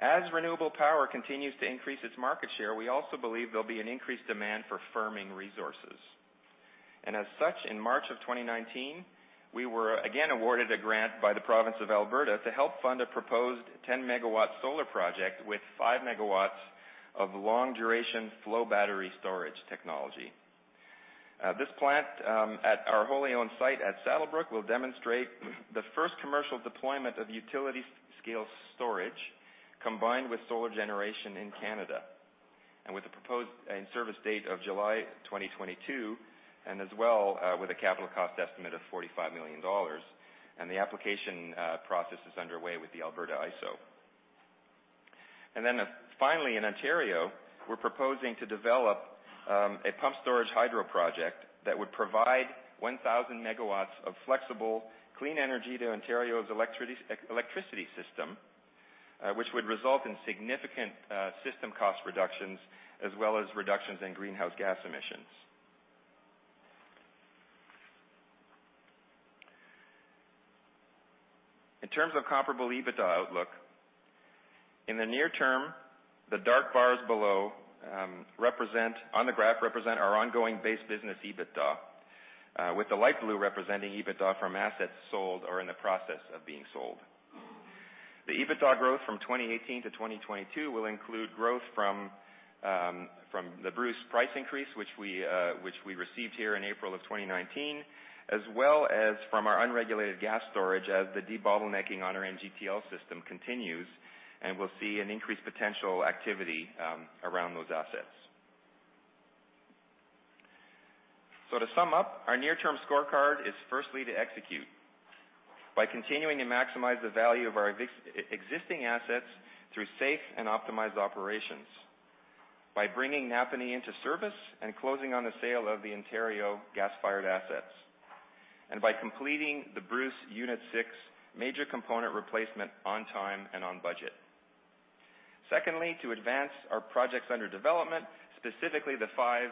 Renewable power continues to increase its market share, we also believe there'll be an increased demand for firming resources. As such, in March of 2019, we were again awarded a grant by the province of Alberta to help fund a proposed 10 MW solar project with 5 MW of long-duration flow battery storage technology. This plant at our wholly-owned site at Saddlebrook will demonstrate the first commercial deployment of utility-scale storage combined with solar generation in Canada, with a proposed in-service date of July 2022, with a capital cost estimate of 45 million dollars. The application process is underway with the Alberta ISO. Finally in Ontario, we're proposing to develop a pump storage hydro project that would provide 1,000 MW of flexible, clean energy to Ontario's electricity system, which would result in significant system cost reductions, as well as reductions in greenhouse gas emissions. In terms of comparable EBITDA outlook, in the near term, the dark bars below on the graph represent our ongoing base business EBITDA, with the light blue representing EBITDA from assets sold or in the process of being sold. The EBITDA growth from 2018 to 2022 will include growth from the Bruce price increase, which we received here in April of 2019, as well as from our unregulated gas storage as the debottlenecking on our NGTL system continues, and we'll see an increased potential activity around those assets. To sum up, our near-term scorecard is firstly to execute by continuing to maximize the value of our existing assets through safe and optimized operations, by bringing Napanee into service and closing on the sale of the Ontario gas-fired assets, and by completing the Bruce Unit 6 major component replacement on time and on budget. Secondly, to advance our projects under development, specifically the five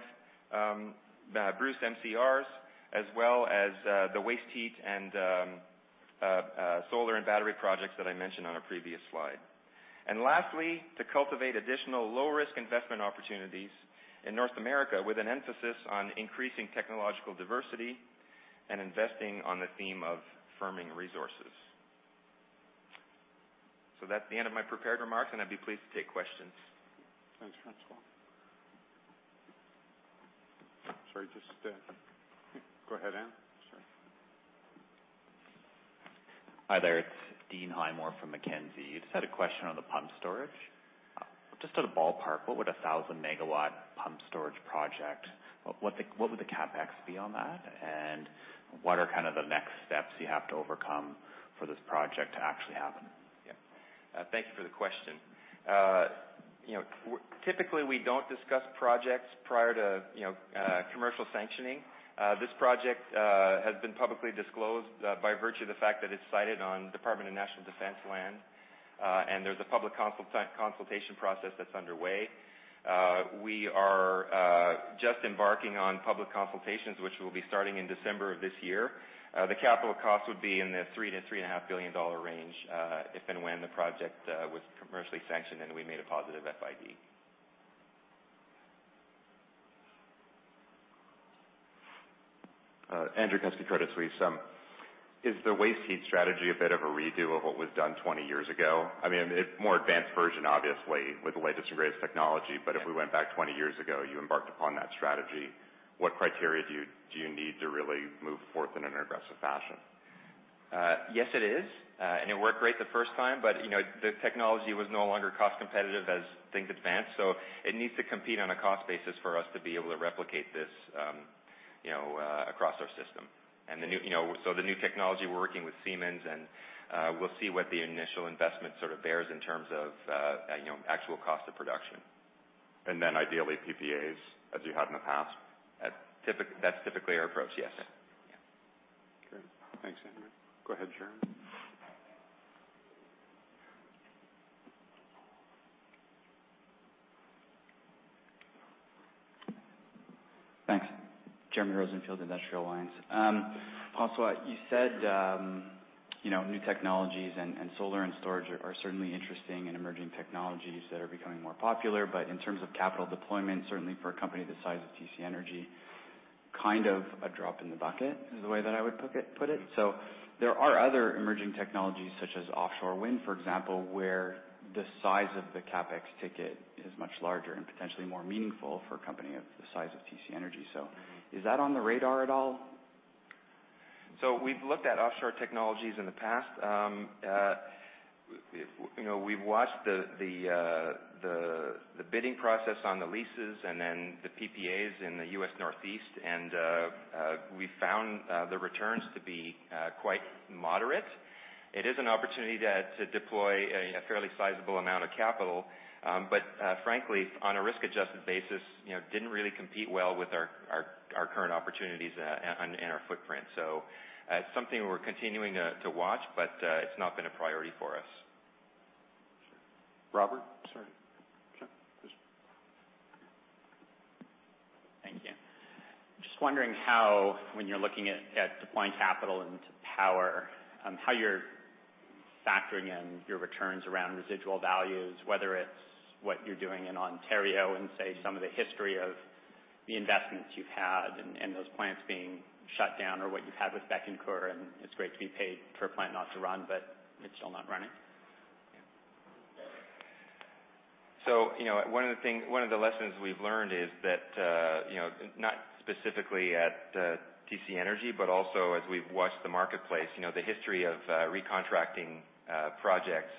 Bruce MCRs, as well as the waste heat and solar and battery projects that I mentioned on a previous slide. Lastly, to cultivate additional low-risk investment opportunities in North America, with an emphasis on increasing technological diversity and investing on the theme of firming resources. That's the end of my prepared remarks, and I'd be pleased to take questions. Thanks, François. Sorry, just go ahead, Dean. Sure. Hi there. It's Dean Highmoor from Mackenzie. Just had a question on the pump storage. Just at a ballpark, what would 1,000-megawatt pump storage project, what would the CapEx be on that? What are the next steps you have to overcome for this project to actually happen? Yeah. Thank you for the question. Typically, we don't discuss projects prior to commercial sanctioning. This project has been publicly disclosed by virtue of the fact that it's cited on Department of National Defence land. There's a public consultation process that's underway. We are just embarking on public consultations, which will be starting in December of this year. The capital cost would be in the 3 billion-3.5 billion dollar range, if and when the project was commercially sanctioned and we made a positive FID. Andrew Kuske, Credit Suisse. Is the waste heat strategy a bit of a redo of what was done 20 years ago? I mean, a more advanced version, obviously, with the latest and greatest technology. If we went back 20 years ago, you embarked upon that strategy. What criteria do you need to really move forth in an aggressive fashion? Yes, it is. It worked great the first time, but the technology was no longer cost competitive as things advanced. It needs to compete on a cost basis for us to be able to replicate this across our system. The new technology, we're working with Siemens and we'll see what the initial investment bears in terms of actual cost of production. Ideally PPAs as you have in the past? That's typically our approach, yes. Okay. Thanks, Andrew. Go ahead, Jeremy. Thanks. Jeremy Rosenfield, Industrial Alliance. François, you said new technologies and solar and storage are certainly interesting and emerging technologies that are becoming more popular. In terms of capital deployment, certainly for a company the size of TC Energy, kind of a drop in the bucket is the way that I would put it. There are other emerging technologies such as offshore wind, for example, where the size of the CapEx ticket is much larger and potentially more meaningful for a company of the size of TC Energy. Is that on the radar at all? We've looked at offshore technologies in the past. We've watched the bidding process on the leases and then the PPAs in the U.S. Northeast. We've found the returns to be quite moderate. It is an opportunity to deploy a fairly sizable amount of capital. Frankly, on a risk-adjusted basis, it didn't really compete well with our current opportunities and our footprint. It's something we're continuing to watch, but it's not been a priority for us. Robert, sorry. Yeah, please. Thank you. Just wondering how, when you're looking at deploying capital into power, how you're factoring in your returns around residual values, whether it's what you're doing in Ontario and, say, some of the history of the investments you've had and those plants being shut down or what you've had with Bécancour and it's great to be paid per plant not to run, but it's still not running. One of the lessons we've learned is that, not specifically at TC Energy, but also as we've watched the marketplace, the history of recontracting projects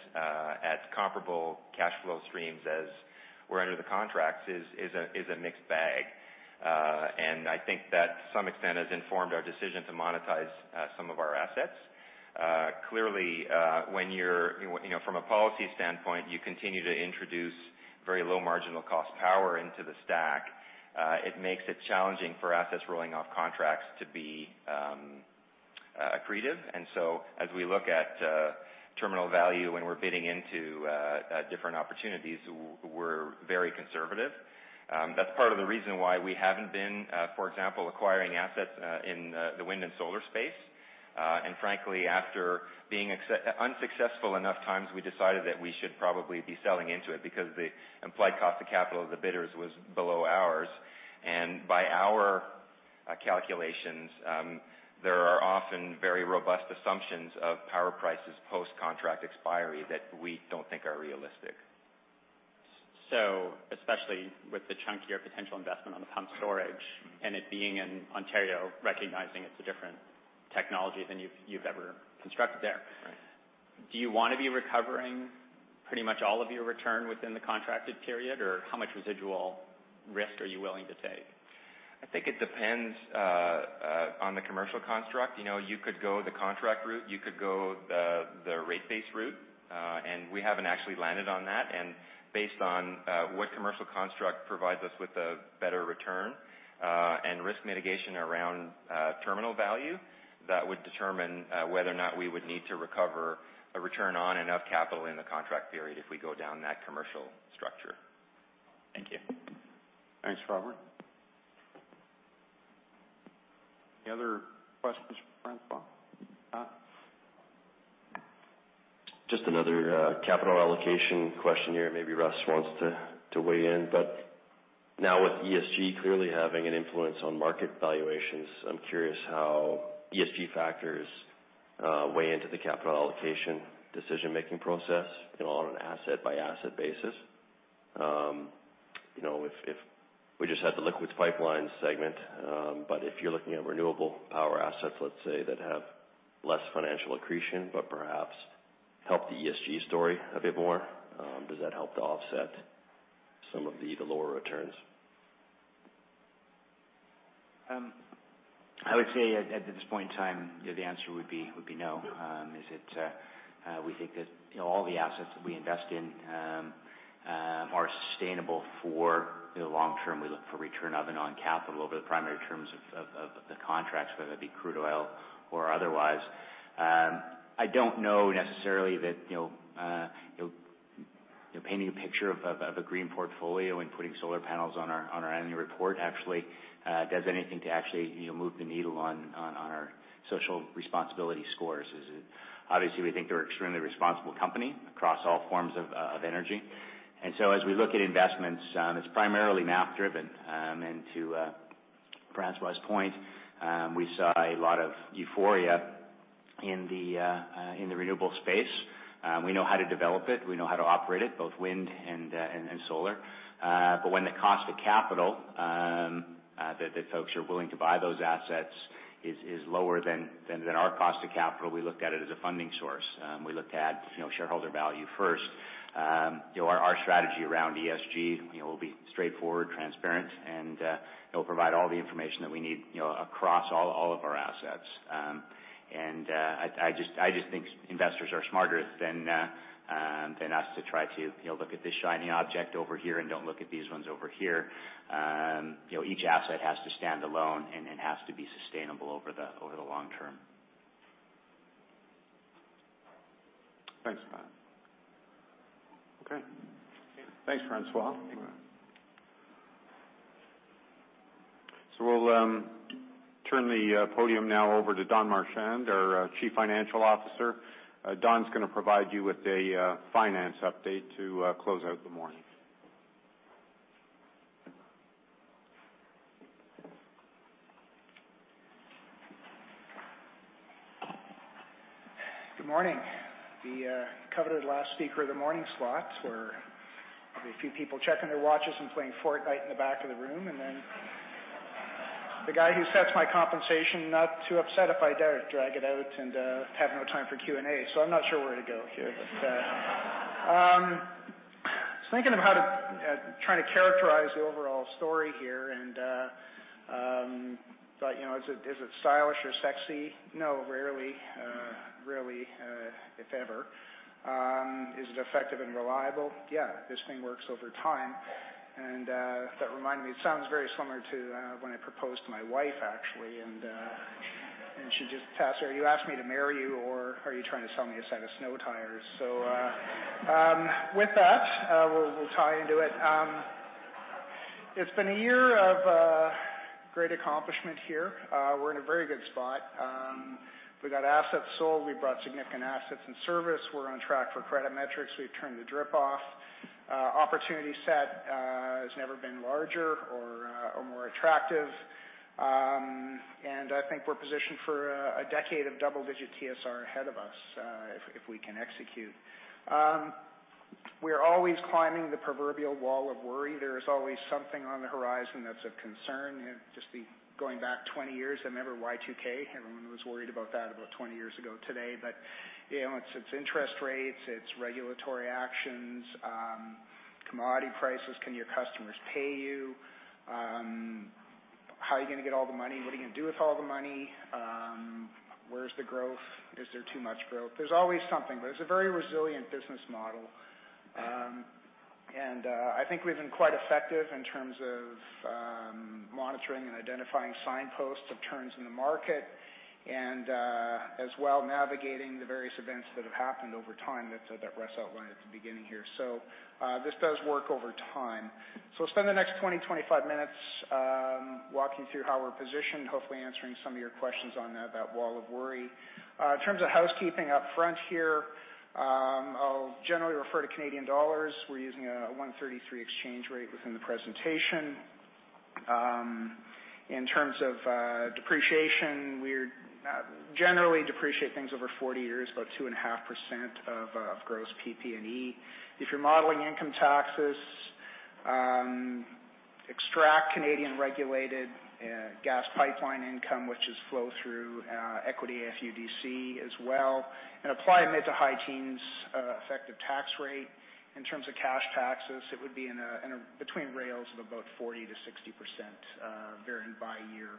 at comparable cash flow streams as were under the contracts is a mixed bag. I think that to some extent has informed our decision to monetize some of our assets. Clearly, from a policy standpoint, you continue to introduce very low marginal cost power into the stack. It makes it challenging for assets rolling off contracts to be accretive. As we look at terminal value when we're bidding into different opportunities, we're very conservative. That's part of the reason why we haven't been, for example, acquiring assets in the wind and solar space. Frankly, after being unsuccessful enough times, we decided that we should probably be selling into it because the implied cost of capital of the bidders was below ours. By our calculations, there are often very robust assumptions of power prices post-contract expiry that we don't think are realistic. Especially with the chunk of your potential investment on the pump storage and it being in Ontario, recognizing it's a different technology than you've ever constructed there. Right. Do you want to be recovering pretty much all of your return within the contracted period, or how much residual risk are you willing to take? I think it depends on the commercial construct. You could go the contract route, you could go the rate-based route. We haven't actually landed on that. Based on what commercial construct provides us with a better return, and risk mitigation around terminal value, that would determine whether or not we would need to recover a return on enough capital in the contract period if we go down that commercial structure. Thank you. Thanks, Robert. Any other questions for François? Just another capital allocation question here, and maybe Russ wants to weigh in. Now with ESG clearly having an influence on market valuations, I'm curious how ESG factors weigh into the capital allocation decision-making process on an asset-by-asset basis. If we just had the liquids pipeline segment, but if you're looking at renewable power assets, let's say, that have less financial accretion but perhaps help the ESG story a bit more, does that help to offset some of the lower returns? I would say at this point in time, the answer would be no. Yeah. We think that all the assets that we invest in are sustainable for the long term. We look for return of and on capital over the primary terms of the contracts, whether that be crude oil or otherwise. I don't know necessarily that painting a picture of a green portfolio and putting solar panels on our annual report actually does anything to actually move the needle on our social responsibility scores. Obviously, we think we're an extremely responsible company across all forms of energy. As we look at investments, it's primarily math-driven. To François' point, we saw a lot of euphoria in the renewable space. We know how to develop it, we know how to operate it, both wind and solar. When the cost of capital that folks are willing to buy those assets is lower than our cost of capital, we look at it as a funding source. We look at shareholder value first. Our strategy around ESG will be straightforward, transparent, and it'll provide all the information that we need across all of our assets. I just think investors are smarter than us to try to look at this shiny object over here and don't look at these ones over here. Each asset has to stand alone and has to be sustainable over the long term. Thanks, Pat. Okay. Thanks, François. We'll turn the podium now over to Don Marchand, our Chief Financial Officer. Don's going to provide you with a finance update to close out the morning. Good morning. The coveted last speaker of the morning slot, where there'll be a few people checking their watches and playing Fortnite in the back of the room, the guy who sets my compensation, not too upset if I dare drag it out and have no time for Q&A. I'm not sure where to go here. I was thinking of how to try to characterize the overall story here, and thought, is it stylish or sexy? No, rarely. Rarely, if ever. Is it effective and reliable? Yeah, this thing works over time. That reminded me, it sounds very similar to when I proposed to my wife, actually, and she just asked, "Are you asking me to marry you, or are you trying to sell me a set of snow tires?" With that, we'll tie into it. It's been a year of great accomplishment here. We're in a very good spot. We got assets sold. We brought significant assets in service. We're on track for credit metrics. We've turned the DRIP off. Opportunity set has never been larger or more attractive. I think we're positioned for a decade of double-digit TSR ahead of us, if we can execute. We're always climbing the proverbial wall of worry. There is always something on the horizon that's of concern. Just going back 20 years, remember Y2K? Everyone was worried about that about 20 years ago today. It's interest rates, it's regulatory actions, commodity prices. Can your customers pay you? How are you going to get all the money? What are you going to do with all the money? Where's the growth? Is there too much growth? There's always something, but it's a very resilient business model. I think we've been quite effective in terms of monitoring and identifying signposts of turns in the market, and as well, navigating the various events that have happened over time that Russ outlined at the beginning here. This does work over time. I'll spend the next 20, 25 minutes walking through how we're positioned, hopefully answering some of your questions on that wall of worry. In terms of housekeeping up front here, I'll generally refer to Canadian dollars. We're using a 133 exchange rate within the presentation. In terms of depreciation, we generally depreciate things over 40 years, about 2.5% of gross PP&E. If you're modeling income taxes, extract Canadian regulated gas pipeline income, which is flow-through equity AFUDC as well, and apply a mid to high teens effective tax rate. In terms of cash taxes, it would be in between rails of about 40%-60%, varying by year.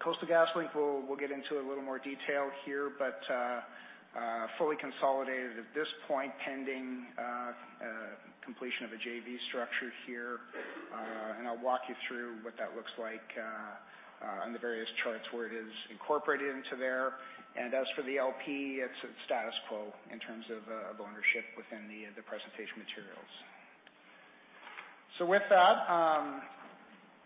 Coastal GasLink, we'll get into a little more detail here, but fully consolidated at this point, pending completion of a JV structure here. I'll walk you through what that looks like on the various charts where it is incorporated into there. As for the LP, it's status quo in terms of ownership within the presentation materials. With that,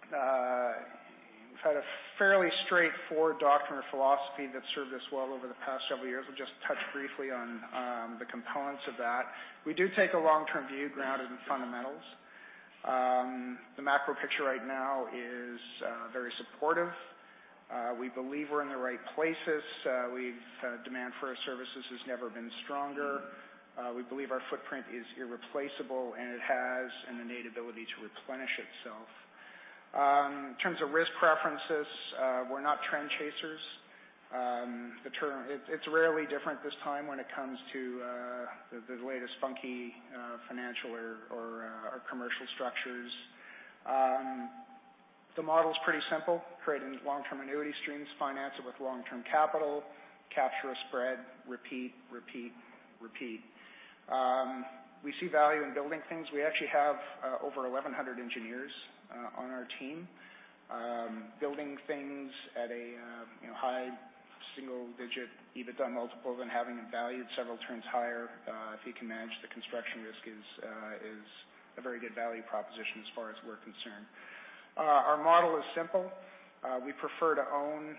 we've had a fairly straightforward doctrine or philosophy that's served us well over the past several years. We'll just touch briefly on the components of that. We do take a long-term view grounded in fundamentals. The macro picture right now is very supportive. We believe we're in the right places. Demand for our services has never been stronger. We believe our footprint is irreplaceable and it has an innate ability to replenish itself. In terms of risk preferences, we're not trend chasers. It's rarely different this time when it comes to the latest funky financial or commercial structures. The model's pretty simple. Creating long-term annuity streams, finance it with long-term capital, capture a spread, repeat, repeat. We see value in building things. We actually have over 1,100 engineers on our team. Building things at a high single-digit EBITDA multiple, then having them valued several turns higher if you can manage the construction risk is a very good value proposition as far as we're concerned. Our model is simple. We prefer to own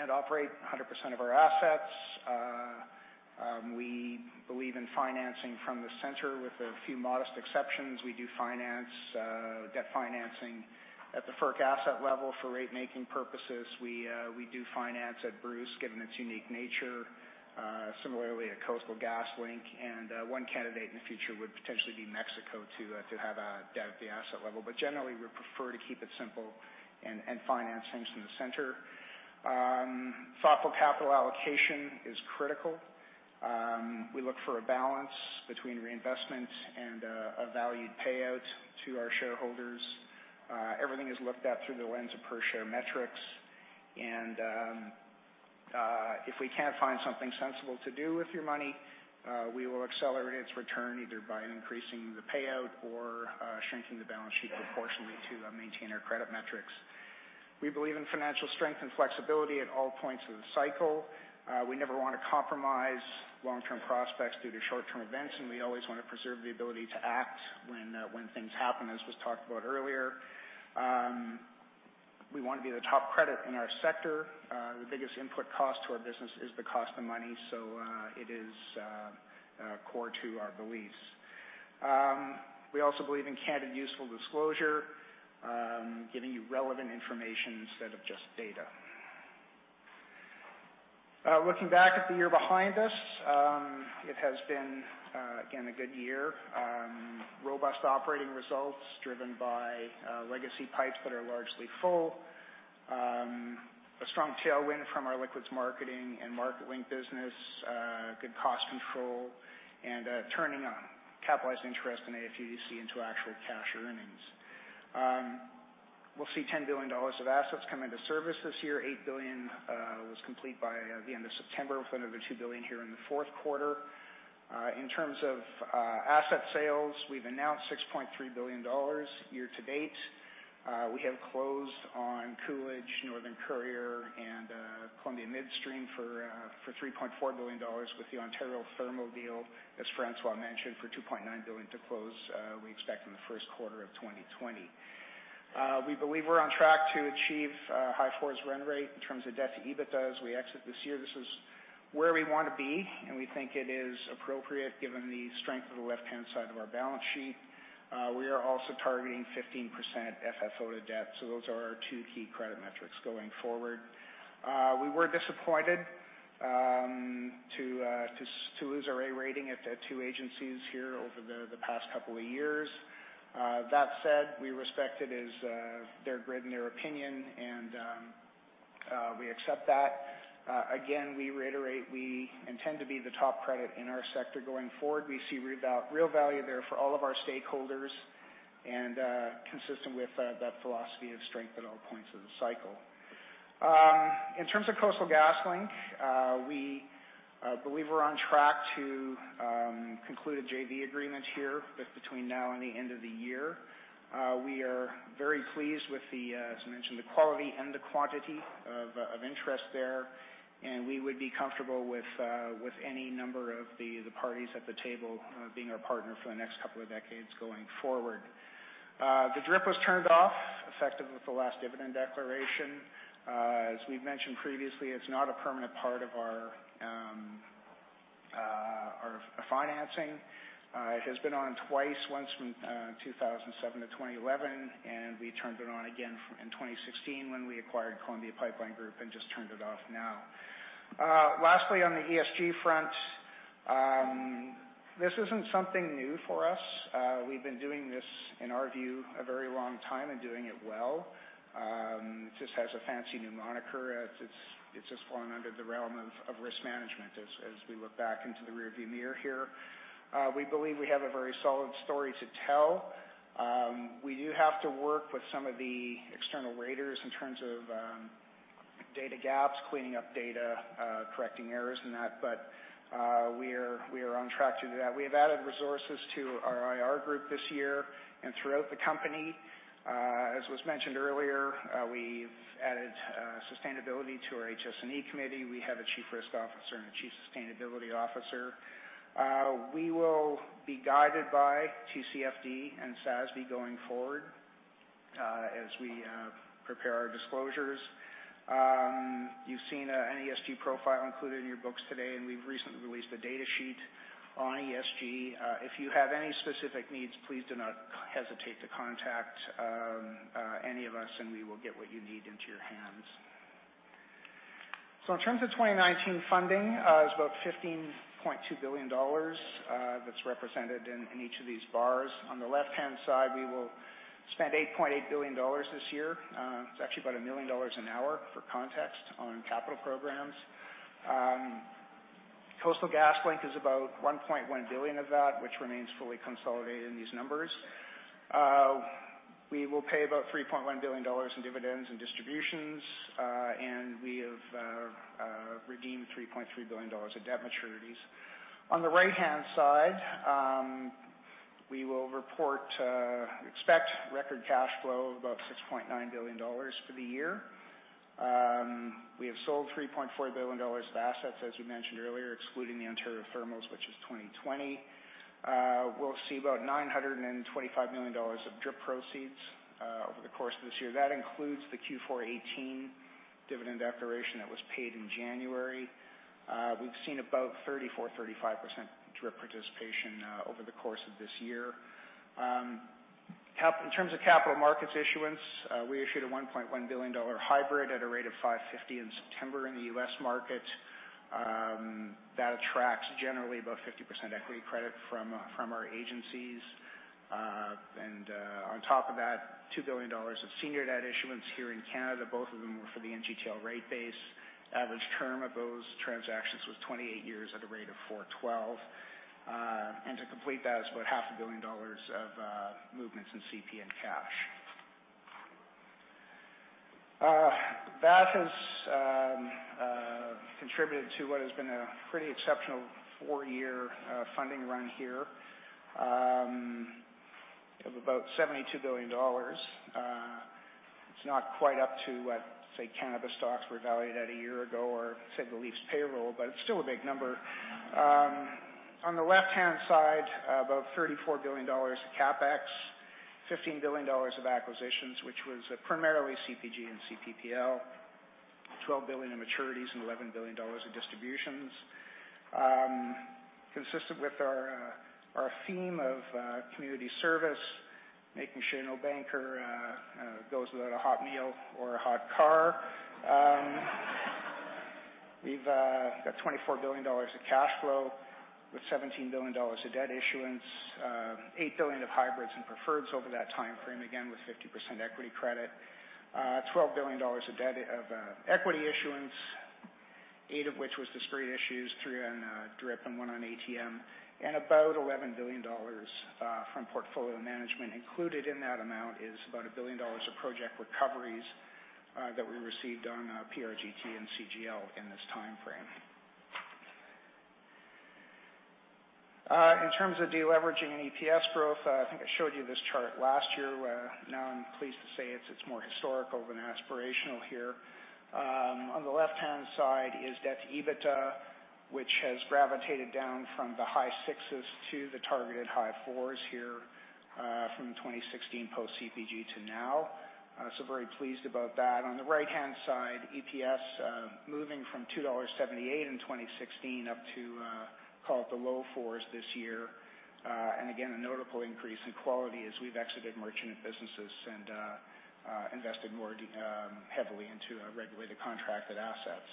and operate 100% of our assets. We believe in financing from the center with a few modest exceptions. We do debt financing at the FERC asset level for rate-making purposes. We do finance at Bruce, given its unique nature. Similarly, at Coastal GasLink and one candidate in the future would potentially be Mexico to have a debt at the asset level. Generally, we prefer to keep it simple and finance things from the center. Thoughtful capital allocation is critical. We look for a balance between reinvestment and a valued payout to our shareholders. Everything is looked at through the lens of per-share metrics. If we can't find something sensible to do with your money, we will accelerate its return either by increasing the payout or shrinking the balance sheet proportionately to maintain our credit metrics. We believe in financial strength and flexibility at all points of the cycle. We never want to compromise long-term prospects due to short-term events, and we always want to preserve the ability to act when things happen, as was talked about earlier. We want to be the top credit in our sector. The biggest input cost to our business is the cost of money, so it is core to our beliefs. We also believe in candid, useful disclosure, giving you relevant information instead of just data. Looking back at the year behind us, it has been, again, a good year. Robust operating results driven by legacy pipes that are largely full. A strong tailwind from our liquids marketing and Marketlink business, good cost control, and turning on capitalized interest in AFUDC into actual cash earnings. We'll see 10 billion dollars of assets come into service this year. 8 billion was complete by the end of September, with another 2 billion here in the fourth quarter. In terms of asset sales, we've announced 6.3 billion dollars year-to-date. We have closed on Coolidge, Northern Courier, and Columbia Midstream for 3.4 billion dollars with the Ontario Thermals deal, as François mentioned, for 2.9 billion to close, we expect in the first quarter of 2020. We believe we're on track to achieve a high fours run rate in terms of debt-to-EBITDAs we exit this year. This is where we want to be, and we think it is appropriate given the strength of the left-hand side of our balance sheet. We are also targeting 15% FFO to debt. Those are our two key credit metrics going forward. We were disappointed to lose our A rating at the two agencies here over the past couple of years. That said, we respect it as their grade and their opinion. We accept that. We reiterate, we intend to be the top credit in our sector going forward. We see real value there for all of our stakeholders, consistent with that philosophy of strength at all points of the cycle. In terms of Coastal GasLink, we believe we're on track to conclude a JV agreement here, that's between now and the end of the year. We are very pleased with the, as I mentioned, the quality and the quantity of interest there. We would be comfortable with any number of the parties at the table being our partner for the next couple of decades going forward. The DRIP was turned off effective with the last dividend declaration. As we've mentioned previously, it's not a permanent part of our financing. It has been on twice, once from 2007 to 2011. We turned it on again in 2016 when we acquired Columbia Pipeline Group. Just turned it off now. Lastly, on the ESG front, this isn't something new for us. We've been doing this, in our view, a very long time and doing it well. It just has a fancy new moniker. It's just fallen under the realm of risk management as we look back into the rear-view mirror here. We believe we have a very solid story to tell. We do have to work with some of the external raters in terms of data gaps, cleaning up data, correcting errors, and that. We are on track to do that. We have added resources to our IR group this year and throughout the company. As was mentioned earlier, we've added sustainability to our HSSE committee. We have a chief risk officer and a chief sustainability officer. We will be guided by TCFD and SASB going forward, as we prepare our disclosures. You've seen an ESG profile included in your books today, and we've recently released a data sheet on ESG. If you have any specific needs, please do not hesitate to contact any of us, and we will get what you need into your hands. In terms of 2019 funding, it was about 15.2 billion dollars that's represented in each of these bars. On the left-hand side, we will spend 8.8 billion dollars this year. It's actually about 1 million dollars an hour, for context, on capital programs. Coastal GasLink is about 1.1 billion of that, which remains fully consolidated in these numbers. We will pay about 3.1 billion dollars in dividends and distributions, and we have redeemed 3.3 billion dollars of debt maturities. On the right-hand side, we will expect record cash flow of about 6.9 billion dollars for the year. We have sold 3.4 billion dollars of assets, as we mentioned earlier, excluding the Ontario Thermals, which is 2020. We'll see about 925 million dollars of DRIP proceeds over the course of this year. That includes the Q4 2018 dividend declaration that was paid in January. We've seen about 34%-35% DRIP participation over the course of this year. In terms of capital markets issuance, we issued a $1.1 billion hybrid at a rate of 550 in September in the U.S. market. That attracts generally about 50% equity credit from our agencies. On top of that, 2 billion dollars of senior debt issuance here in Canada, both of them were for the NGTL rate base. Average term of those transactions was 28 years at a rate of 412. To complete that, it's about 500 million dollars of movements in CPPL cash. That has contributed to what has been a pretty exceptional four-year funding run here of about 72 billion dollars. It's not quite up to what, say, cannabis stocks were valued at a year ago or, say, the Leafs' payroll, but it's still a big number. On the left-hand side, about 34 billion dollars of CapEx, 15 billion dollars of acquisitions, which was primarily CPG and CPPL, 12 billion in maturities and 11 billion dollars in distributions. Consistent with our theme of community service, making sure no banker goes without a hot meal or a hot car. We've got 24 billion dollars of cash flow, with 17 billion dollars of debt issuance, 8 billion of hybrids and preferreds over that timeframe, again with 50% equity credit, 12 billion dollars of equity issuance, eight of which was discrete issues, three on DRIP and one on ATM, and about 11 billion dollars from portfolio management. Included in that amount is about 1 billion dollars of project recoveries that we received on PRGT and CGL in this timeframe. In terms of de-leveraging and EPS growth, I think I showed you this chart last year. I'm pleased to say it's more historical than aspirational here. On the left-hand side is debt to EBITDA, which has gravitated down from the high sixes to the targeted high fours here, from 2016 post CPG to now. Very pleased about that. On the right-hand side, EPS moving from 2.78 dollars in 2016 up to, call it the low CAD 4s this year. Again, a notable increase in quality as we've exited merchant businesses and invested more heavily into regulated contracted assets.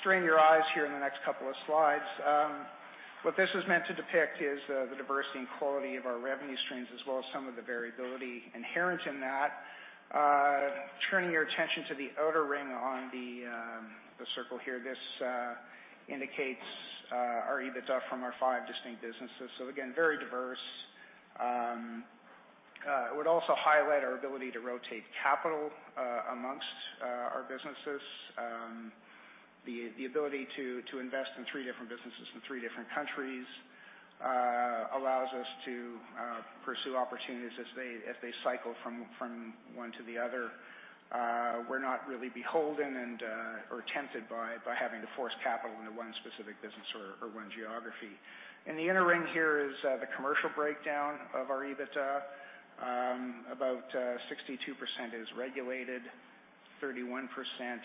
Strain your eyes here in the next couple of slides. What this is meant to depict is the diversity and quality of our revenue streams, as well as some of the variability inherent in that. Turning your attention to the outer ring on the circle here, this indicates our EBITDA from our five distinct businesses. Again, very diverse. I would also highlight our ability to rotate capital amongst our businesses. The ability to invest in three different businesses in three different countries allows us to pursue opportunities as they cycle from one to the other. We're not really beholden or tempted by having to force capital into one specific business or one geography. In the inner ring here is the commercial breakdown of our EBITDA. About 62% is regulated, 31%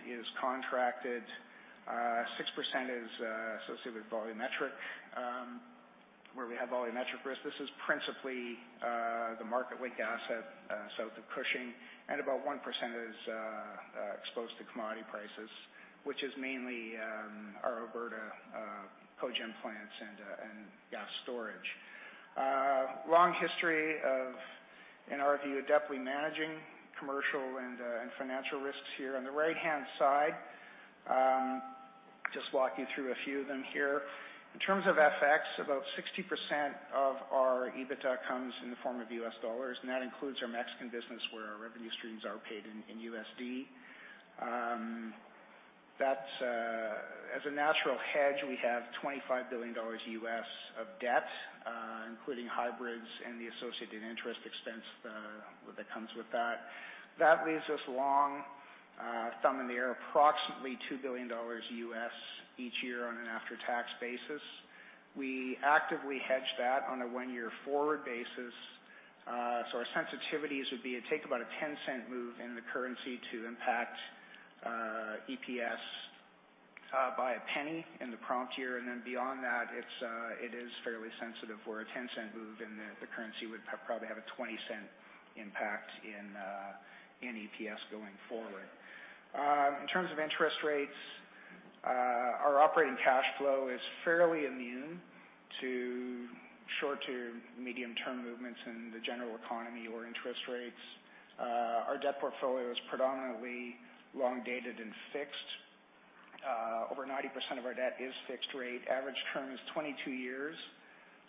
is contracted, 6% is associated with volumetric, where we have volumetric risk. This is principally the Marketlink asset south of Cushing, and about 1% is exposed to commodity prices, which is mainly our Alberta cogen plants and gas storage. Long history of, in our view, adeptly managing commercial and financial risks here. On the right-hand side, just walk you through a few of them here. In terms of FX, about 60% of our EBITDA comes in the form of US dollars, and that includes our Mexican business where our revenue streams are paid in USD. As a natural hedge, we have $25 billion of debt, including hybrids and the associated interest expense that comes with that. That leaves us long, thumb in the air, approximately $2 billion each year on an after-tax basis. We actively hedge that on a one-year forward basis. Our sensitivities would be, it would take about a $0.10 move in the currency to impact EPS by a $0.01 in the prompt year. Beyond that, it is fairly sensitive, where a $0.10 move in the currency would probably have a $0.20 impact in EPS going forward. In terms of interest rates, our operating cash flow is fairly immune to short to medium-term movements in the general economy or interest rates. Our debt portfolio is predominantly long-dated and fixed. Over 90% of our debt is fixed rate. Average term is 22 years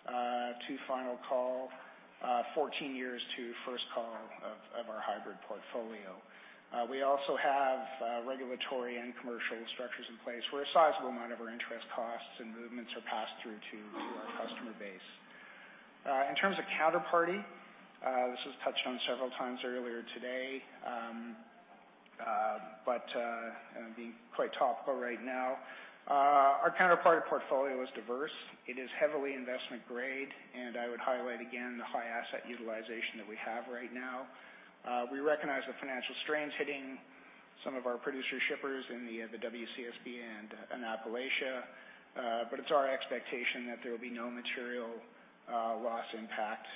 to final call, 14 years to first call of our hybrid portfolio. We also have regulatory and commercial structures in place where a sizable amount of our interest costs and movements are passed through to our customer base. In terms of counterparty, this was touched on several times earlier today, being quite topical right now. Our counterparty portfolio is diverse. It is heavily investment grade, I would highlight again the high asset utilization that we have right now. We recognize the financial strains hitting some of our producer shippers in the WCSB and Appalachia, it's our expectation that there will be no material loss impact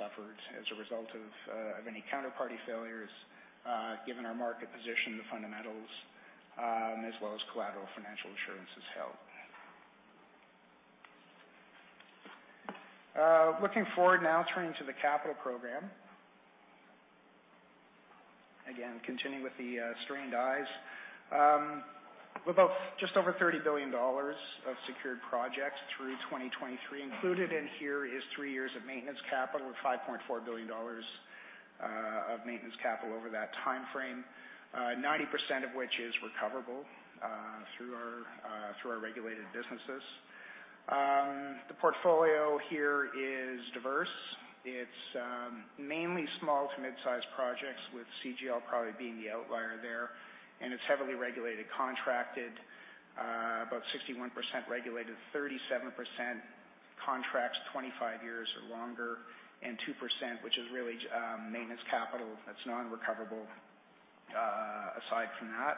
suffered as a result of any counterparty failures, given our market position, the fundamentals, as well as collateral financial assurances held. Looking forward now, turning to the capital program. Again, continuing with the strained eyes. With just over 30 billion dollars of secured projects through 2023. Included in here is three years of maintenance capital, with 5.4 billion dollars of maintenance capital over that timeframe, 90% of which is recoverable through our regulated businesses. The portfolio here is diverse. It's mainly small to mid-size projects, with CGL probably being the outlier there, and it's heavily regulated, contracted, about 61% regulated, 37% contracts 25 years or longer, and 2%, which is really maintenance capital that's non-recoverable aside from that.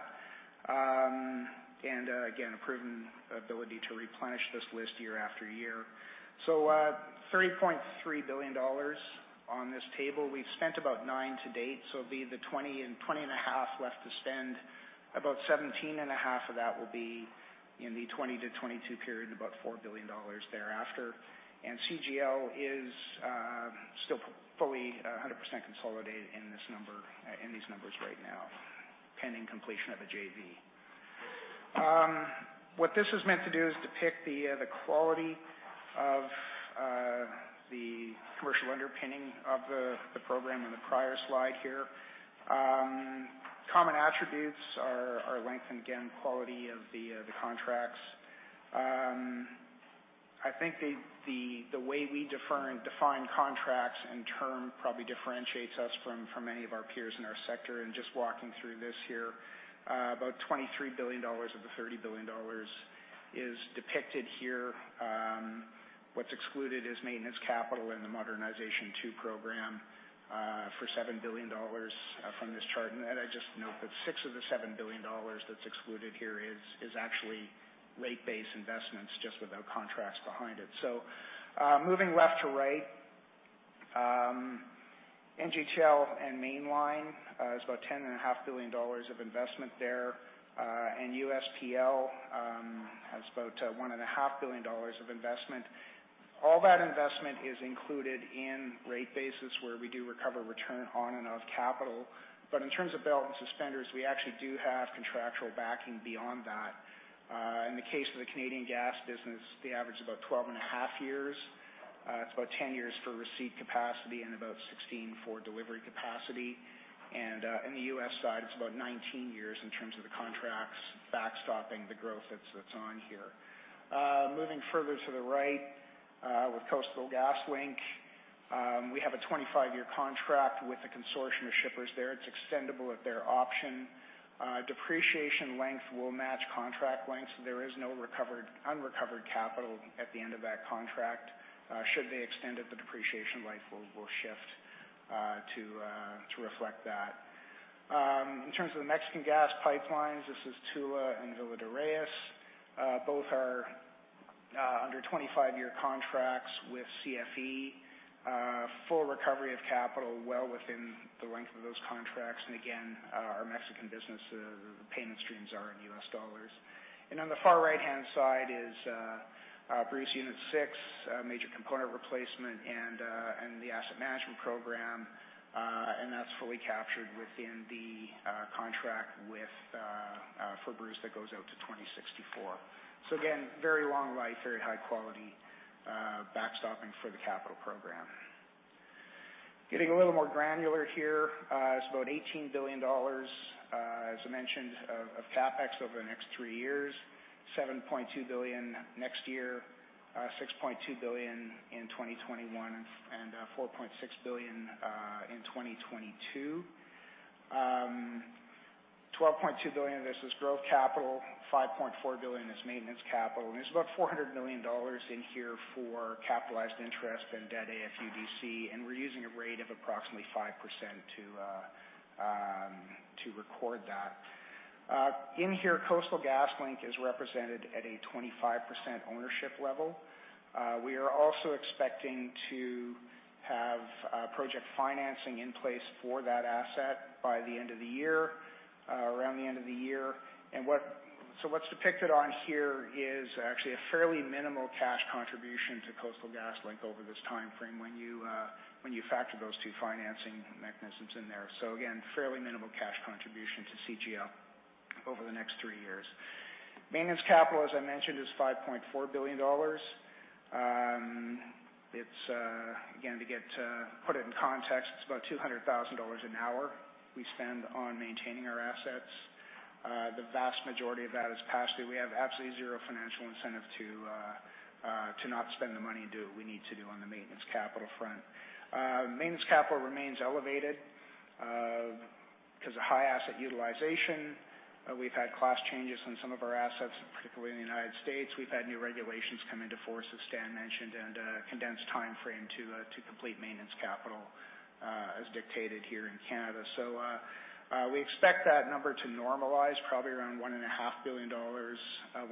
Again, a proven ability to replenish this list year after year. 30.3 billion dollars on this table. We've spent about 9 billion to date, it'll be the 20.5 billion left to spend. About 17.5 billion of that will be in the 2020 to 2022 period, and about 4 billion dollars thereafter. CGL is still fully 100% consolidated in these numbers right now, pending completion of a JV. What this is meant to do is depict the quality of the commercial underpinning of the program in the prior slide here. Common attributes are length and, again, quality of the contracts. I think the way we define contracts and term probably differentiates us from many of our peers in our sector. Just walking through this here, about 23 billion dollars of the 30 billion dollars is depicted here. What's excluded is maintenance capital and the Modernization II program for 7 billion dollars from this chart. I just note that six of the 7 billion dollars that's excluded here is actually rate base investments, just without contracts behind it. Moving left to right, NGTL and Mainline, it's about 10.5 billion dollars of investment there. U.S. PL has about 1.5 billion dollars of investment. All that investment is included in rate bases where we do recover return on and of capital. In terms of belt and suspenders, we actually do have contractual backing beyond that. In the case of the Canadian gas business, they average about 12 and a half years. It's about 10 years for received capacity and about 16 for delivery capacity. In the U.S. side, it's about 19 years in terms of the contracts backstopping the growth that's on here. Moving further to the right, with Coastal GasLink, we have a 25-year contract with a consortium of shippers there. It's extendable at their option. Depreciation length will match contract length, so there is no unrecovered capital at the end of that contract. Should they extend it, the depreciation life will shift to reflect that. In terms of the Mexican gas pipelines, this is Tula and Villa de Reyes. Both are under 25-year contracts with CFE. Full recovery of capital well within the length of those contracts. Our Mexican business payment streams are in U.S. dollars. On the far right-hand side is Bruce Unit 6, major component replacement, and the asset management program. That's fully captured within the contract for Bruce that goes out to 2064. Again, very long life, very high quality backstopping for the capital program. Getting a little more granular here, it's about $18 billion, as I mentioned, of CapEx over the next three years, $7.2 billion next year, $6.2 billion in 2021, and $4.6 billion in 2022. $12.2 billion of this is growth capital, $5.4 billion is maintenance capital. There's about $400 million in here for capitalized interest and debt AFUDC, and we're using a rate of approximately 5% to record that. In here, Coastal GasLink is represented at a 25% ownership level. We are also expecting to have project financing in place for that asset by the end of the year, around the end of the year. What's depicted on here is actually a fairly minimal cash contribution to Coastal GasLink over this timeframe when you factor those two financing mechanisms in there. Again, fairly minimal cash contribution to CGL over the next three years. Maintenance capital, as I mentioned, is 5.4 billion dollars. Again, to put it in context, it's about 200,000 dollars an hour we spend on maintaining our assets. The vast majority of that is passed through. We have absolutely zero financial incentive to not spend the money and do what we need to do on the maintenance capital front. Maintenance capital remains elevated, because of high asset utilization. We've had class changes on some of our assets, particularly in the United States. We've had new regulations come into force, as Stan mentioned, and a condensed timeframe to complete maintenance capital as dictated here in Canada. We expect that number to normalize, probably around 1.5 billion dollars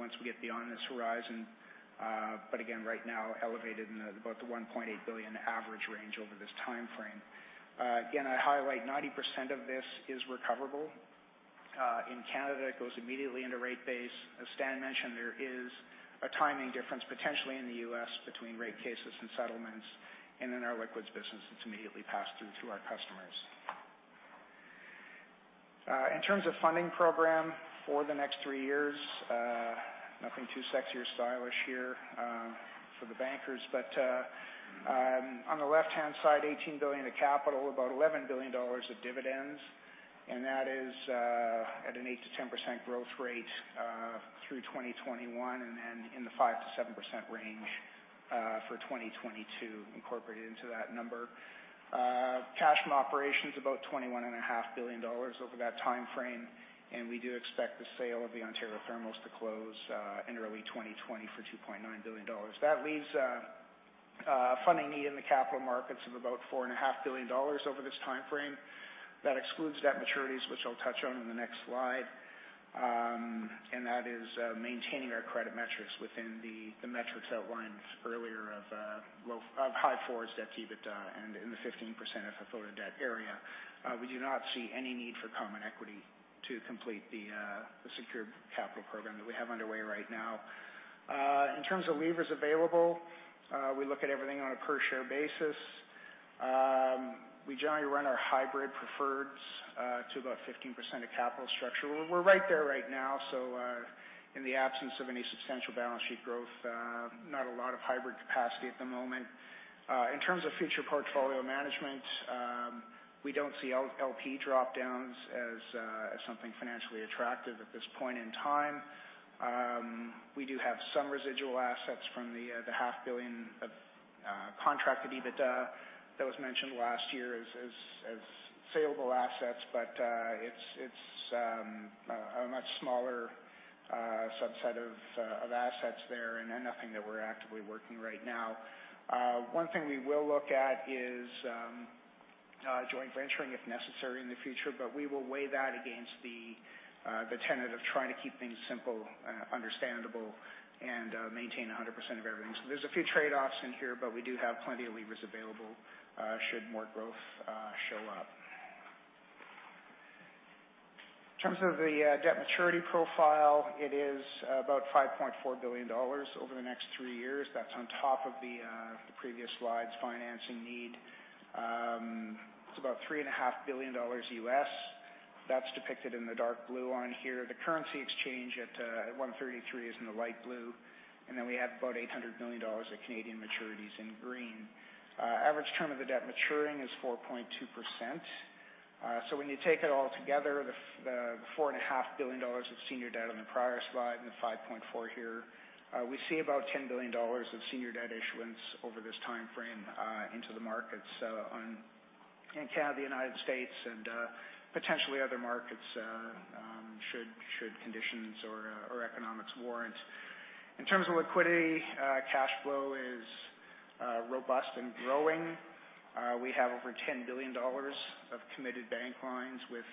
once we get beyond this horizon. Again, right now, elevated in about the 1.8 billion average range over this timeframe. Again, I highlight 90% of this is recoverable. In Canada, it goes immediately into rate base. As Stan mentioned, there is a timing difference potentially in the U.S. between rate cases and settlements, and in our liquids business, it's immediately passed through to our customers. In terms of funding program for the next three years, nothing too sexy or stylish here for the bankers. On the left-hand side, 18 billion of capital, about 11 billion dollars of dividends, that is at an 8%-10% growth rate through 2021, and in the 5%-7% range for 2022 incorporated into that number. Cash from operations, about 21.5 billion dollars over that timeframe, we do expect the sale of the Ontario Thermals to close in early 2020 for CAD 2.9 billion. That leaves a funding need in the capital markets of about 4.5 billion dollars over this timeframe. That excludes debt maturities, which I'll touch on in the next slide, that is maintaining our credit metrics within the metrics outlined earlier of high fours debt to EBITDA and in the 15% FFO to debt area. We do not see any need for common equity to complete the secured capital program that we have underway right now. In terms of levers available, we look at everything on a per share basis. We generally run our hybrid preferreds to about 15% of capital structure. We're right there right now. In the absence of any substantial balance sheet growth, not a lot of hybrid capacity at the moment. In terms of future portfolio management, we don't see LP drop-downs as something financially attractive at this point in time. We do have some residual assets from the 500 million of contracted EBITDA that was mentioned last year as saleable assets. It's a much smaller subset of assets there and nothing that we're actively working right now. One thing we will look at is joint venturing if necessary in the future. We will weigh that against the tenet of trying to keep things simple, understandable, and maintain 100% of everything. There's a few trade-offs in here, but we do have plenty of levers available should more growth show up. In terms of the debt maturity profile, it is about 5.4 billion dollars over the next three years. That's on top of the previous slide's financing need. It's about three and a $500 million. That's depicted in the dark blue on here. The currency exchange at 133 is in the light blue, we have about 800 million dollars maturities in green. Average term of the debt maturing is 4.2%. When you take it all together, the 4.5 billion dollars of senior debt on the prior slide, the 5.4 here, we see about 10 billion dollars of senior debt issuance over this timeframe into the markets in Canada, United States, and potentially other markets should conditions or economics warrant. In terms of liquidity, cash flow is robust and growing. We have over 10 billion dollars of committed bank lines with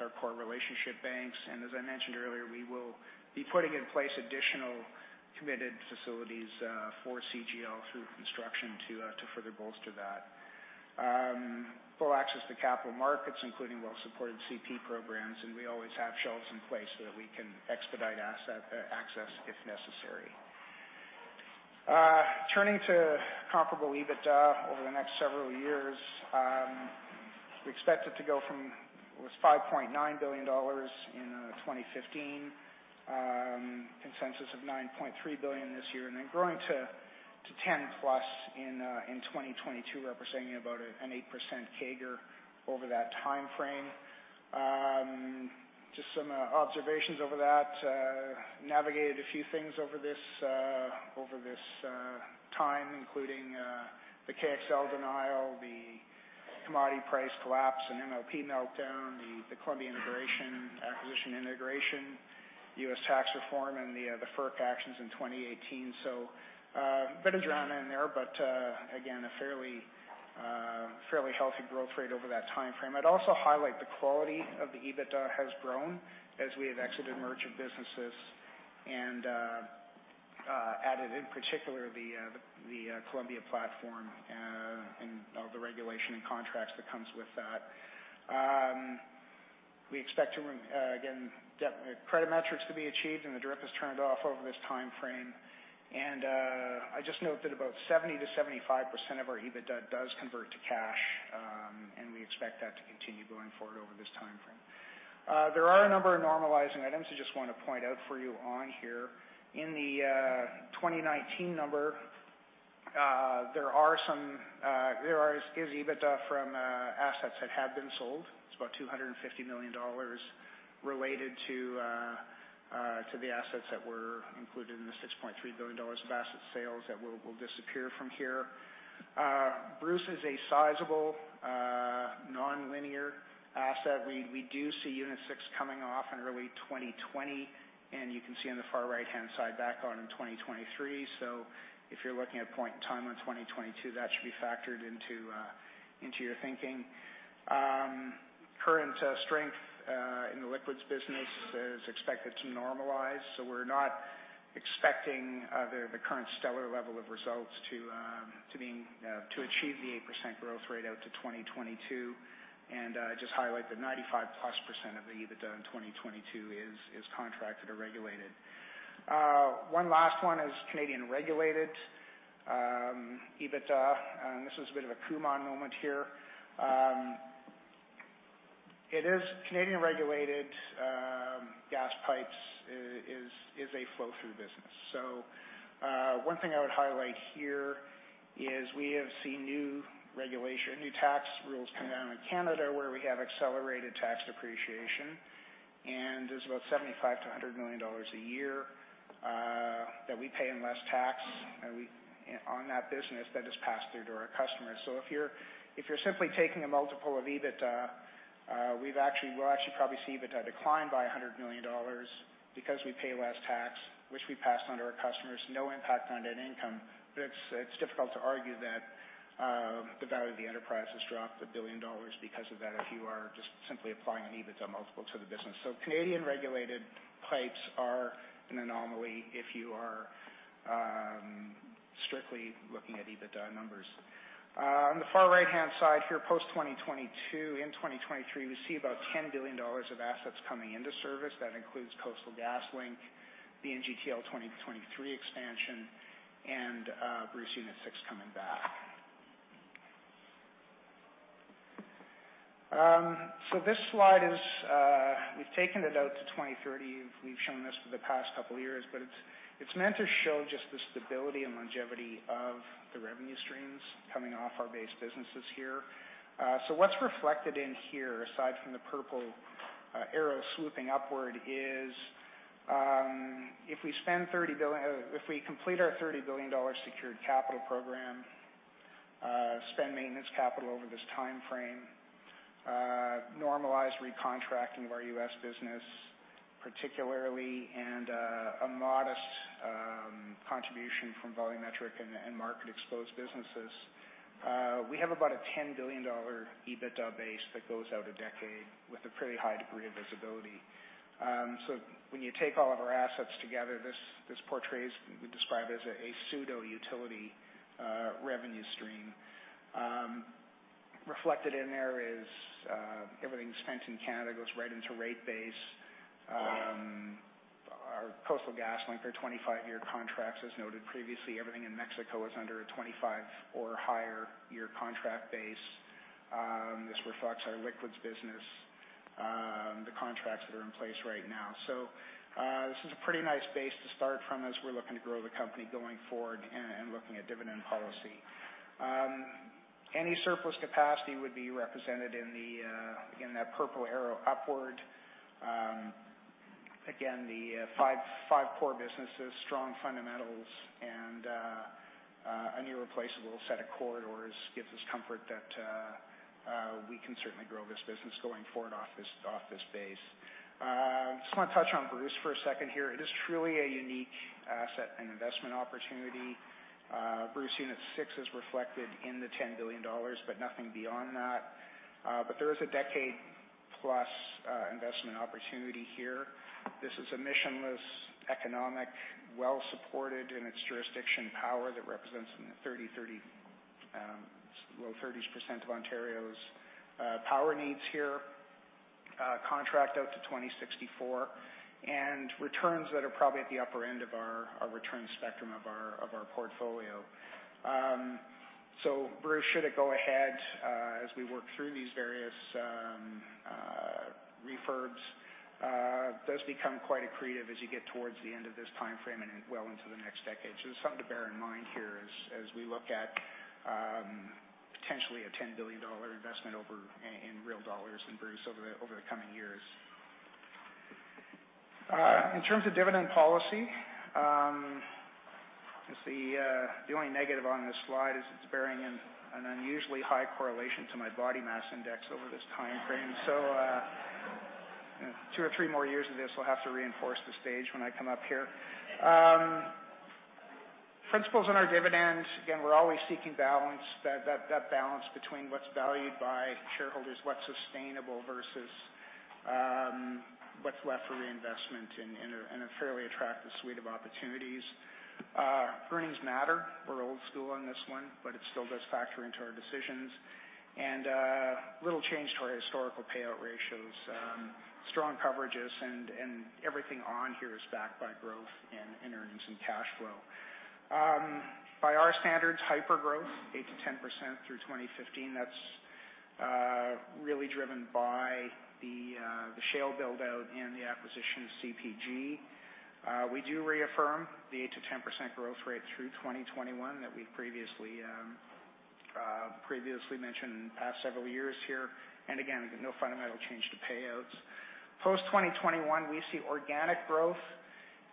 our core relationship banks, and as I mentioned earlier, we will be putting in place additional committed facilities for CGL through construction to further bolster that. Full access to capital markets, including well-supported CP programs, we always have shelves in place so that we can expedite asset access if necessary. Turning to comparable EBITDA over the next several years. We expect it to go from 5.9 billion dollars in 2015, consensus of 9.3 billion this year, growing to 10 billion+ in 2022, representing about an 8% CAGR over that timeframe. Just some observations over that. Navigated a few things over this time, including the KXL denial, the commodity price collapse, and MLP meltdown, the Columbia integration, acquisition integration, U.S. tax reform, and the FERC actions in 2018. A bit of drama in there, but again, a fairly healthy growth rate over that timeframe. I'd also highlight the quality of the EBITDA has grown as we have exited merchant businesses and added, in particular, the Columbia platform and all the regulation and contracts that comes with that. We expect, again, credit metrics to be achieved, and the DRIP has turned off over this timeframe. I'd just note that about 70%-75% of our EBITDA does convert to cash, and we expect that to continue going forward over this timeframe. There are a number of normalizing items I just want to point out for you on here. In the 2019 number, there is EBITDA from assets that have been sold. It's about 250 million dollars related to the assets that were included in the 6.3 billion dollars of asset sales that will disappear from here. Bruce is a sizable, nonlinear asset. We do see Unit 6 coming off in early 2020, and you can see on the far right-hand side, back on in 2023. If you're looking at a point in time in 2022, that should be factored into your thinking. Current strength in the liquids business is expected to normalize, so we're not expecting the current stellar level of results to achieve the 8% growth rate out to 2022. I'd just highlight that 95+% of the EBITDA in 2022 is contracted or regulated. One last one is Canadian regulated EBITDA. This was a bit of a Kumon moment here. Canadian regulated gas pipes is a flow-through business. One thing I would highlight here is we have seen new regulation, new tax rules come down in Canada where we have accelerated tax depreciation, and there's about 75 million-100 million dollars a year that we pay in less tax on that business that is passed through to our customers. If you're simply taking a multiple of EBITDA, we'll actually probably see EBITDA decline by 100 million dollars because we pay less tax, which we pass on to our customers. No impact on net income, but it's difficult to argue that the value of the enterprise has dropped 1 billion dollars because of that if you are just simply applying an EBITDA multiple to the business. Canadian-regulated pipes are an anomaly if you are strictly looking at EBITDA numbers. On the far right-hand side here, post-2022, in 2023, we see about 10 billion dollars of assets coming into service. That includes Coastal GasLink, the NGTL 20 to 23 expansion, and Bruce Unit 6 coming back. This slide, we've taken it out to 2030. We've shown this for the past couple of years, but it's meant to show just the stability and longevity of the revenue streams coming off our base businesses here. What's reflected in here, aside from the purple arrow swooping upward, is if we complete our 30 billion dollars secured capital program, spend maintenance capital over this timeframe, normalize recontracting of our U.S. business, particularly, and a modest contribution from volumetric and market-exposed businesses. We have about a 10 billion dollar EBITDA base that goes out a decade with a pretty high degree of visibility. When you take all of our assets together, this portrays, we describe it as a pseudo-utility revenue stream. Reflected in there is everything spent in Canada goes right into rate base. Our Coastal GasLink are 25-year contracts, as noted previously. Everything in Mexico is under a 25 or higher year contract base. This reflects our liquids business, the contracts that are in place right now. This is a pretty nice base to start from as we're looking to grow the company going forward and looking at dividend policy. Any surplus capacity would be represented in that purple arrow upward. Again, the five core businesses, strong fundamentals, and an irreplaceable set of corridors gives us comfort that we can certainly grow this business going forward off this base. Just want to touch on Bruce for a second here. It is truly a unique asset and investment opportunity. Bruce Unit 6 is reflected in the 10 billion dollars, but nothing beyond that. There is a decade plus investment opportunity here. This is emission-less, economic, well-supported in its jurisdiction, power that represents in the low 30s% of Ontario's power needs here, contract out to 2064, and returns that are probably at the upper end of our return spectrum of our portfolio. Bruce, should it go ahead, as we work through these various refurbs, does become quite accretive as you get towards the end of this timeframe and well into the next decade. Something to bear in mind here as we look at potentially a 10 billion dollar investment in real dollars in Bruce over the coming years. In terms of dividend policy, the only negative on this slide is it's bearing an unusually high correlation to my body mass index over this timeframe. Two or three more years of this, we'll have to reinforce the stage when I come up here. Principles on our dividends, again, we're always seeking balance, that balance between what's valued by shareholders, what's sustainable, versus what's left for reinvestment in a fairly attractive suite of opportunities. Earnings matter. It still does factor into our decisions. Little change to our historical payout ratios. Strong coverages and everything on here is backed by growth in earnings and cash flow. By our standards, hyper growth, 8%-10% through 2015. That's really driven by the shale build-out and the acquisition of CPG. We do reaffirm the 8%-10% growth rate through 2021 that we've previously mentioned the past several years here. Again, no fundamental change to payouts. Post-2021, we see organic growth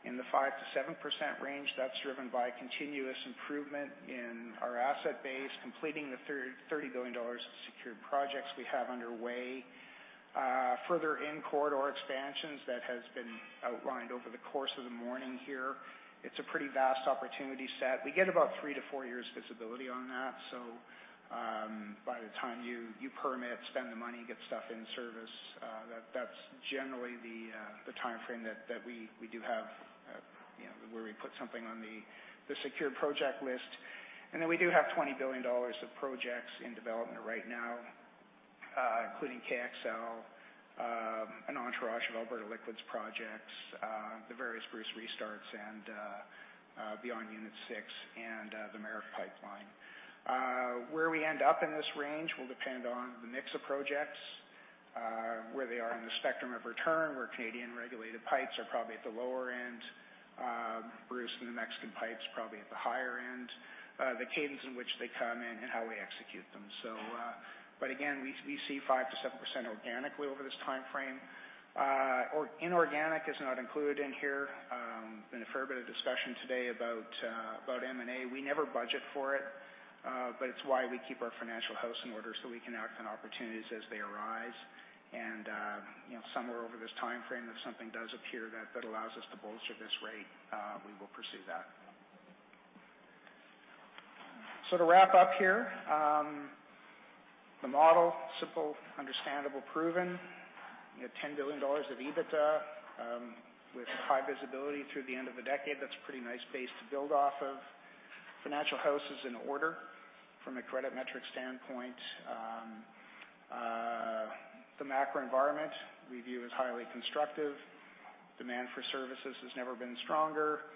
in the 5%-7% range. That's driven by continuous improvement in our asset base, completing the 30 billion dollars of secured projects we have underway. Further in-corridor expansions, that has been outlined over the course of the morning here. It's a pretty vast opportunity set. We get about three to four years visibility on that. By the time you permit, spend the money, get stuff in service, that's generally the timeframe that we do have where we put something on the secured project list. We do have 20 billion dollars of projects in development right now, including KXL, an entourage of Alberta liquids projects, the various Bruce restarts and beyond Unit 6, and the Merit pipeline. Where we end up in this range will depend on the mix of projects, where they are in the spectrum of return, where Canadian regulated pipes are probably at the lower end, Bruce and the Mexican pipes probably at the higher end, the cadence in which they come in, and how we execute them. Again, we see 5%-7% organically over this timeframe. Inorganic is not included in here. There's been a fair bit of discussion today about M&A. We never budget for it, but it's why we keep our financial house in order so we can act on opportunities as they arise. Somewhere over this timeframe, if something does appear that allows us to bolster this rate, we will pursue that. To wrap up here, the model is simple, understandable, proven. 10 billion dollars of EBITDA with high visibility through the end of the decade. That's a pretty nice base to build off of. Financial house is in order from a credit metric standpoint. The macro environment we view as highly constructive. Demand for services has never been stronger.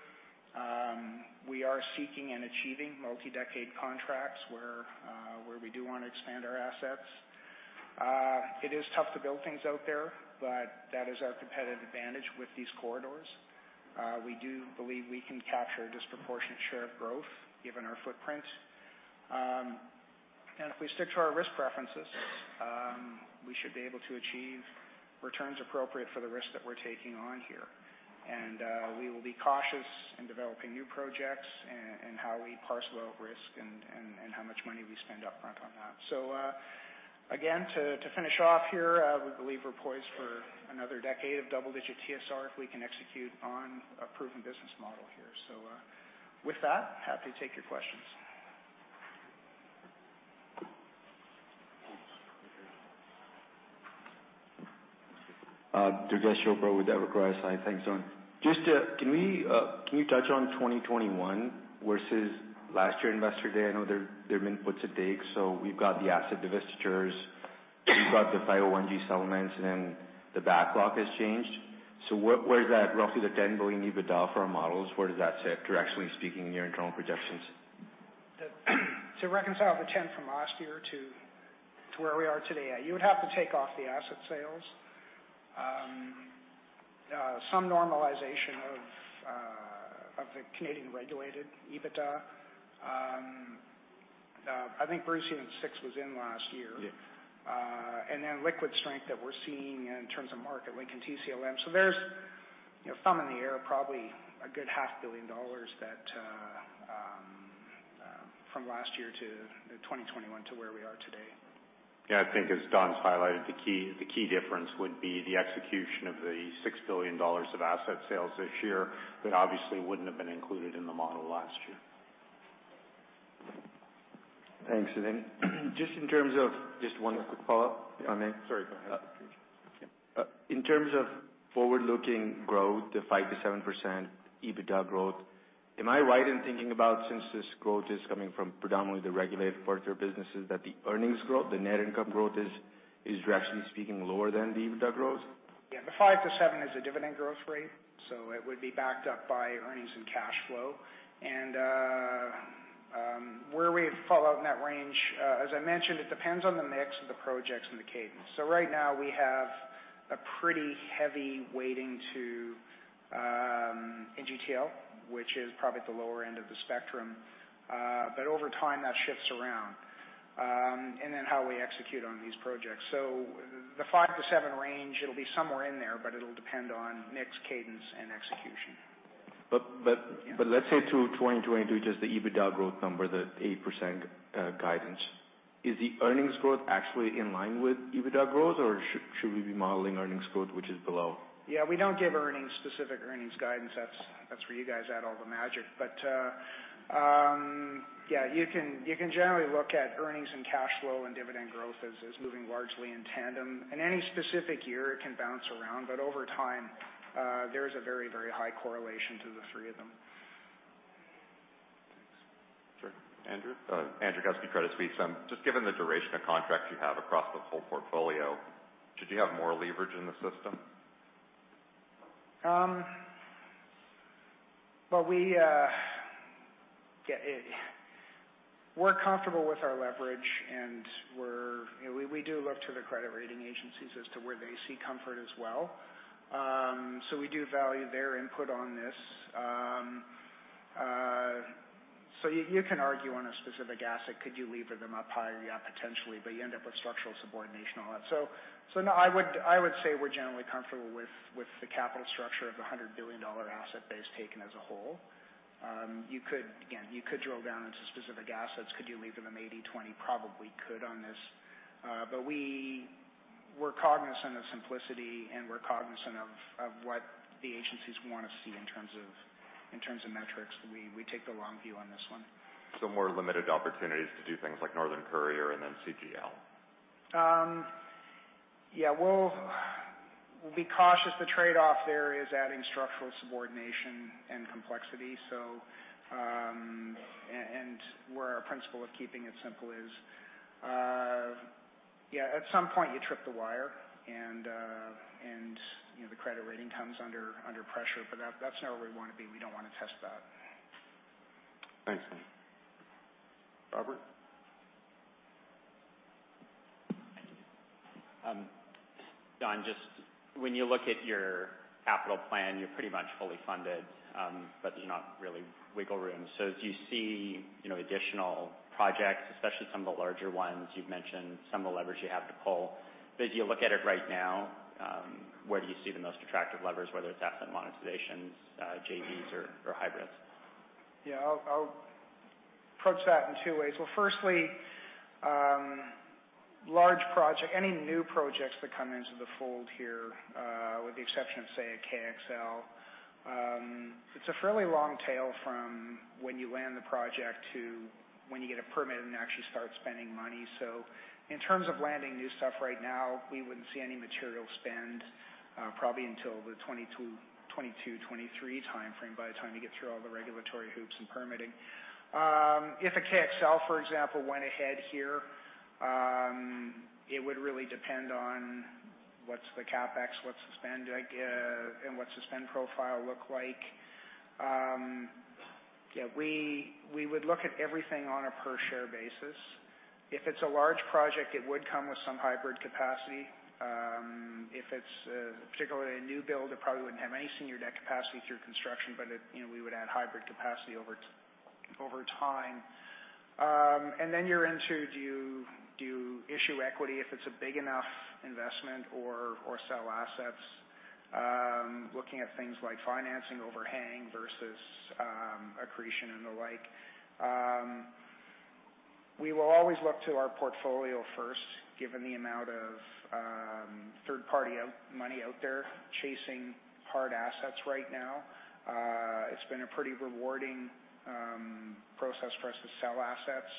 We are seeking and achieving multi-decade contracts where we do want to expand our assets. It is tough to build things out there, but that is our competitive advantage with these corridors. We do believe we can capture a disproportionate share of growth given our footprint. If we stick to our risk preferences, we should be able to achieve returns appropriate for the risk that we're taking on here. We will be cautious in developing new projects and how we parcel out risk and how much money we spend up front on that. Again, to finish off here, we believe we're poised for another decade of double-digit TSR if we can execute on a proven business model here. With that, happy to take your questions. Durgesh Chopra with Evercore ISI. Thanks, Don. Can you touch on 2021 versus last year Investor Day? I know there have been puts and takes, we've got the asset divestitures, we've got the 501-G settlements, the backlog has changed. Where is that roughly the 10 billion EBITDA for our models, where does that sit, directionally speaking, in your internal projections? To reconcile the 10 billion from last year to where we are today, you would have to take off the asset sales. Some normalization of the Canadian regulated EBITDA. I think Bruce Unit 6 was in last year. Yeah. Liquid strength that we're seeing in terms of Marketlink and TCLM. There's, thumb in the air, probably a good half billion dollars from last year to 2021 to where we are today. Yeah, I think as Don's highlighted, the key difference would be the execution of the 6 billion dollars of asset sales this year that obviously wouldn't have been included in the model last year. Thanks. Then just one quick follow-up, if I may? Sorry, go ahead. In terms of forward-looking growth, the 5%-7% EBITDA growth, am I right in thinking about since this growth is coming from predominantly the regulated portfolio of businesses that the earnings growth, the net income growth is directionally speaking lower than the EBITDA growth? The 5%-7% is a dividend growth rate, so it would be backed up by earnings and cash flow. Where we fall out in that range, as I mentioned, it depends on the mix of the projects and the cadence. Right now, we have a pretty heavy weighting in NGTL, which is probably at the lower end of the spectrum. Over time, that shifts around. Then how we execute on these projects. The 5%-7% range, it'll be somewhere in there, but it'll depend on mix, cadence, and execution. Let's say through 2022, just the EBITDA growth number, the 8% guidance. Is the earnings growth actually in line with EBITDA growth, or should we be modeling earnings growth which is below? Yeah. We don't give specific earnings guidance. That's where you guys add all the magic. Yeah, you can generally look at earnings and cash flow and dividend growth as moving largely in tandem. In any specific year, it can bounce around, but over time, there is a very high correlation to the three of them. Thanks. Sure. Andrew? Andrew Kuske, Credit Suisse. Just given the duration of contracts you have across the whole portfolio, should you have more leverage in the system? We're comfortable with our leverage, and we do look to the credit rating agencies as to where they see comfort as well. We do value their input on this. You can argue on a specific asset, could you lever them up higher? Yeah, potentially, but you end up with structural subordination and all that. No, I would say we're generally comfortable with the capital structure of the 100 billion dollar asset base taken as a whole. Again, you could drill down into specific assets. Could you lever them 80/20? Probably could on this. We're cognizant of simplicity, and we're cognizant of what the agencies want to see in terms of metrics. We take the long view on this one. More limited opportunities to do things like Northern Courier and then CGL. Yeah. We'll be cautious. The trade-off there is adding structural subordination and complexity. Where our principle of keeping it simple is. Yeah, at some point, you trip the wire, and the credit rating comes under pressure, but that's not where we want to be. We don't want to test that. Thanks. Robert? Thank you. Don, just when you look at your capital plan, you're pretty much fully funded, but there's not really wiggle room. As you see additional projects, especially some of the larger ones, you've mentioned some of the levers you have to pull. As you look at it right now, where do you see the most attractive levers, whether it's asset monetizations, JVs, or hybrids? I'll approach that in two ways. Firstly, any new projects that come into the fold here, with the exception of, say, a KXL, it's a fairly long tail from when you land the project to when you get a permit and actually start spending money. In terms of landing new stuff right now, we wouldn't see any material spend probably until the 2022, 2023 timeframe by the time you get through all the regulatory hoops and permitting. If a KXL, for example, went ahead here, it would really depend on what's the CapEx and what's the spend profile look like. We would look at everything on a per share basis. If it's a large project, it would come with some hybrid capacity. If it's particularly a new build, it probably wouldn't have any senior debt capacity through construction, but we would add hybrid capacity Over time. Then you're into, do you issue equity if it's a big enough investment or sell assets? Looking at things like financing overhang versus accretion and the like. We will always look to our portfolio first, given the amount of third-party money out there chasing hard assets right now. It's been a pretty rewarding process for us to sell assets.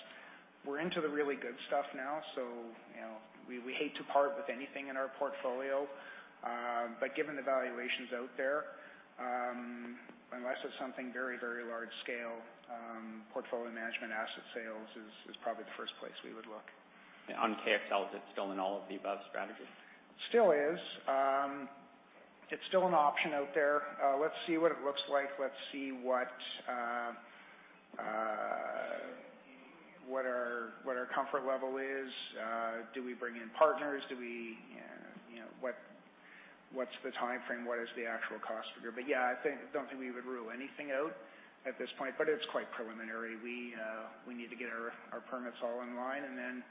We're into the really good stuff now, so we hate to part with anything in our portfolio. Given the valuations out there, unless it's something very, very large scale, portfolio management asset sales is probably the first place we would look. On KXL, is it still an all of the above strategy? Still is. It's still an option out there. Let's see what it looks like. Let's see what our comfort level is. Do we bring in partners? What's the timeframe? What is the actual cost figure? Yeah, I don't think we would rule anything out at this point, but it's quite preliminary. We need to get our permits all in line and then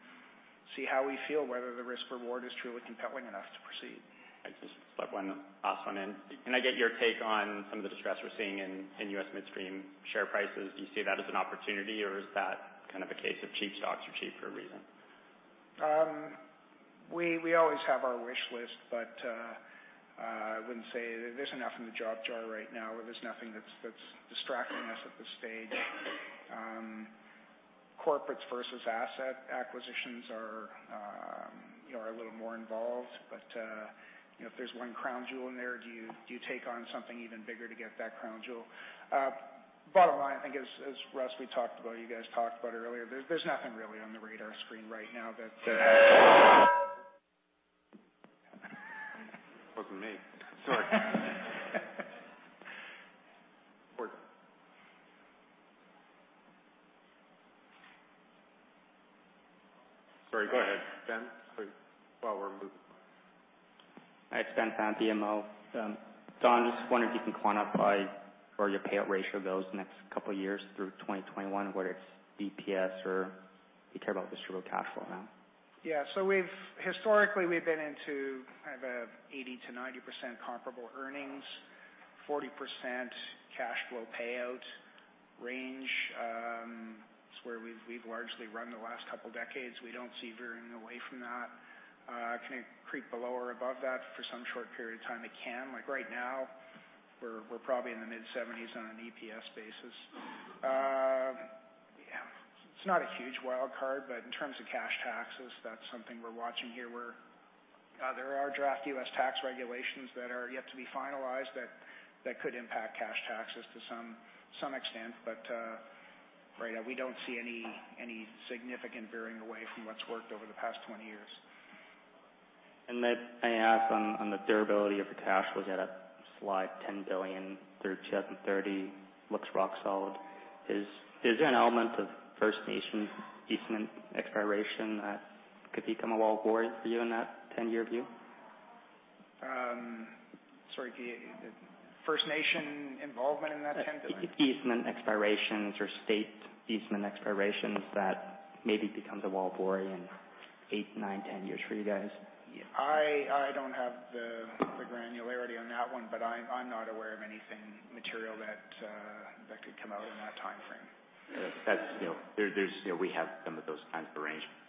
see how we feel, whether the risk/reward is truly compelling enough to proceed. I just have one last one in. Can I get your take on some of the distress we're seeing in U.S. midstream share prices? Do you see that as an opportunity, or is that a case of cheap stocks are cheap for a reason? We always have our wish list, but I wouldn't say there's enough in the job jar right now. There's nothing that's distracting us at this stage. Corporates versus asset acquisitions are a little more involved, but if there's one crown jewel in there, do you take on something even bigger to get that crown jewel? Bottom line, I think as Russ we talked about, you guys talked about earlier, there's nothing really on the radar screen right now that. Wasn't me. Sorry. We're done. Sorry, go ahead, Ben. Sorry. While we're moving. Hi, it's Ben Pham, BMO. Don, just wondering if you can quantify where your payout ratio goes next couple years through 2021, whether it's EPS or do you care about distributable cash flow now? Historically, we've been into kind of a 80%-90% comparable earnings, 40% cash flow payout range. It's where we've largely run the last couple decades. We don't see veering away from that. Can it creep below or above that for some short period of time? It can. Like right now, we're probably in the mid-70s on an EPS basis. It's not a huge wild card, but in terms of cash taxes, that's something we're watching here, where there are draft U.S. tax regulations that are yet to be finalized that could impact cash taxes to some extent. Right now, we don't see any significant veering away from what's worked over the past 20 years. May I ask on the durability of the cash, was at a slide 10 billion through 2030, looks rock solid. Is there an element of First Nation easement expiration that could become a headwind for you in that 10-year view? Sorry, First Nation involvement in that CAD 10 billion? Easement expirations or state easement expirations that maybe becomes a wild card in eight, nine, 10 years for you guys. I don't have the granularity on that one, but I'm not aware of anything material that could come out in that timeframe. We have some of those kinds of arrangements.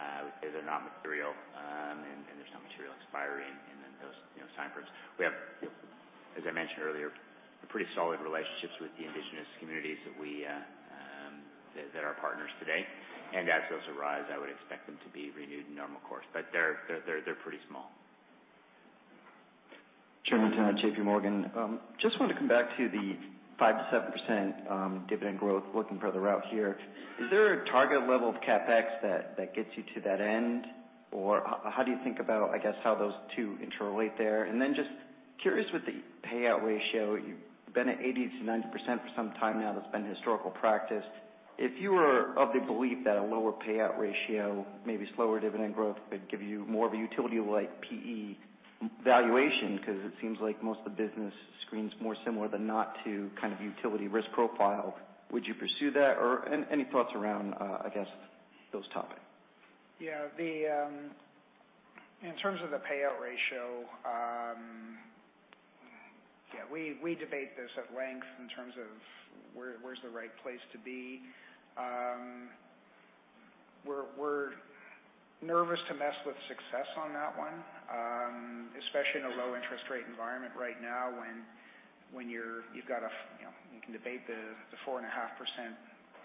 I would say they're not material, and there's no material expiry in those timeframes. We have, as I mentioned earlier, pretty solid relationships with the indigenous communities that are our partners today. As those arise, I would expect them to be renewed in normal course. They're pretty small. Jeremy Tonet, JPMorgan. Want to come back to the 5%-7% dividend growth looking further out here. Is there a target level of CapEx that gets you to that end? How do you think about, I guess, how those two interrelate there? Curious with the payout ratio, you've been at 80%-90% for some time now, that's been historical practice. If you were of the belief that a lower payout ratio, maybe slower dividend growth, could give you more of a utility-like PE valuation, because it seems like most of the business screens more similar than not to utility risk profile. Would you pursue that or any thoughts around, I guess, those topics? Yeah. In terms of the payout ratio, we debate this at length in terms of where's the right place to be. We're nervous to mess with success on that one, especially in a low interest rate environment right now, when you can debate the 4.5%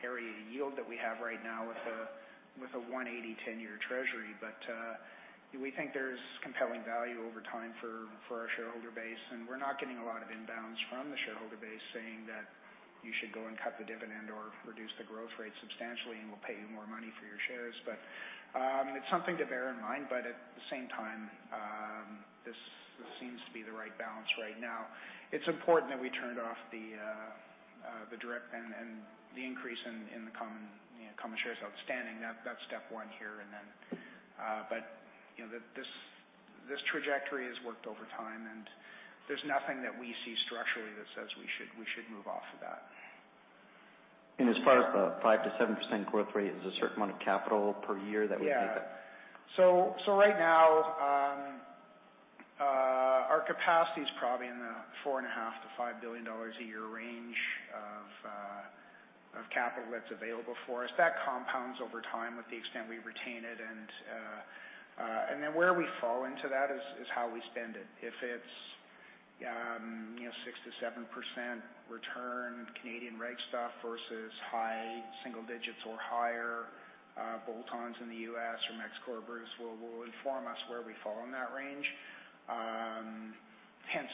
area yield that we have right now with a 180 10-year Treasury. We think there's compelling value over time for our shareholder base, and we're not getting a lot of inbounds from the shareholder base saying that you should go and cut the dividend or reduce the growth rate substantially, and we'll pay you more money for your shares. It's something to bear in mind, but at the same time, this seems to be the right balance right now. It's important that we turned off the DRIP and the increase in the common shares outstanding. That's step one here. This trajectory has worked over time, and there's nothing that we see structurally that says we should move off of that. As far as the 5%-7% growth rate, is it a certain amount of capital per year that would be? Yeah. Right now, our capacity's probably in the 4.5 billion-5 billion dollars a year range of capital that's available for us. That compounds over time with the extent we retain it. Where we fall into that is how we spend it. If it's 6%-7% return Canadian reg stuff versus high single digits or higher bolt-ons in the U.S. or Mexico or Bruce will inform us where we fall in that range, hence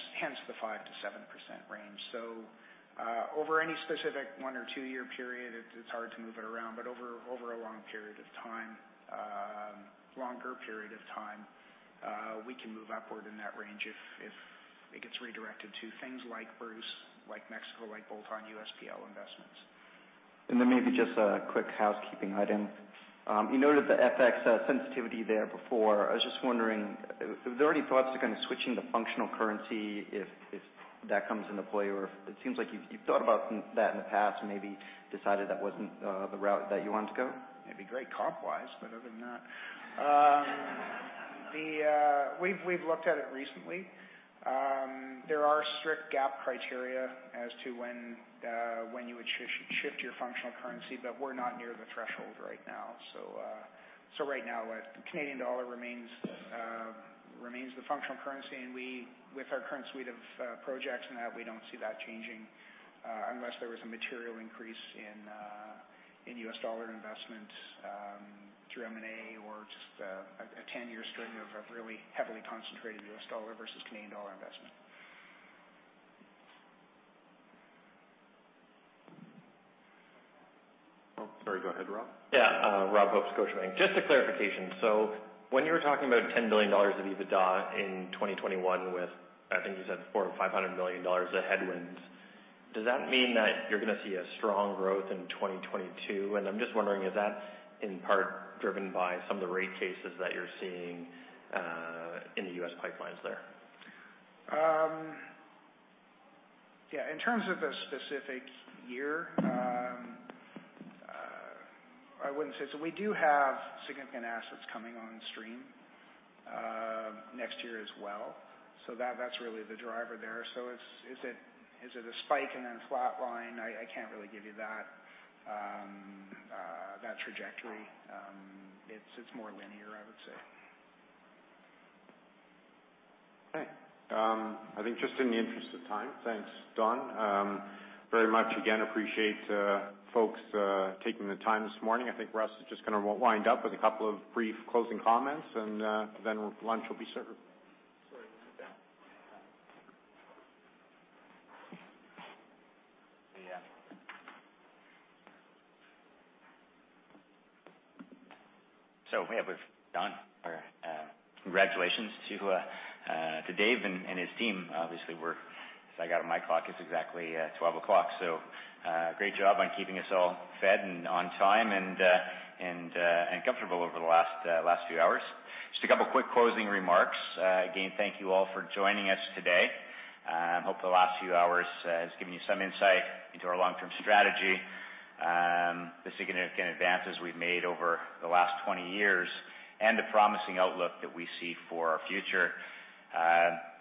the 5%-7% range. Over any specific one or two-year period, it's hard to move it around, but over a longer period of time, we can move upward in that range if it gets redirected to things like Bruce, like Mexico, like bolt-on U.S. PL investments. Then maybe just a quick housekeeping item. You noted the FX sensitivity there before. I was just wondering, have there already thoughts to kind of switching to functional currency if that comes into play? Or it seems like you've thought about that in the past and maybe decided that wasn't the route that you wanted to go. It'd be great comp-wise. Other than that, we've looked at it recently. There are strict GAAP criteria as to when you would shift your functional currency. We're not near the threshold right now. Right now, the Canadian dollar remains the functional currency, and with our current suite of projects and that, we don't see that changing, unless there was a material increase in U.S. dollar investment through M&A or just a 10-year string of really heavily concentrated U.S. dollar versus Canadian dollar investment. Oh, sorry. Go ahead, Rob. Yeah. Rob Hope, Scotiabank. Just a clarification. When you were talking about 10 billion dollars of EBITDA in 2021 with, I think you said 400 million or 500 million dollars of headwinds, does that mean that you're going to see a strong growth in 2022? I'm just wondering, is that in part driven by some of the rate cases that you're seeing in the U.S. pipelines there? Yeah. In terms of a specific year, I wouldn't say so. We do have significant assets coming on stream next year as well. That's really the driver there. Is it a spike and then flat line? I can't really give you that trajectory. It's more linear, I would say. Okay. I think just in the interest of time, thanks, Don, very much again appreciate folks taking the time this morning. I think Russ is just going to wind up with a couple of brief closing comments then lunch will be served. Sorry about that. Yeah, with Don, congratulations to Dave and his team. Obviously, as I got on my clock, it's exactly 12 o'clock. Great job on keeping us all fed and on time, and comfortable over the last few hours. Just a couple quick closing remarks. Again, thank you all for joining us today. Hope the last few hours has given you some insight into our long-term strategy, the significant advances we've made over the last 20 years, and the promising outlook that we see for our future.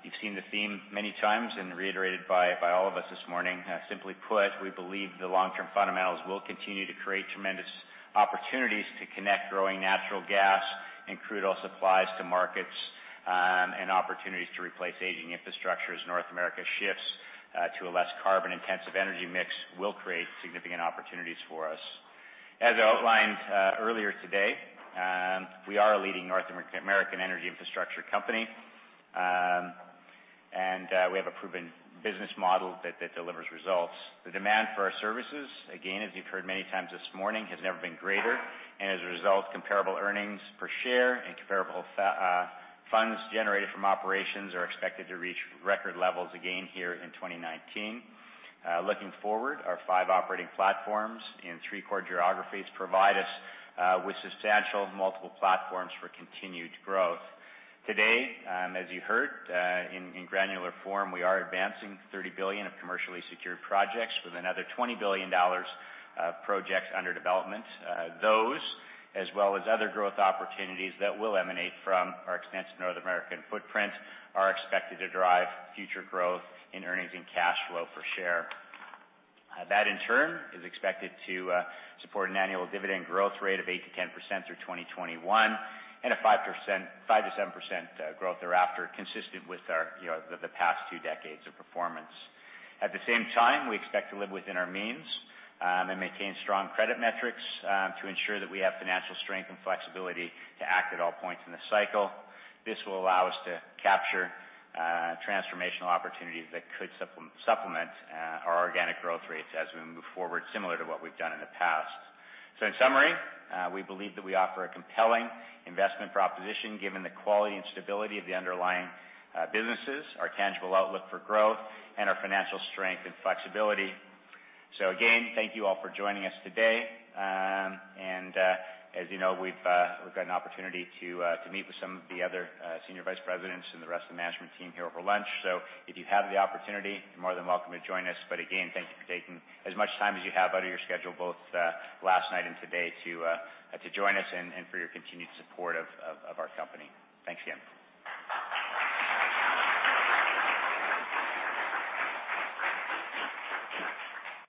You've seen the theme many times and reiterated by all of us this morning. Simply put, we believe the long-term fundamentals will continue to create tremendous opportunities to connect growing natural gas and crude oil supplies to markets, and opportunities to replace aging infrastructure as North America shifts to a less carbon-intensive energy mix will create significant opportunities for us. As outlined earlier today, we are a leading North American energy infrastructure company. We have a proven business model that delivers results. The demand for our services, again, as you've heard many times this morning, has never been greater. As a result, comparable earnings per share and comparable funds generated from operations are expected to reach record levels again here in 2019. Looking forward, our five operating platforms in three core geographies provide us with substantial multiple platforms for continued growth. Today, as you heard in granular form, we are advancing 30 billion of commercially secured projects with another 20 billion dollars of projects under development. Those, as well as other growth opportunities that will emanate from our extensive North American footprint, are expected to drive future growth in earnings and cash flow per share. That in turn is expected to support an annual dividend growth rate of 8%-10% through 2021, and a 5%-7% growth thereafter, consistent with the past two decades of performance. At the same time, we expect to live within our means and maintain strong credit metrics to ensure that we have financial strength and flexibility to act at all points in the cycle. This will allow us to capture transformational opportunities that could supplement our organic growth rates as we move forward, similar to what we've done in the past. In summary, we believe that we offer a compelling investment proposition given the quality and stability of the underlying businesses, our tangible outlook for growth, and our financial strength and flexibility. Again, thank you all for joining us today. As you know, we've got an opportunity to meet with some of the other Senior Vice Presidents and the rest of the management team here over lunch. If you have the opportunity, you're more than welcome to join us. Again, thank you for taking as much time as you have out of your schedule, both last night and today to join us and for your continued support of our company. Thanks again.